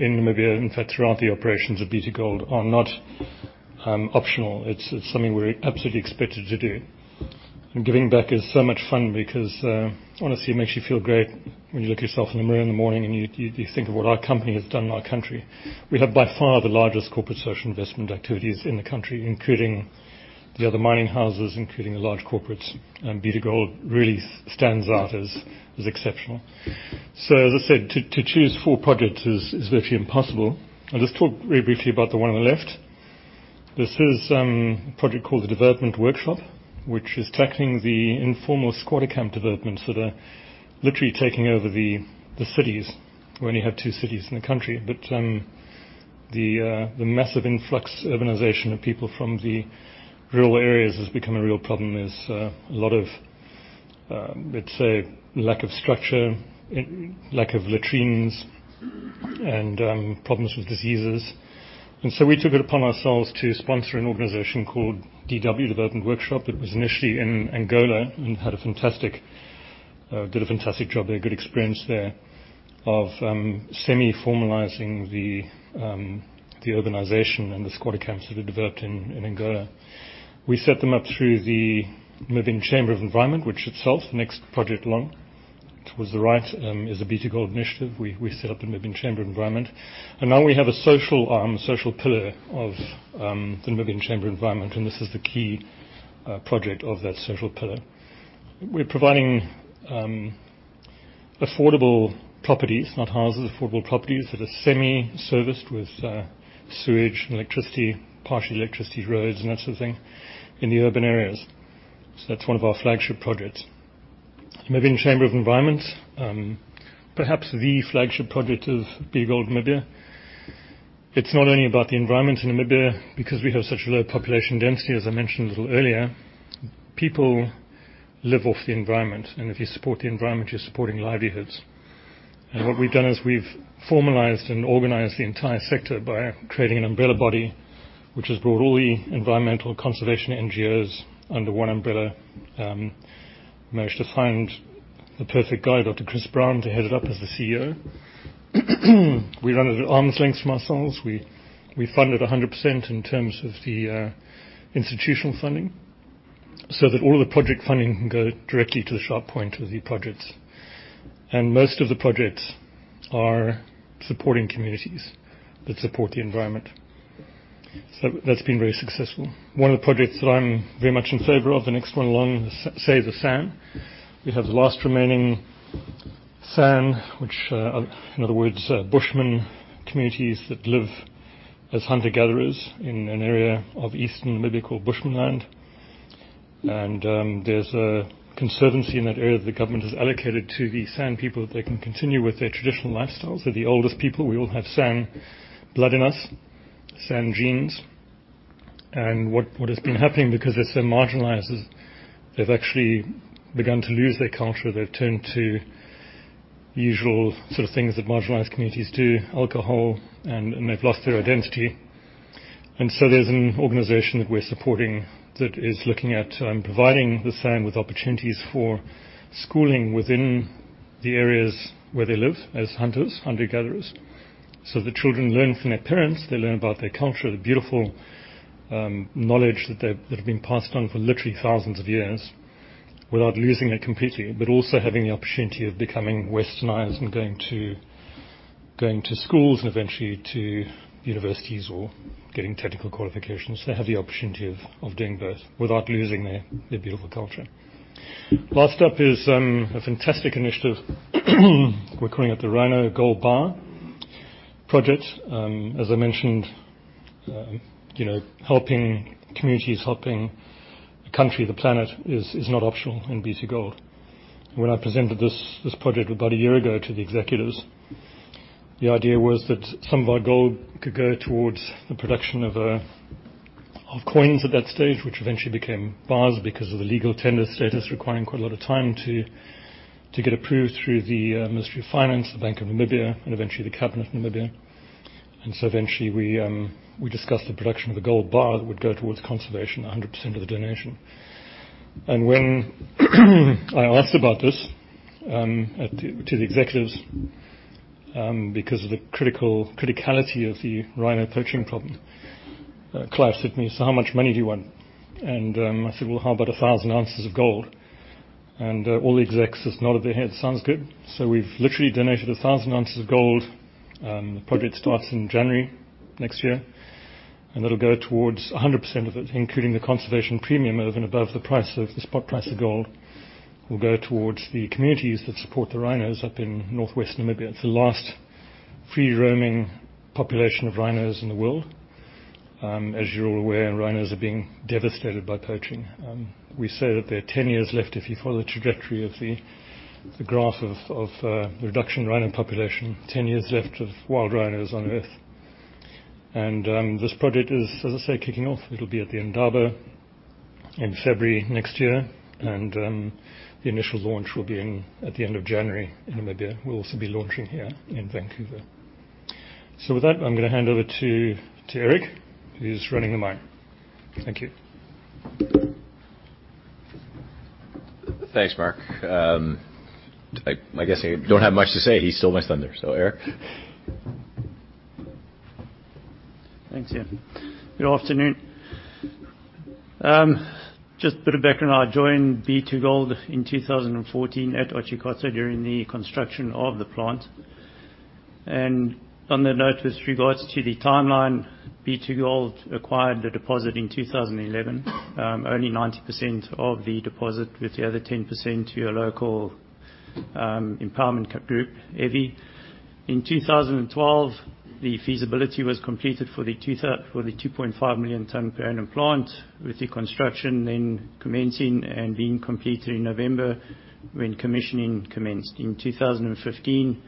in Namibia, in fact, throughout the operations of B2Gold, are not optional. It's something we're absolutely expected to do. Giving back is so much fun because honestly, it makes you feel great when you look yourself in the mirror in the morning and you think of what our company has done in our country. We have by far the largest corporate social investment activities in the country, including the other mining houses, including the large corporates, and B2Gold really stands out as exceptional. As I said, to choose four projects is virtually impossible. I'll just talk very briefly about the one on the left. This is a project called the Development Workshop, which is tackling the informal squatter camp developments that are literally taking over the cities. We only have two cities in the country, but the massive influx, urbanization of people from the rural areas has become a real problem. There's a lot of, let's say, lack of structure, lack of latrines and problems with diseases. We took it upon ourselves to sponsor an organization called DW, Development Workshop. It was initially in Angola and did a fantastic job there, good experience there of semi-formalizing the urbanization and the squatter camps that had developed in Angola. We set them up through the Namibia Chamber of Environment, which itself, the next project along towards the right is a B2Gold initiative. We set up a Namibian Chamber of Environment. Now we have a social pillar of the Namibian Chamber of Environment. This is the key project of that social pillar. We're providing affordable properties, not houses, affordable properties that are semi-serviced with sewage and partially electricity, roads, and that sort of thing in the urban areas. That's one of our flagship projects. Namibian Chamber of Environment, perhaps the flagship project of B2Gold Namibia. It's not only about the environment in Namibia, because we have such low population density, as I mentioned a little earlier. People live off the environment. If you support the environment, you're supporting livelihoods. What we've done is we've formalized and organized the entire sector by creating an umbrella body, which has brought all the environmental conservation NGOs under one umbrella. Managed to find the perfect guy, Dr. Chris Brown, to head it up as the CEO. We run it at arm's length from ourselves. We fund it 100% in terms of the institutional funding, so that all the project funding can go directly to the sharp point of the projects. Most of the projects are supporting communities that support the environment. That's been very successful. One of the projects that I'm very much in favor of, the next one along, Save the San. We have the last remaining San, which, in other words, Bushmen communities that live as hunter-gatherers in an area of Eastern Namibia called Bushmanland. There's a conservancy in that area that the government has allocated to the San people, that they can continue with their traditional lifestyles. They're the oldest people. We all have San blood in us, San genes. What has been happening, because they're so marginalized, is they've actually begun to lose their culture. They've turned to usual sort of things that marginalized communities do, alcohol, and they've lost their identity. There's an organization that we're supporting that is looking at providing the San with opportunities for schooling within the areas where they live as hunters, hunter-gatherers. The children learn from their parents. They learn about their culture, the beautiful knowledge that have been passed on for literally thousands of years, without losing it completely. Also having the opportunity of becoming westernized and going to schools and eventually to universities or getting technical qualifications. They have the opportunity of doing both without losing their beautiful culture. Last up is a fantastic initiative we're calling it the Rhino Gold Bar project. As I mentioned, helping communities, helping the country, the planet is not optional in B2Gold. When I presented this project about a year ago to the executives, the idea was that some of our gold could go towards the production of coins at that stage, which eventually became bars because of the legal tender status requiring quite a lot of time to get approved through the Ministry of Finance, the Bank of Namibia, and eventually the Cabinet of Namibia. Eventually we discussed the production of the gold bar that would go towards conservation, 100% of the donation. When I asked about this to the executives, because of the criticality of the rhino poaching problem, Clive said to me, "So how much money do you want?" I said, "Well, how about 1,000 oz of gold?" All the execs just nodded their heads, "Sounds good." We've literally donated 1,000 oz of gold. The project starts in January next year, and that'll go towards 100% of it, including the conservation premium over and above the price of the spot price of gold, will go towards the communities that support the rhinos up in northwest Namibia. It's the last free-roaming population of rhinos in the world. As you're all aware, rhinos are being devastated by poaching. We say that there are 10 years left if you follow the trajectory of the graph of the reduction in rhino population, 10 years left of wild rhinos on Earth. This project is, as I say, kicking off. It'll be at the Indaba in February next year. The initial launch will be at the end of January in Namibia. We'll also be launching here in Vancouver. With that, I'm going to hand over to Eric, who's running the mine. Thank you. Thanks, Mark. I guess I don't have much to say. He stole my thunder. Eric? Thanks. Good afternoon. Just a bit of background. I joined B2Gold in 2014 at Otjikoto during the construction of the plant. On that note, with regards to the timeline, B2Gold acquired the deposit in 2011. Only 90% of the deposit with the other 10% to a local empowerment group, EVI. In 2012, the feasibility was completed for the 2.5 million ton per annum plant with the construction then commencing and being completed in November when commissioning commenced. In 2015,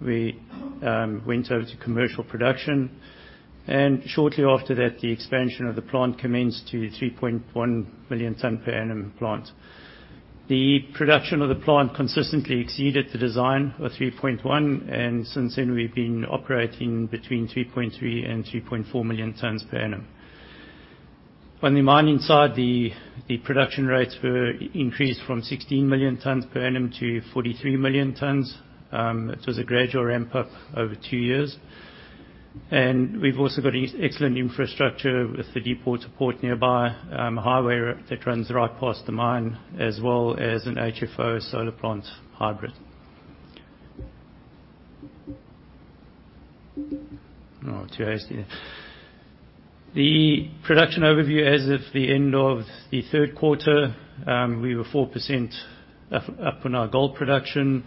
we went over to commercial production, and shortly after that, the expansion of the plant commenced to 3.1 million ton per annum plant. The production of the plant consistently exceeded the design of 3.1 million tons, and since then we've been operating between 3.3 and 3.4 million tons per annum. On the mining side, the production rates were increased from 16 million tons per annum to 43 million tons. It was a gradual ramp-up over two years. We've also got excellent infrastructure with the deepwater port nearby, a highway that runs right past the mine, as well as an HFO solar plant hybrid. Oh, too hasty. The production overview as of the end of the third quarter, we were 4% up on our gold production,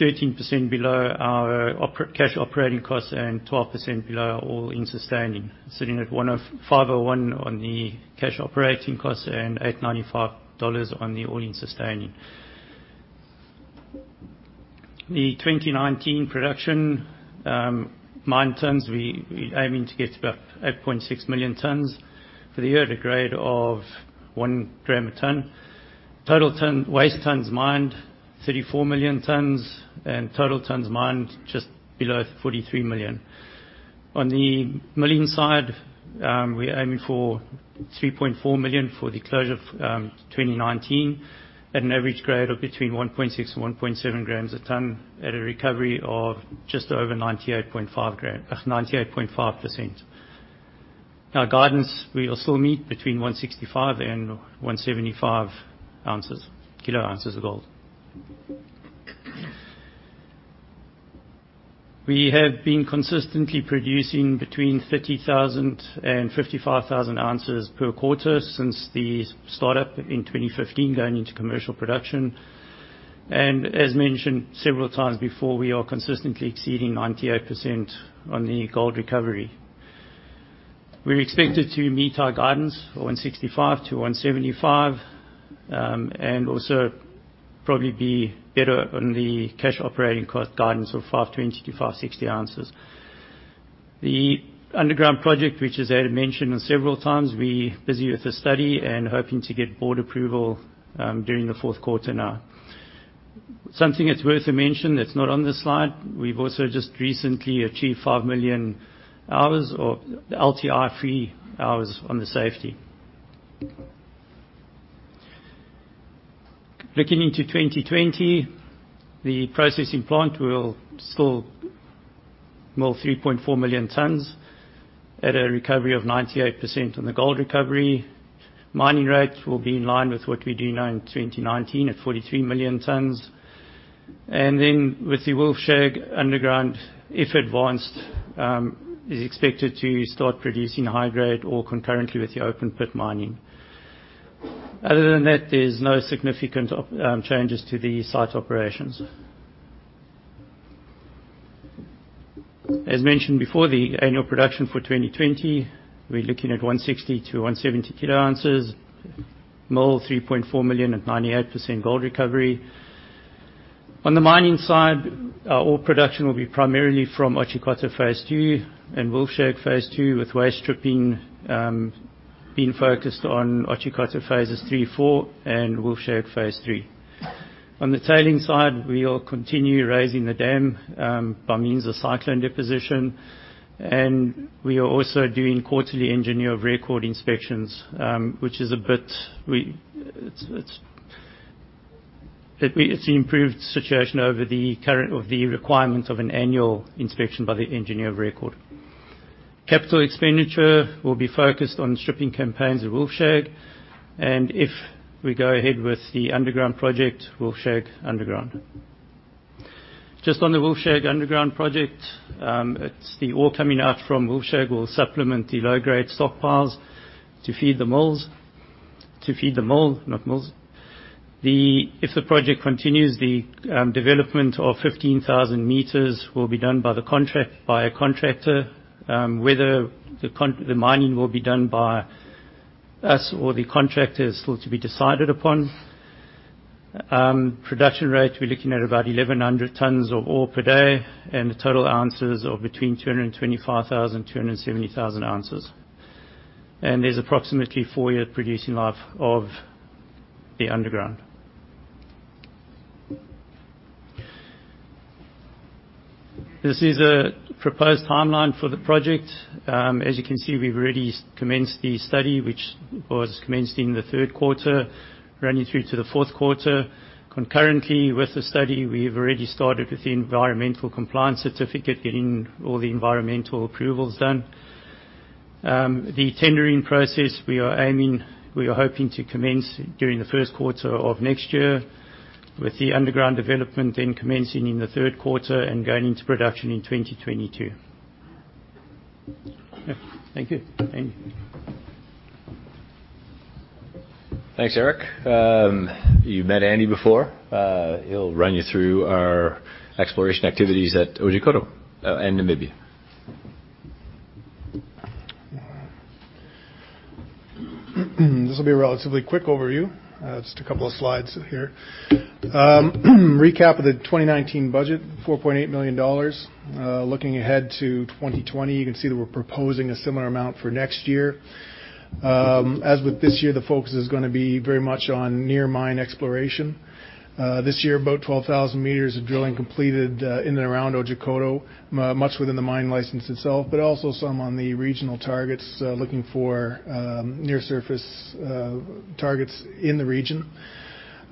13% below our cash operating costs, and 12% below all-in sustaining, sitting at $501 on the cash operating costs and $895 on the all-in sustaining. The 2019 production mine tons, we're aiming to get about 8.6 million tons for the year at a grade of one gram a ton. Total waste tons mined, 34 million tons. Total tons mined, just below 43 million. On the milling side, we're aiming for 3.4 million for the closure of 2019 at an average grade of between 1.6 g and 1.7 g a ton at a recovery of just over 98.5%. Our guidance, we will still meet between 165 kg oz and 175 kg oz of gold. We have been consistently producing between 30,000 oz and 55,000 oz per quarter since the startup in 2015, going into commercial production. As mentioned several times before, we are consistently exceeding 98% on the gold recovery. We're expected to meet our guidance of $165-$175, and also probably be better on the cash operating cost guidance of $520 oz-$560 oz. The underground project, which as I had mentioned several times, we're busy with the study and hoping to get Board approval during the fourth quarter now. Something that is worth a mention that is not on this slide, we have also just recently achieved 5 million hours or LTI free hours on the safety. Looking into 2020, the processing plant will still mill 3.4 million tons at a recovery of 98% on the gold recovery. Mining rates will be in line with what we do now in 2019 at 43 million tons. With the Wolfshag underground, if advanced, is expected to start producing high grade ore concurrently with the open pit mining. Other than that, there is no significant changes to the site operations. As mentioned before, the annual production for 2020, we are looking at 160 kg oz-170 kg oz, mill 3.4 million at 98% gold recovery. On the mining side, our ore production will be primarily from Otjikoto phase II and Wolfshag phase II, with waste stripping being focused on Otjikoto phases III, IV and Wolfshag phase III. On the tailing side, we will continue raising the dam by means of cyclone deposition, and we are also doing quarterly engineer of record inspections. It's an improved situation over the requirement of an annual inspection by the engineer of record. Capital expenditure will be focused on stripping campaigns at Wolfshag, and if we go ahead with the underground project, Wolfshag Underground. Just on the Wolfshag Underground project, it's the ore coming out from Wolfshag will supplement the low-grade stockpiles to feed the mills. To feed the mill, not mills. If the project continues, the development of 15,000 m will be done by a contractor. Whether the mining will be done by us or the contractor is still to be decided upon. Production rate, we're looking at about 1,100 tons of ore per day and the total ounces of between 225,000 oz, 270,000 oz There's approximately four-year producing life of the underground. This is a proposed timeline for the project. As you can see, we've already commenced the study, which was commenced in the third quarter, running through to the fourth quarter. Concurrently with the study, we've already started with the environmental compliance certificate, getting all the environmental approvals done. The tendering process, we are hoping to commence during the first quarter of next year, with the underground development then commencing in the third quarter and going into production in 2022. Thank you. Andy. Thanks, Eric. You've met Andy before. He'll run you through our exploration activities at Otjikoto and Namibia. This will be a relatively quick overview. Just a couple of slides here. Recap of the 2019 budget, $4.8 million. Looking ahead to 2020, you can see that we're proposing a similar amount for next year. As with this year, the focus is going to be very much on near mine exploration. This year, about 12,000 m of drilling completed in and around Otjikoto, much within the mine license itself, but also some on the regional targets, looking for near surface targets in the region.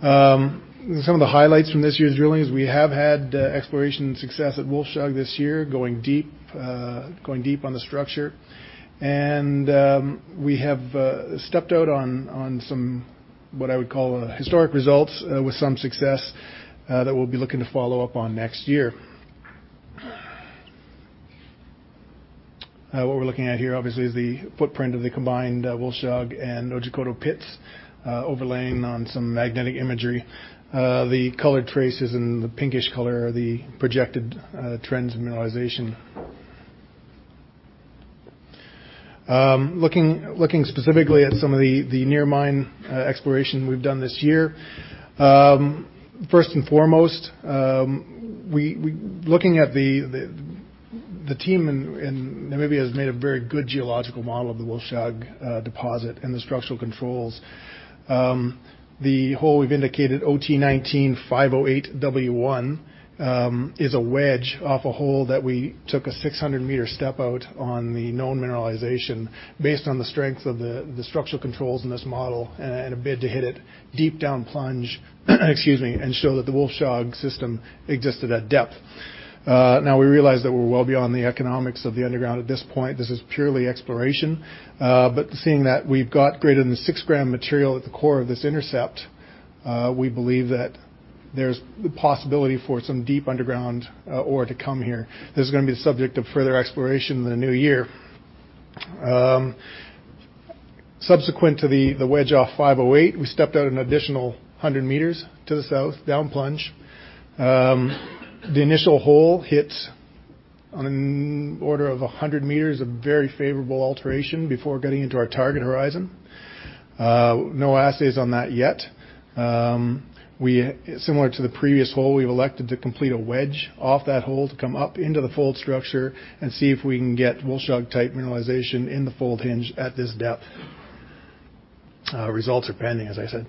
Some of the highlights from this year's drilling is we have had exploration success at Wolfshag this year, going deep on the structure. We have stepped out on some, what I would call, historic results with some success that we'll be looking to follow up on next year. What we're looking at here, obviously, is the footprint of the combined Wolfshag and Otjikoto pits overlaying on some magnetic imagery. The colored traces in the pinkish color are the projected trends of mineralization. Looking specifically at some of the near mine exploration we've done this year. First and foremost, looking at the team in Namibia has made a very good geological model of the Wolfshag deposit and the structural controls. The hole we've indicated, OT19508W1, is a wedge off a hole that we took a 600 m step out on the known mineralization based on the strength of the structural controls in this model in a bid to hit it deep down plunge and show that the Wolfshag system existed at depth. We realize that we're well beyond the economics of the underground at this point. This is purely exploration. Seeing that we've got greater than 6 g material at the core of this intercept, we believe that there's the possibility for some deep underground ore to come here. This is going to be the subject of further exploration in the new year. Subsequent to the wedge off 508, we stepped out an additional 100 m to the south, down plunge. The initial hole hits on an order of 100 m of very favorable alteration before getting into our target horizon. No assays on that yet. Similar to the previous hole, we've elected to complete a wedge off that hole to come up into the fold structure and see if we can get Wolfshag-type mineralization in the fold hinge at this depth. Results are pending, as I said.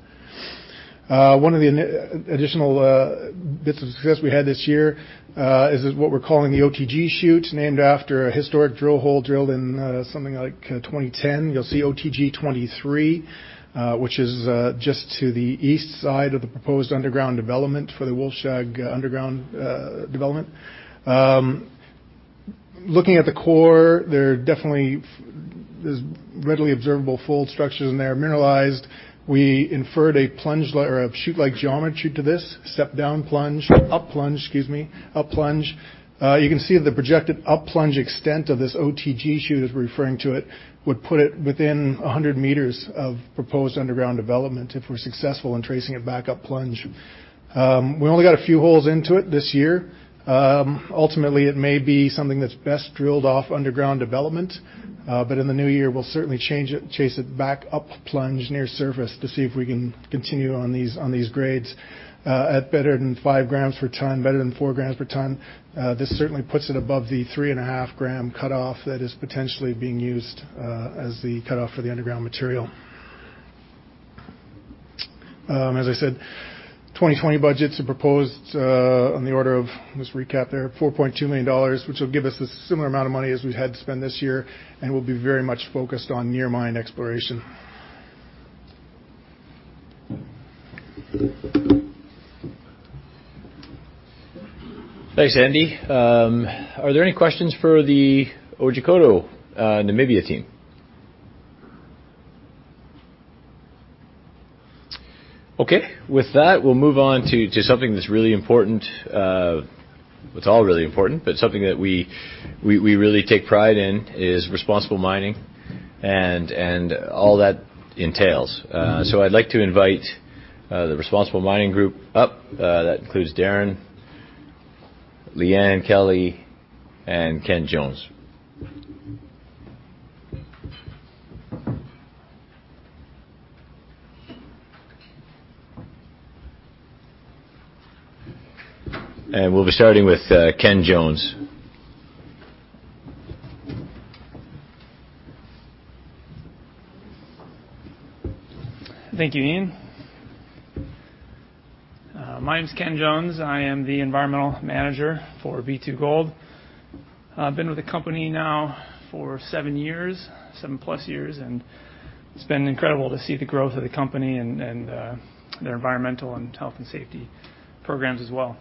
One of the additional bits of success we had this year, is what we're calling the OTG chute, named after a historic drill hole drilled in something like 2010. You'll see OTG-23, which is just to the east side of the proposed underground development for the Wolfshag underground development. Looking at the core, there's readily observable fold structures in there, mineralized. We inferred a plunge or a chute-like geometry to this. Step down plunge, up plunge. Excuse me. Up plunge. You can see the projected up plunge extent of this OTG chute, as we're referring to it, would put it within 100 m of proposed underground development if we're successful in tracing it back up plunge. We only got a few holes into it this year. Ultimately, it may be something that's best drilled off underground development. In the new year, we'll certainly chase it back up plunge near surface to see if we can continue on these grades at better than 5 g per ton, better than 4 g per ton. This certainly puts it above the 3.5 g cutoff that is potentially being used, as the cutoff for the underground material. As I said, 2020 budgets are proposed on the order of, just recap there, $4.2 million, which will give us a similar amount of money as we had to spend this year, and we'll be very much focused on near mine exploration. Thanks, Andy. Are there any questions for the Otjikoto Namibia team? Okay. With that, we'll move on to something that's really important. It's all really important, something that we really take pride in is responsible mining and all that entails. I'd like to invite the responsible mining group up. That includes Darren, Liane Kelly, and Ken Jones. We'll be starting with Ken Jones. Thank you, Ian. My name is Ken Jones. I am the Environmental Manager for B2Gold. I've been with the company now for 7+ years, and it's been incredible to see the growth of the company and their environmental and health and safety programs as well.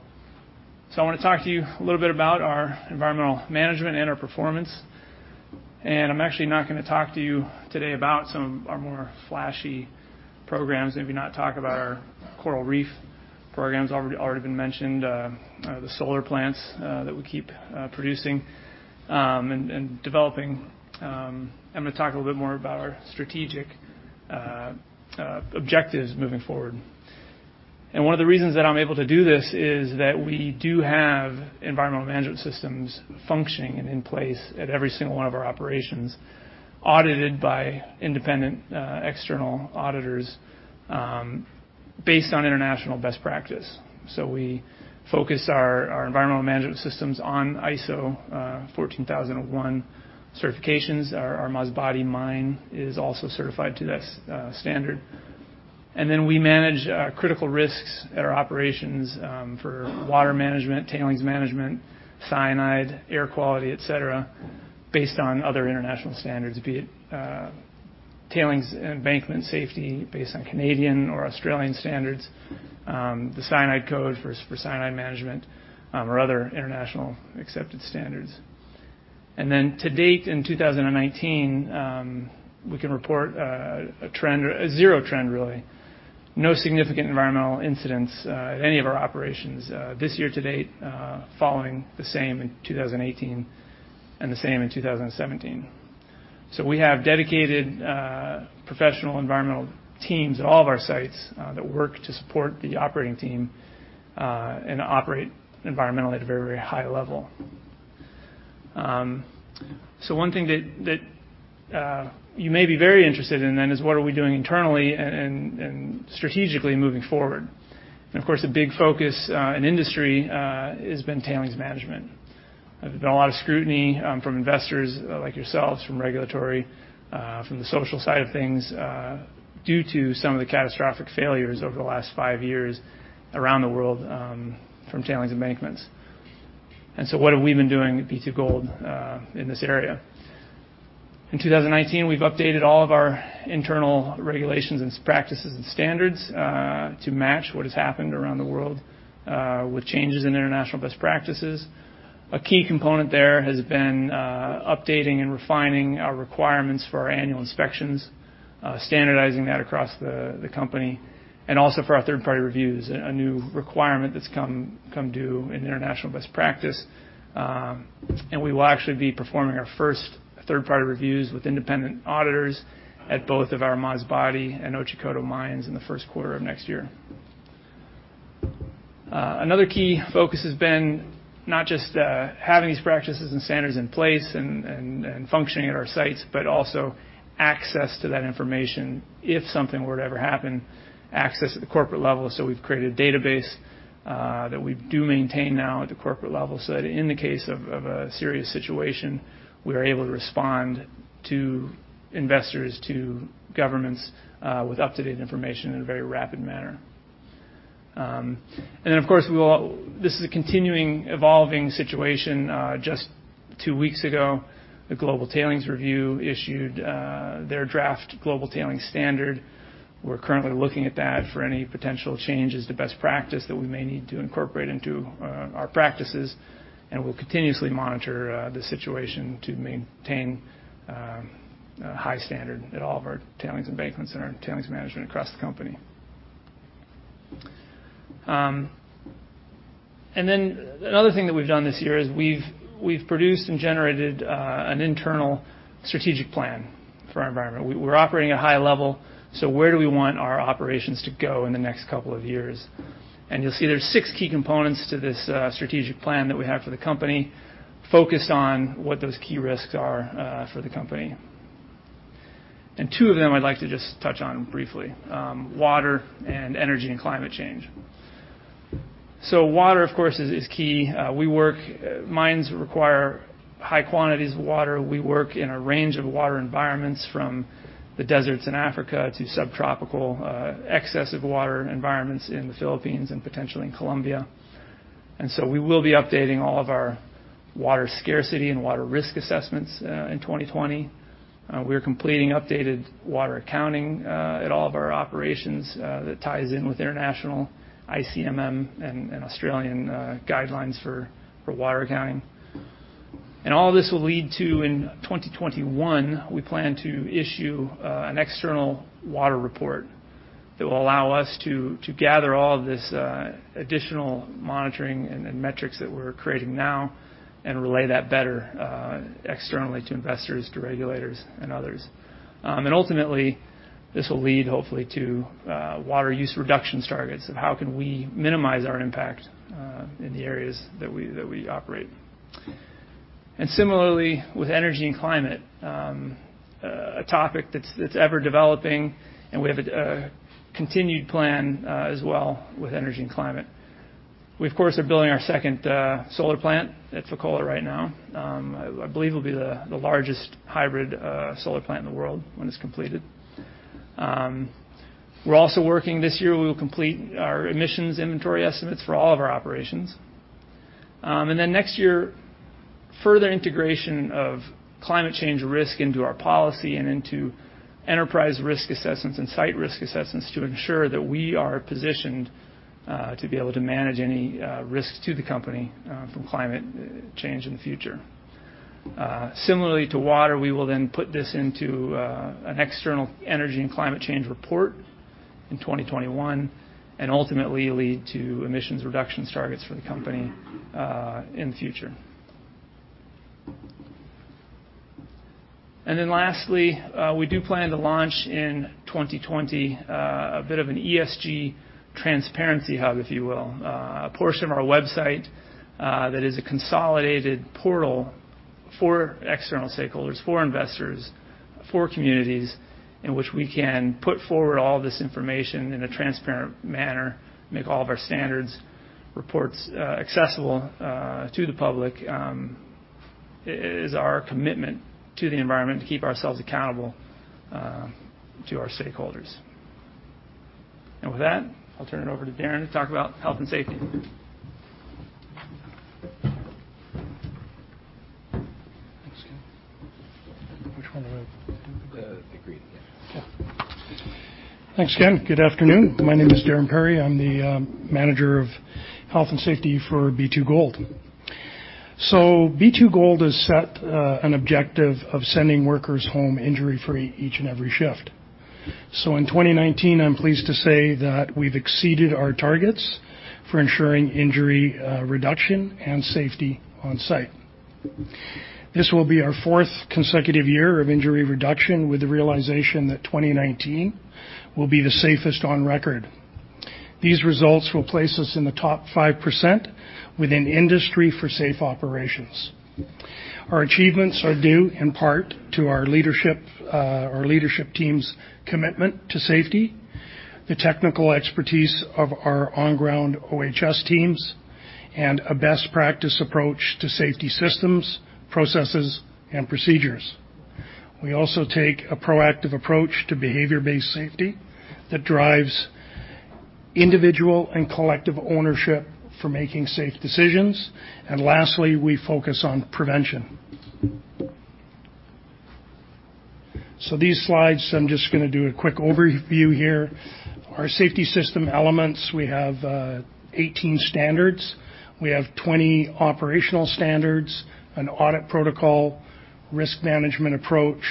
I want to talk to you a little bit about our environmental management and our performance. I'm actually not gonna talk to you today about some of our more flashy programs. Maybe not talk about our coral reef programs, already been mentioned, the solar plants that we keep producing and developing. I'm gonna talk a little bit more about our strategic objectives moving forward. One of the reasons that I'm able to do this is that we do have environmental management systems functioning and in place at every single one of our operations, audited by independent external auditors, based on international best practice. We focus our environmental management systems on ISO 14001 certifications. Our Masbate mine is also certified to this standard. We manage our critical risks at our operations for water management, tailings management, cyanide, air quality, etc, based on other international standards, be it tailings embankment safety based on Canadian or Australian standards, the cyanide code for cyanide management, or other international accepted standards. To date, in 2019, we can report a zero trend, really. No significant environmental incidents at any of our operations this year-to-date, following the same in 2018, and the same in 2017. We have dedicated professional environmental teams at all of our sites that work to support the operating team, and operate environmentally at a very, very high level. One thing that you may be very interested in then is what are we doing internally and strategically moving forward? Of course, a big focus in industry has been tailings management. There's been a lot of scrutiny from investors like yourselves, from regulatory, from the social side of things, due to some of the catastrophic failures over the last five years around the world from tailings embankments. What have we been doing at B2Gold in this area? In 2019, we've updated all of our internal regulations and practices and standards to match what has happened around the world with changes in international best practices. A key component there has been updating and refining our requirements for our annual inspections, standardizing that across the company, also for our third-party reviews, a new requirement that's come due in international best practice. We will actually be performing our first third-party reviews with independent auditors at both of our Masbate and Otjikoto mines in the first quarter of next year. Another key focus has been not just having these practices and standards in place and functioning at our sites, but also access to that information if something were to ever happen, access at the corporate level. We've created a database that we do maintain now at the corporate level, so that in the case of a serious situation, we are able to respond to investors, to governments, with up-to-date information in a very rapid manner. Of course, this is a continuing, evolving situation. Just two weeks ago, the Global Tailings Review issued their draft global tailings standard. We're currently looking at that for any potential changes to best practice that we may need to incorporate into our practices, and we'll continuously monitor the situation to maintain a high standard at all of our tailings embankments and our tailings management across the company. Another thing that we've done this year is we've produced and generated an internal strategic plan for our environment. We're operating at a high level, so where do we want our operations to go in the next couple of years? You'll see there's six key components to this strategic plan that we have for the company, focused on what those key risks are for the company. Two of them I'd like to just touch on briefly, water and energy and climate change. Water, of course, is key. Mines require high quantities of water. We work in a range of water environments, from the deserts in Africa to subtropical excessive water environments in the Philippines and potentially in Colombia. We will be updating all of our water scarcity and water risk assessments in 2020. We're completing updated water accounting at all of our operations that ties in with international ICMM and Australian guidelines for water accounting. All this will lead to, in 2021, we plan to issue an external water report that will allow us to gather all of this additional monitoring and metrics that we're creating now and relay that better externally to investors, to regulators, and others. Ultimately, this will lead, hopefully, to water use reduction targets of how can we minimize our impact in the areas that we operate. Similarly, with energy and climate, a topic that's ever developing, and we have a continued plan as well with energy and climate. We, of course, are building our second solar plant at Fekola right now. I believe it will be the largest hybrid solar plant in the world when it's completed. We're also working this year, we will complete our emissions inventory estimates for all of our operations. Then next year, further integration of climate change risk into our policy and into enterprise risk assessments and site risk assessments to ensure that we are positioned to be able to manage any risks to the company from climate change in the future. Similarly to water, we will then put this into an external energy and climate change report in 2021, and ultimately lead to emissions reductions targets for the company in the future. Lastly, we do plan to launch in 2020 a bit of an ESG transparency hub, if you will. A portion of our website that is a consolidated portal for external stakeholders, for investors, for communities, in which we can put forward all this information in a transparent manner, make all of our standards reports accessible to the public. Is our commitment to the environment to keep ourselves accountable to our stakeholders. With that, I'll turn it over to Darren to talk about health and safety. Thanks, Ken. Which one do I do? The green there. Yeah. Thanks, Ken. Good afternoon. My name is Darren Parry. I'm the Manager of Health and Safety for B2Gold. B2Gold has set an objective of sending workers home injury-free each and every shift. In 2019, I'm pleased to say that we've exceeded our targets for ensuring injury reduction and safety on site. This will be our fourth consecutive year of injury reduction with the realization that 2019 will be the safest on record. These results will place us in the top 5% within industry for safe operations. Our achievements are due in part to our leadership team's commitment to safety, the technical expertise of our on-ground OHS teams, and a best practice approach to safety systems, processes, and procedures. We also take a proactive approach to behavior-based safety that drives individual and collective ownership for making safe decisions, and lastly, we focus on prevention. These slides, I'm just going to do a quick overview here. Our safety system elements, we have 18 standards. We have 20 operational standards, an audit protocol, risk management approach,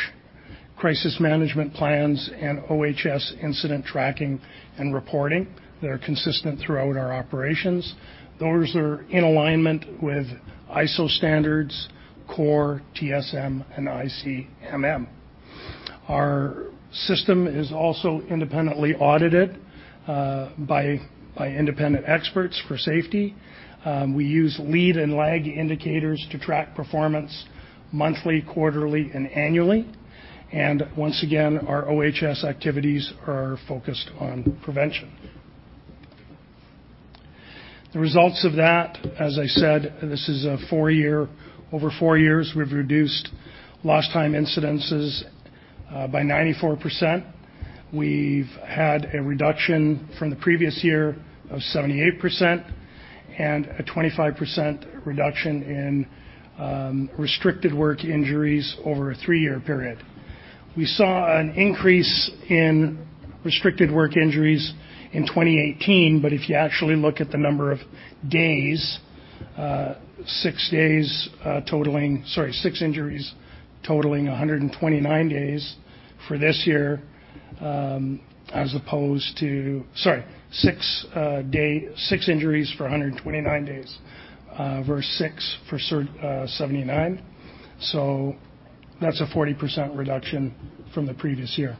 crisis management plans, and OHS incident tracking and reporting that are consistent throughout our operations. Those are in alignment with ISO standards, COR, TSM, and ICMM. Our system is also independently audited by independent experts for safety. We use lead and lag indicators to track performance monthly, quarterly, and annually. Once again, our OHS activities are focused on prevention. The results of that, as I said, this is a four-year, over four years, we've reduced lost time incidences by 94%. We've had a reduction from the previous year of 78% and a 25% reduction in restricted work injuries over a three-year period. We saw an increase in restricted work injuries in 2018, but if you actually look at the number of days, six injuries totaling 129 days for this year as opposed to Sorry, six injuries for 129 days versus six for 79. That's a 40% reduction from the previous year.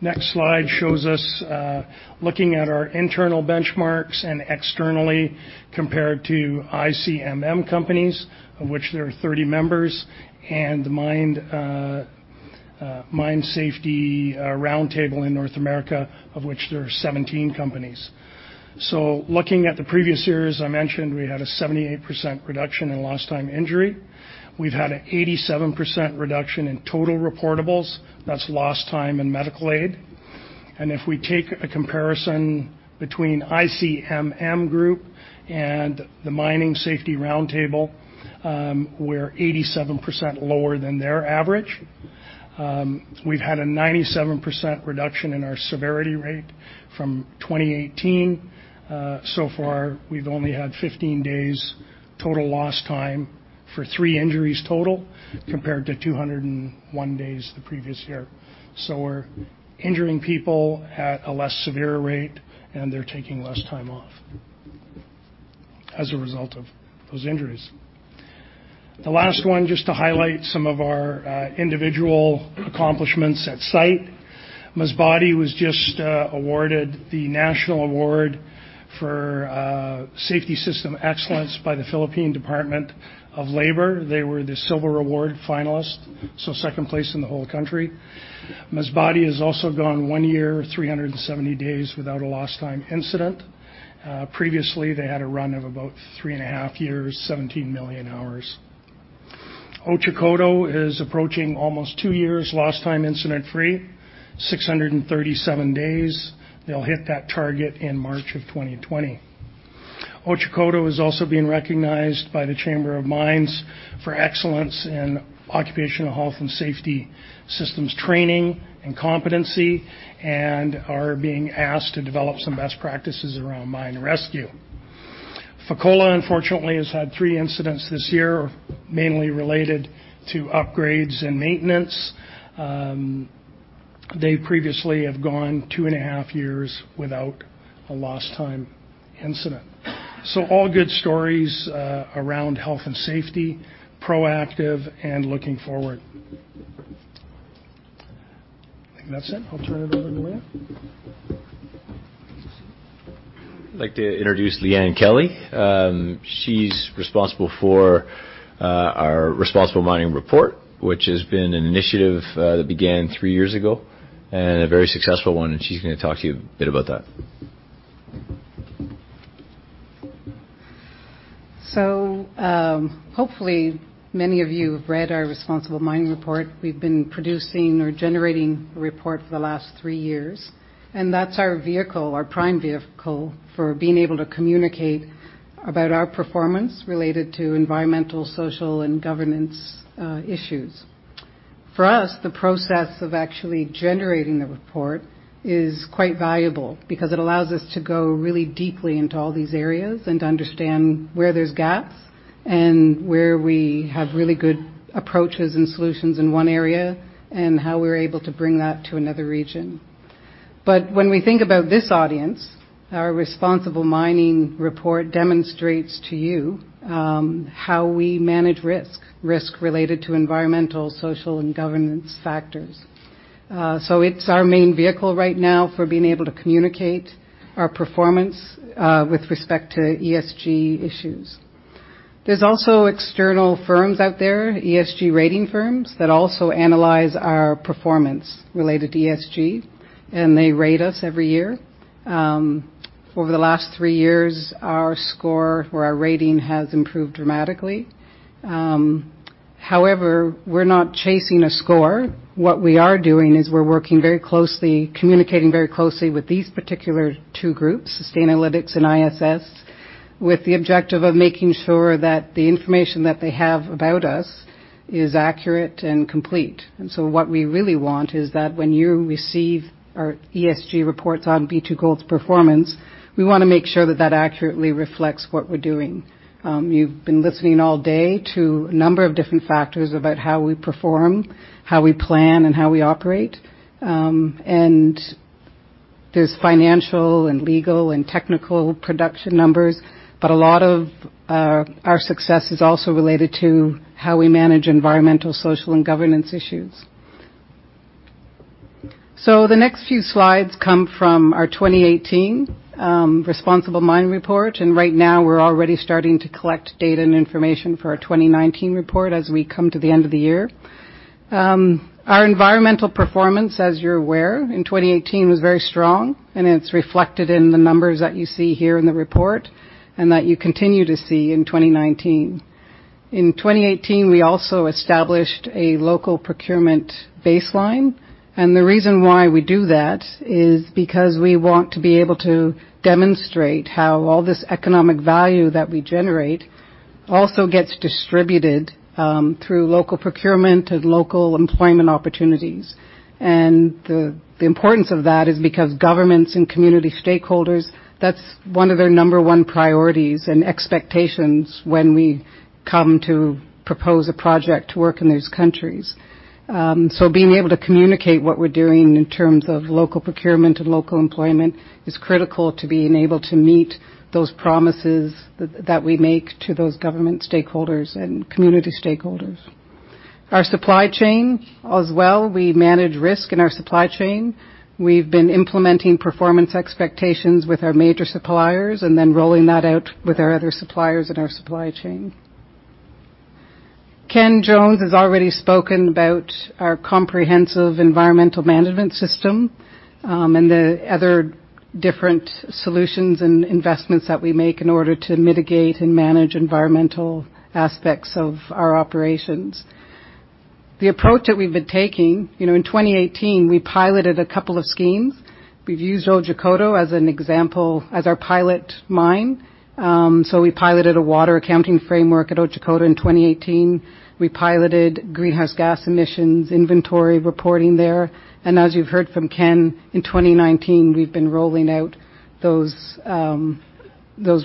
Next slide shows us looking at our internal benchmarks and externally compared to ICMM companies, of which there are 30 members, and Mine Safety Roundtable in North America, of which there are 17 companies. Looking at the previous years, I mentioned we had a 78% reduction in lost time injury. We've had a 87% reduction in total reportables, that's lost time and medical aid. If we take a comparison between ICMM group and the Mine Safety Roundtable, we're 87% lower than their average. We've had a 97% reduction in our severity rate from 2018. Far, we've only had 15 days total lost time for three injuries total, compared to 201 days the previous year. We're injuring people at a less severe rate, and they're taking less time off as a result of those injuries. The last one, just to highlight some of our individual accomplishments at site. Masbate was just awarded the National Award for Safety System Excellence by the Philippine Department of Labor. They were the Silver Award finalist, second place in the whole country. Masbate has also gone one year, 370 days without a lost time incident. Previously, they had a run of about three and a half years, 17 million hours. Otjikoto is approaching almost two years lost time incident-free, 637 days. They'll hit that target in March of 2020. Otjikoto is also being recognized by the Chamber of Mines for excellence in occupational health and safety systems training and competency and are being asked to develop some best practices around mine rescue. Fekola, unfortunately, has had three incidents this year, mainly related to upgrades and maintenance. They previously have gone two and a half years without a lost time incident. All good stories around health and safety, proactive and looking forward. I think that's it. I'll turn it over to Liane. I'd like to introduce Liane Kelly. She's responsible for our Responsible Mining Report, which has been an initiative that began three years ago. A very successful one, and she's going to talk to you a bit about that. Hopefully many of you have read our Responsible Mining Report. We've been producing or generating a report for the last three years, and that's our vehicle, our prime vehicle for being able to communicate about our performance related to environmental, social, and governance issues. For us, the process of actually generating the report is quite valuable, because it allows us to go really deeply into all these areas and understand where there's gaps and where we have really good approaches and solutions in one area, and how we're able to bring that to another region. When we think about this audience, our Responsible Mining Report demonstrates to you how we manage risk. Risk related to environmental, social, and governance factors. It's our main vehicle right now for being able to communicate our performance with respect to ESG issues. There's also external firms out there, ESG rating firms, that also analyze our performance related to ESG, and they rate us every year. Over the last three years, our score or our rating has improved dramatically. However, we're not chasing a score. What we are doing is we're working very closely, communicating very closely with these particular two groups, Sustainalytics and ISS, with the objective of making sure that the information that they have about us is accurate and complete. What we really want is that when you receive our ESG reports on B2Gold's performance, we want to make sure that accurately reflects what we're doing. You've been listening all day to a number of different factors about how we perform, how we plan, and how we operate. There's financial and legal and technical production numbers, but a lot of our success is also related to how we manage environmental, social, and governance issues. The next few slides come from our 2018 Responsible Mining Report, and right now we're already starting to collect data and information for our 2019 report as we come to the end of the year. Our environmental performance, as you're aware, in 2018 was very strong, and it's reflected in the numbers that you see here in the report, and that you continue to see in 2019. In 2018, we also established a local procurement baseline, and the reason why we do that is because we want to be able to demonstrate how all this economic value that we generate also gets distributed through local procurement and local employment opportunities. The importance of that is because governments and community stakeholders, that's one of their number one priorities and expectations when we come to propose a project to work in those countries. Being able to communicate what we're doing in terms of local procurement and local employment is critical to being able to meet those promises that we make to those government stakeholders and community stakeholders. Our supply chain as well, we manage risk in our supply chain. We've been implementing performance expectations with our major suppliers and then rolling that out with our other suppliers in our supply chain. Ken Jones has already spoken about our comprehensive environmental management system, and the other different solutions and investments that we make in order to mitigate and manage environmental aspects of our operations. The approach that we've been taking, in 2018, we piloted a couple of schemes. We've used Otjikoto as an example as our pilot mine. We piloted a water accounting framework at Otjikoto in 2018. We piloted greenhouse gas emissions inventory reporting there. As you've heard from Ken, in 2019, we've been rolling out those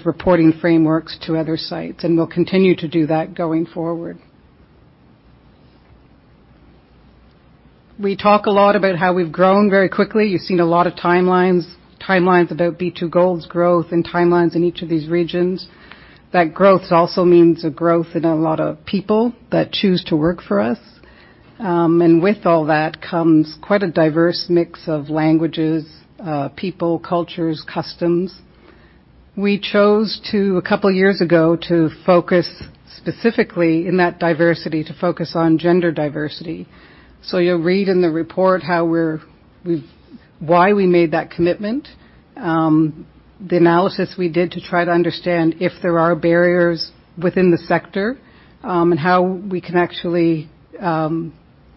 reporting frameworks to other sites, and we'll continue to do that going forward. We talk a lot about how we've grown very quickly. You've seen a lot of timelines about B2Gold's growth and timelines in each of these regions. That growth also means a growth in a lot of people that choose to work for us, and with all that comes quite a diverse mix of languages, people, cultures, customs. We chose to, a couple years ago, to focus specifically in that diversity, to focus on gender diversity. You'll read in the report why we made that commitment, the analysis we did to try to understand if there are barriers within the sector, and how we can actually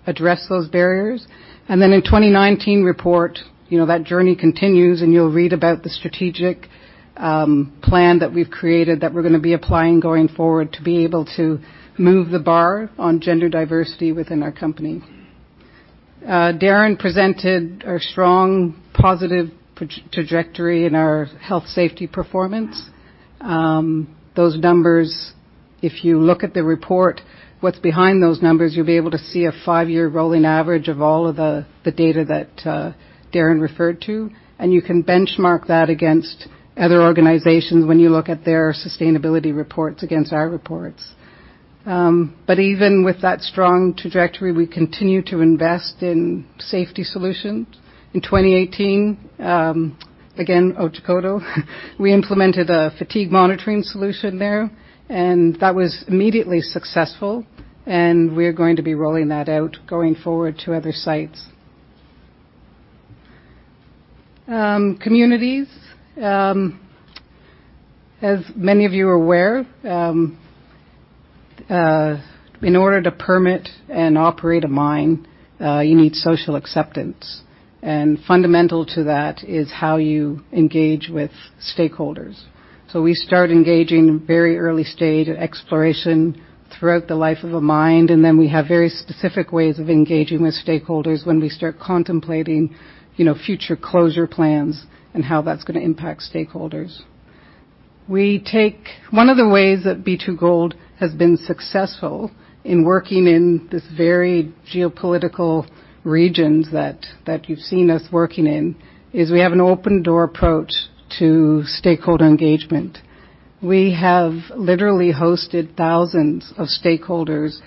address those barriers. In 2019 report, that journey continues and you'll read about the strategic plan that we've created that we're going to be applying going forward to be able to move the bar on gender diversity within our company. Darren presented our strong, positive trajectory in our health safety performance. Those numbers, if you look at the report, what's behind those numbers, you'll be able to see a five-year rolling average of all of the data that Darren referred to, and you can benchmark that against other organizations when you look at their sustainability reports against our reports. Even with that strong trajectory, we continue to invest in safety solutions. In 2018, again, Otjikoto, we implemented a fatigue monitoring solution there, and that was immediately successful. We're going to be rolling that out, going forward to other sites. Communities. As many of you are aware, in order to permit and operate a mine, you need social acceptance. Fundamental to that is how you engage with stakeholders. We start engaging very early stage exploration throughout the life of a mine, and then we have very specific ways of engaging with stakeholders when we start contemplating future closure plans and how that's going to impact stakeholders. One of the ways that B2Gold has been successful in working in this very geopolitical regions that you've seen us working in, is we have an open door approach to stakeholder engagement. We have literally hosted thousands of stakeholders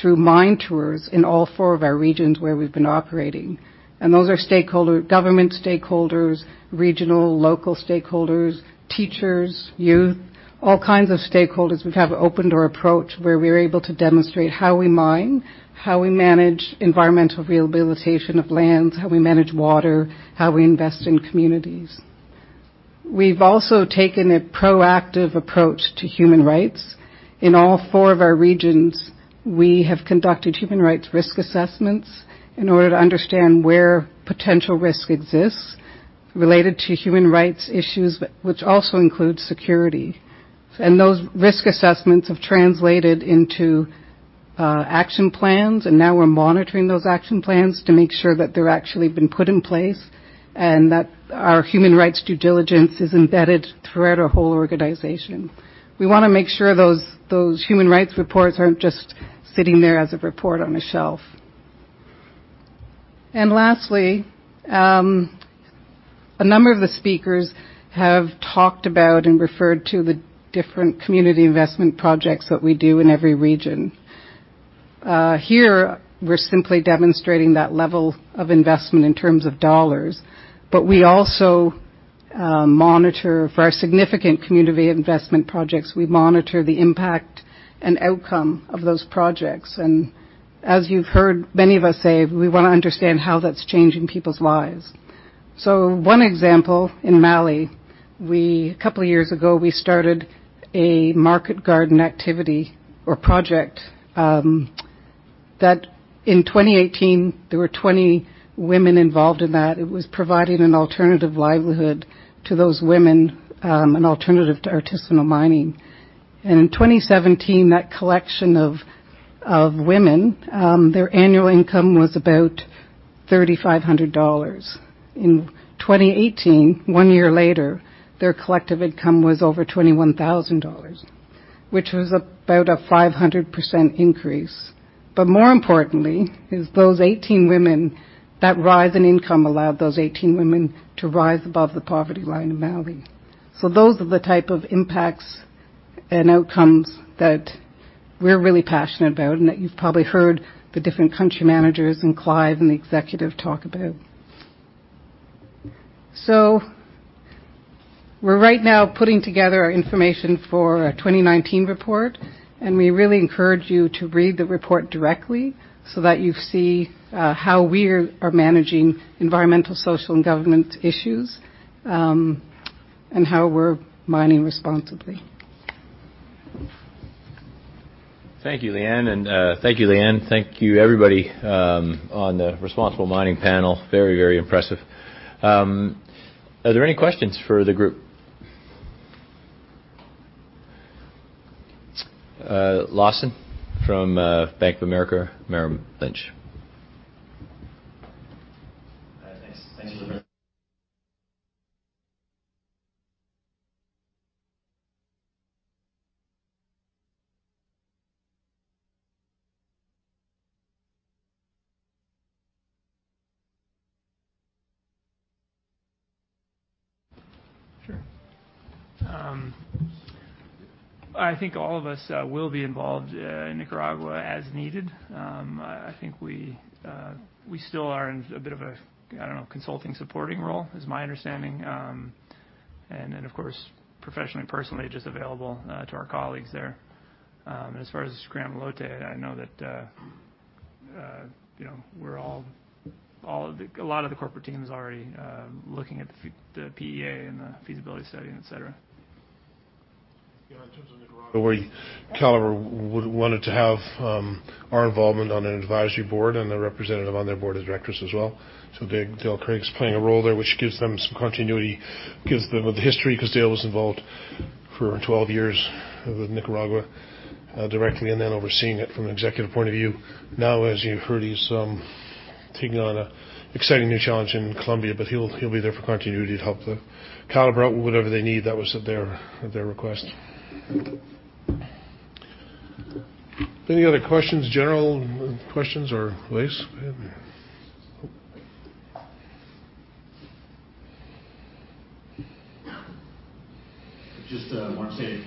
through mine tours in all four of our regions where we've been operating. Those are government stakeholders, regional local stakeholders, teachers, youth, all kinds of stakeholders. We have an open door approach where we're able to demonstrate how we mine, how we manage environmental rehabilitation of lands, how we manage water, how we invest in communities. We've also taken a proactive approach to human rights. In all four of our regions, we have conducted human rights risk assessments in order to understand where potential risk exists related to human rights issues, which also includes security. Those risk assessments have translated into action plans, and now we're monitoring those action plans to make sure that they've actually been put in place, and that our human rights due diligence is embedded throughout our whole organization. We want to make sure those human rights reports aren't just sitting there as a report on a shelf. Lastly, a number of the speakers have talked about and referred to the different community investment projects that we do in every region. Here, we're simply demonstrating that level of investment in terms of dollars, but we also monitor for our significant community investment projects. We monitor the impact and outcome of those projects. As you've heard many of us say, we want to understand how that's changing people's lives. One example in Mali, a couple of years ago, we started a market garden activity or project, that in 2018, there were 20 women involved in that. It was providing an alternative livelihood to those women, an alternative to artisanal mining. In 2017, that collection of women, their annual income was about $3,500. In 2018, one year later, their collective income was over $21,000, which was about a 500% increase. More importantly is those 18 women, that rise in income allowed those 18 women to rise above the poverty line in Mali. Those are the type of impacts and outcomes that we're really passionate about and that you've probably heard the different country managers and Clive and the executive talk about. We're right now putting together our information for a 2019 report, and we really encourage you to read the report directly so that you see how we are managing environmental, social, and governance issues, and how we're mining responsibly. Thank you, Liane. Thank you, everybody on the responsible mining panel. Very, very impressive. Are there any questions for the group? Lawson from Bank of America Merrill Lynch. [inaudible] Thank you very much. Sure. I think all of us will be involved in Nicaragua as needed. I think we still are in a bit of a, I don't know, consulting, supporting role, is my understanding. Of course, professionally and personally, just available to our colleagues there. As far as Gramalote, I know that a lot of the corporate team is already looking at the PEA and the feasibility study, etc. In terms of Nicaragua, Calibre wanted to have our involvement on an Advisory Board and a representative on their Board of Directors as well. Dale Craig's playing a role there, which gives them some continuity, gives them the history, because Dale was involved for 12 years with Nicaragua directly, and then overseeing it from an executive point of view. Now, as you heard, he's taking on an exciting new challenge in Colombia, but he'll be there for continuity to help Calibre out with whatever they need. That was at their request. Any other questions, general questions or ways? Go ahead. Just want to say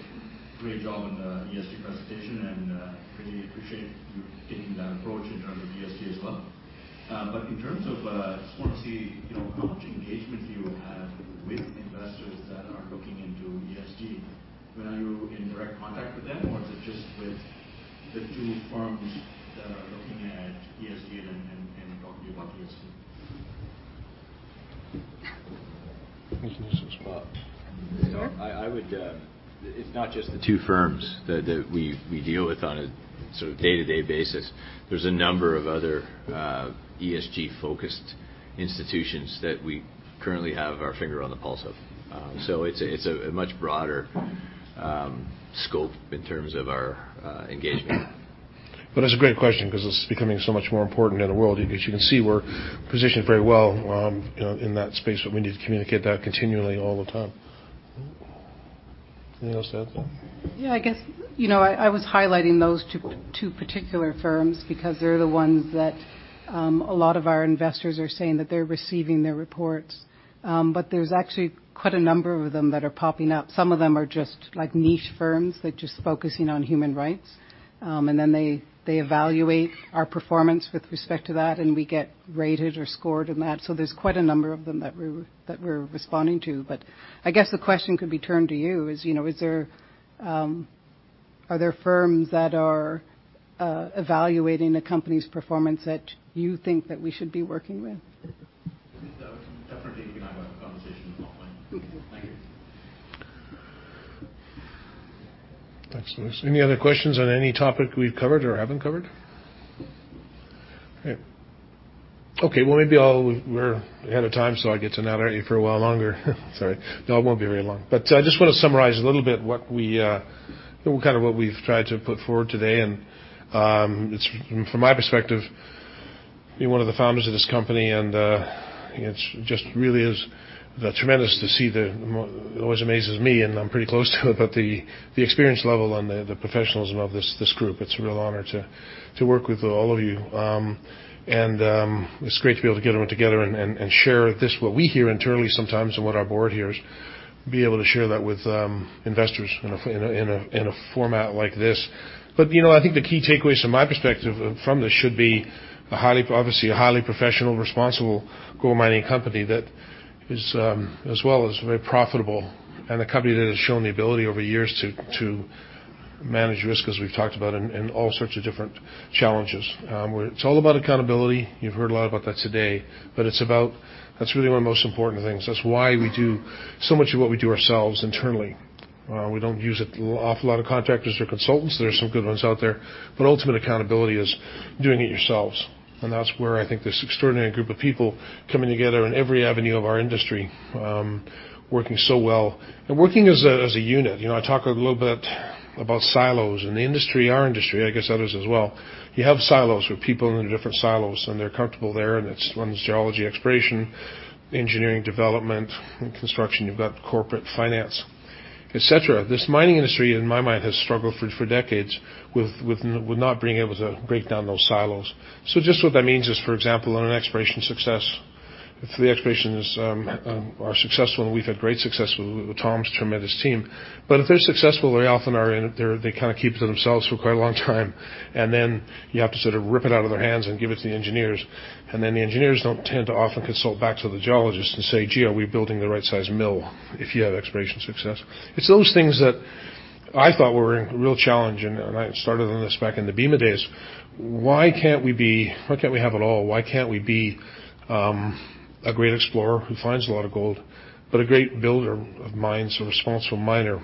great job on the ESG presentation, and really appreciate you taking that approach in terms of ESG as well. In terms of, I just want to see how much engagement do you have with investors that are looking into ESG? Are you in direct contact with them, or is it just with the two firms that are looking at ESG and talking about ESG? Mr. Scott? Sure. It's not just the two firms that we deal with on a day-to-day basis. There's a number of other ESG-focused institutions that we currently have our finger on the pulse of. It's a much broader scope in terms of our engagement. It's a great question because it's becoming so much more important in the world. As you can see, we're positioned very well in that space, but we need to communicate that continually all the time. Anything else to add, though? Yeah, I was highlighting those two particular firms because they're the ones that a lot of our investors are saying that they're receiving their reports. There's actually quite a number of them that are popping up. Some of them are just niche firms that just focusing on human rights. They evaluate our performance with respect to that, and we get rated or scored on that. There's quite a number of them that we're responding to. I guess the question could be turned to you is, are there firms that are evaluating a company's performance that you think that we should be working with? I think that definitely we can have a conversation offline. Thank you. Thanks, Abhi. Any other questions on any topic we've covered or haven't covered? Great. Okay, we're ahead of time, so I get to nag at you for a while longer. Sorry. I won't be very long. I just want to summarize a little bit what we've tried to put forward today, and from my perspective, being one of the founders of this company, it always amazes me, and I'm pretty close to it, but the experience level and the professionalism of this group. It's a real honor to work with all of you. It's great to be able to get everyone together and share this, what we hear internally sometimes and what our Board hears, be able to share that with investors in a format like this. I think the key takeaways from my perspective from this should be obviously a highly professional, responsible gold mining company that is as well as very profitable and a company that has shown the ability over years to manage risk, as we've talked about, and all sorts of different challenges. It's all about accountability. You've heard a lot about that today, that's really one of the most important things. That's why we do so much of what we do ourselves internally. We don't use an awful lot of contractors or consultants. There are some good ones out there, ultimate accountability is doing it yourselves. That's where I think this extraordinary group of people coming together in every avenue of our industry, working so well and working as a unit. I talk a little bit about silos in the industry, our industry, I guess others as well. You have silos with people in different silos, and they're comfortable there, and one's geology, exploration, engineering, development, and construction. You've got corporate finance, etc. This mining industry, in my mind, has struggled for decades with not being able to break down those silos. Just what that means is, for example, on an exploration success. If the explorations are successful, and we've had great success with Tom's tremendous team, but if they're successful, they often are, and they keep it to themselves for quite a long time. You have to sort of rip it out of their hands and give it to the engineers. The engineers don't tend to often consult back to the geologists and say, "Geo, are we building the right size mill?" If you have exploration success. It's those things that I thought were a real challenge, and I started on this back in the Bema days. Why can't we have it all? Why can't we be a great explorer who finds a lot of gold, but a great builder of mines or responsible miner,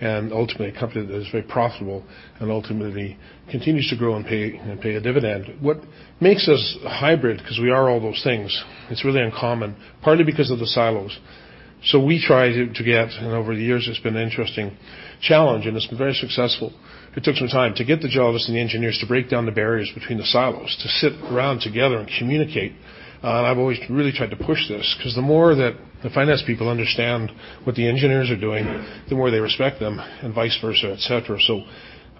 and ultimately, a company that is very profitable and ultimately continues to grow and pay a dividend? What makes us a hybrid, because we are all those things, it's really uncommon, partly because of the silos. We try to get, and over the years, it's been an interesting challenge, and it's been very successful. It took some time to get the geologists and the engineers to break down the barriers between the silos, to sit around together and communicate. I've always really tried to push this because the more that the finance people understand what the engineers are doing, the more they respect them and vice versa, etc.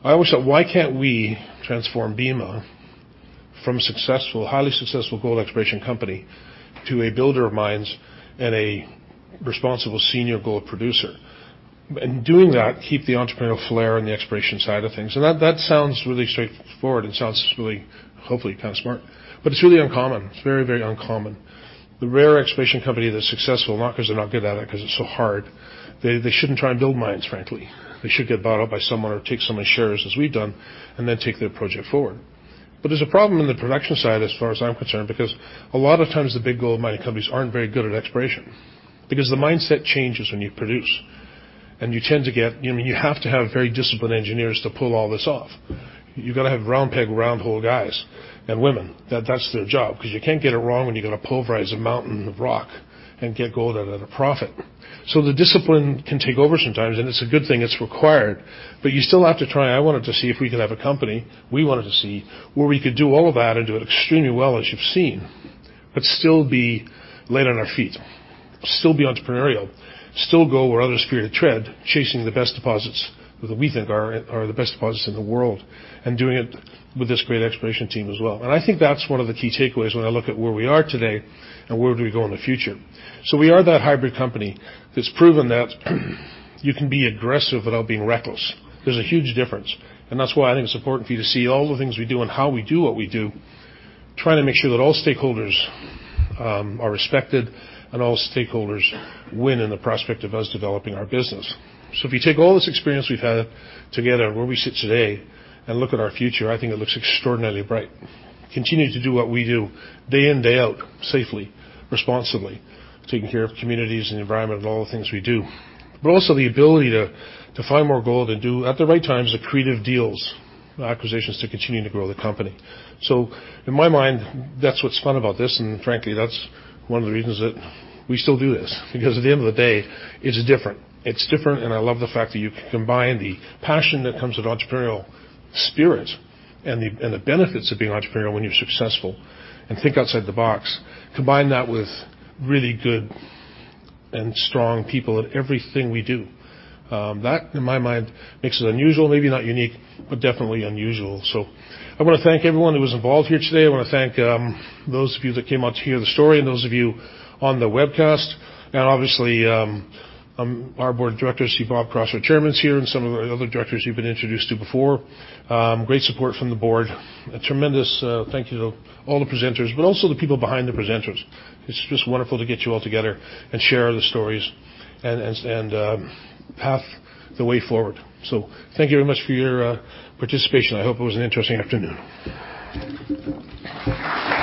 I always thought, why can't we transform Bema from a highly successful gold exploration company to a builder of mines and a responsible senior gold producer? Doing that, keep the entrepreneurial flair on the exploration side of things. That sounds really straightforward. It sounds really, hopefully, kind of smart. It's really uncommon. It's very uncommon. The rare exploration company that's successful, not because they're not good at it, because it's so hard. They shouldn't try and build mines, frankly. They should get bought out by someone or take somebody's shares, as we've done, and then take their project forward. There's a problem in the production side as far as I'm concerned, because a lot of times the big gold mining companies aren't very good at exploration because the mindset changes when you produce. You have to have very disciplined engineers to pull all this off. You've got to have round peg, round hole guys and women. That's their job because you can't get it wrong when you're going to pulverize a mountain of rock and get gold out of it, a profit. The discipline can take over sometimes, and it's a good thing. It's required, but you still have to try. I wanted to see if we could have a company, we wanted to see where we could do all of that and do it extremely well, as you've seen, still be light on our feet, still be entrepreneurial, still go where others fear to tread, chasing the best deposits that we think are the best deposits in the world, doing it with this great exploration team as well. I think that's one of the key takeaways when I look at where we are today and where do we go in the future. We are that hybrid company that's proven that you can be aggressive without being reckless. There's a huge difference, and that's why I think it's important for you to see all the things we do and how we do what we do, trying to make sure that all stakeholders are respected and all stakeholders win in the prospect of us developing our business. If you take all this experience we've had together and where we sit today and look at our future, I think it looks extraordinarily bright. Continue to do what we do day in, day out, safely, responsibly, taking care of communities and the environment and all the things we do. Also the ability to find more gold and do, at the right times, accretive deals and acquisitions to continue to grow the company. In my mind, that's what's fun about this, and frankly, that's one of the reasons that we still do this. At the end of the day, it's different. It's different, and I love the fact that you can combine the passion that comes with entrepreneurial spirit and the benefits of being entrepreneurial when you're successful and think outside the box. Combine that with really good and strong people at everything we do. That, in my mind, makes it unusual, maybe not unique, but definitely unusual. I want to thank everyone who was involved here today. I want to thank those of you that came out to hear the story and those of you on the webcast. Obviously, our Board of Directors. You see Bob Cross our Chairman's here and some of our other Directors you've been introduced to before. Great support from the Board. A tremendous thank you to all the presenters, but also the people behind the presenters. It's just wonderful to get you all together and share the stories and path the way forward. Thank you very much for your participation. I hope it was an interesting afternoon.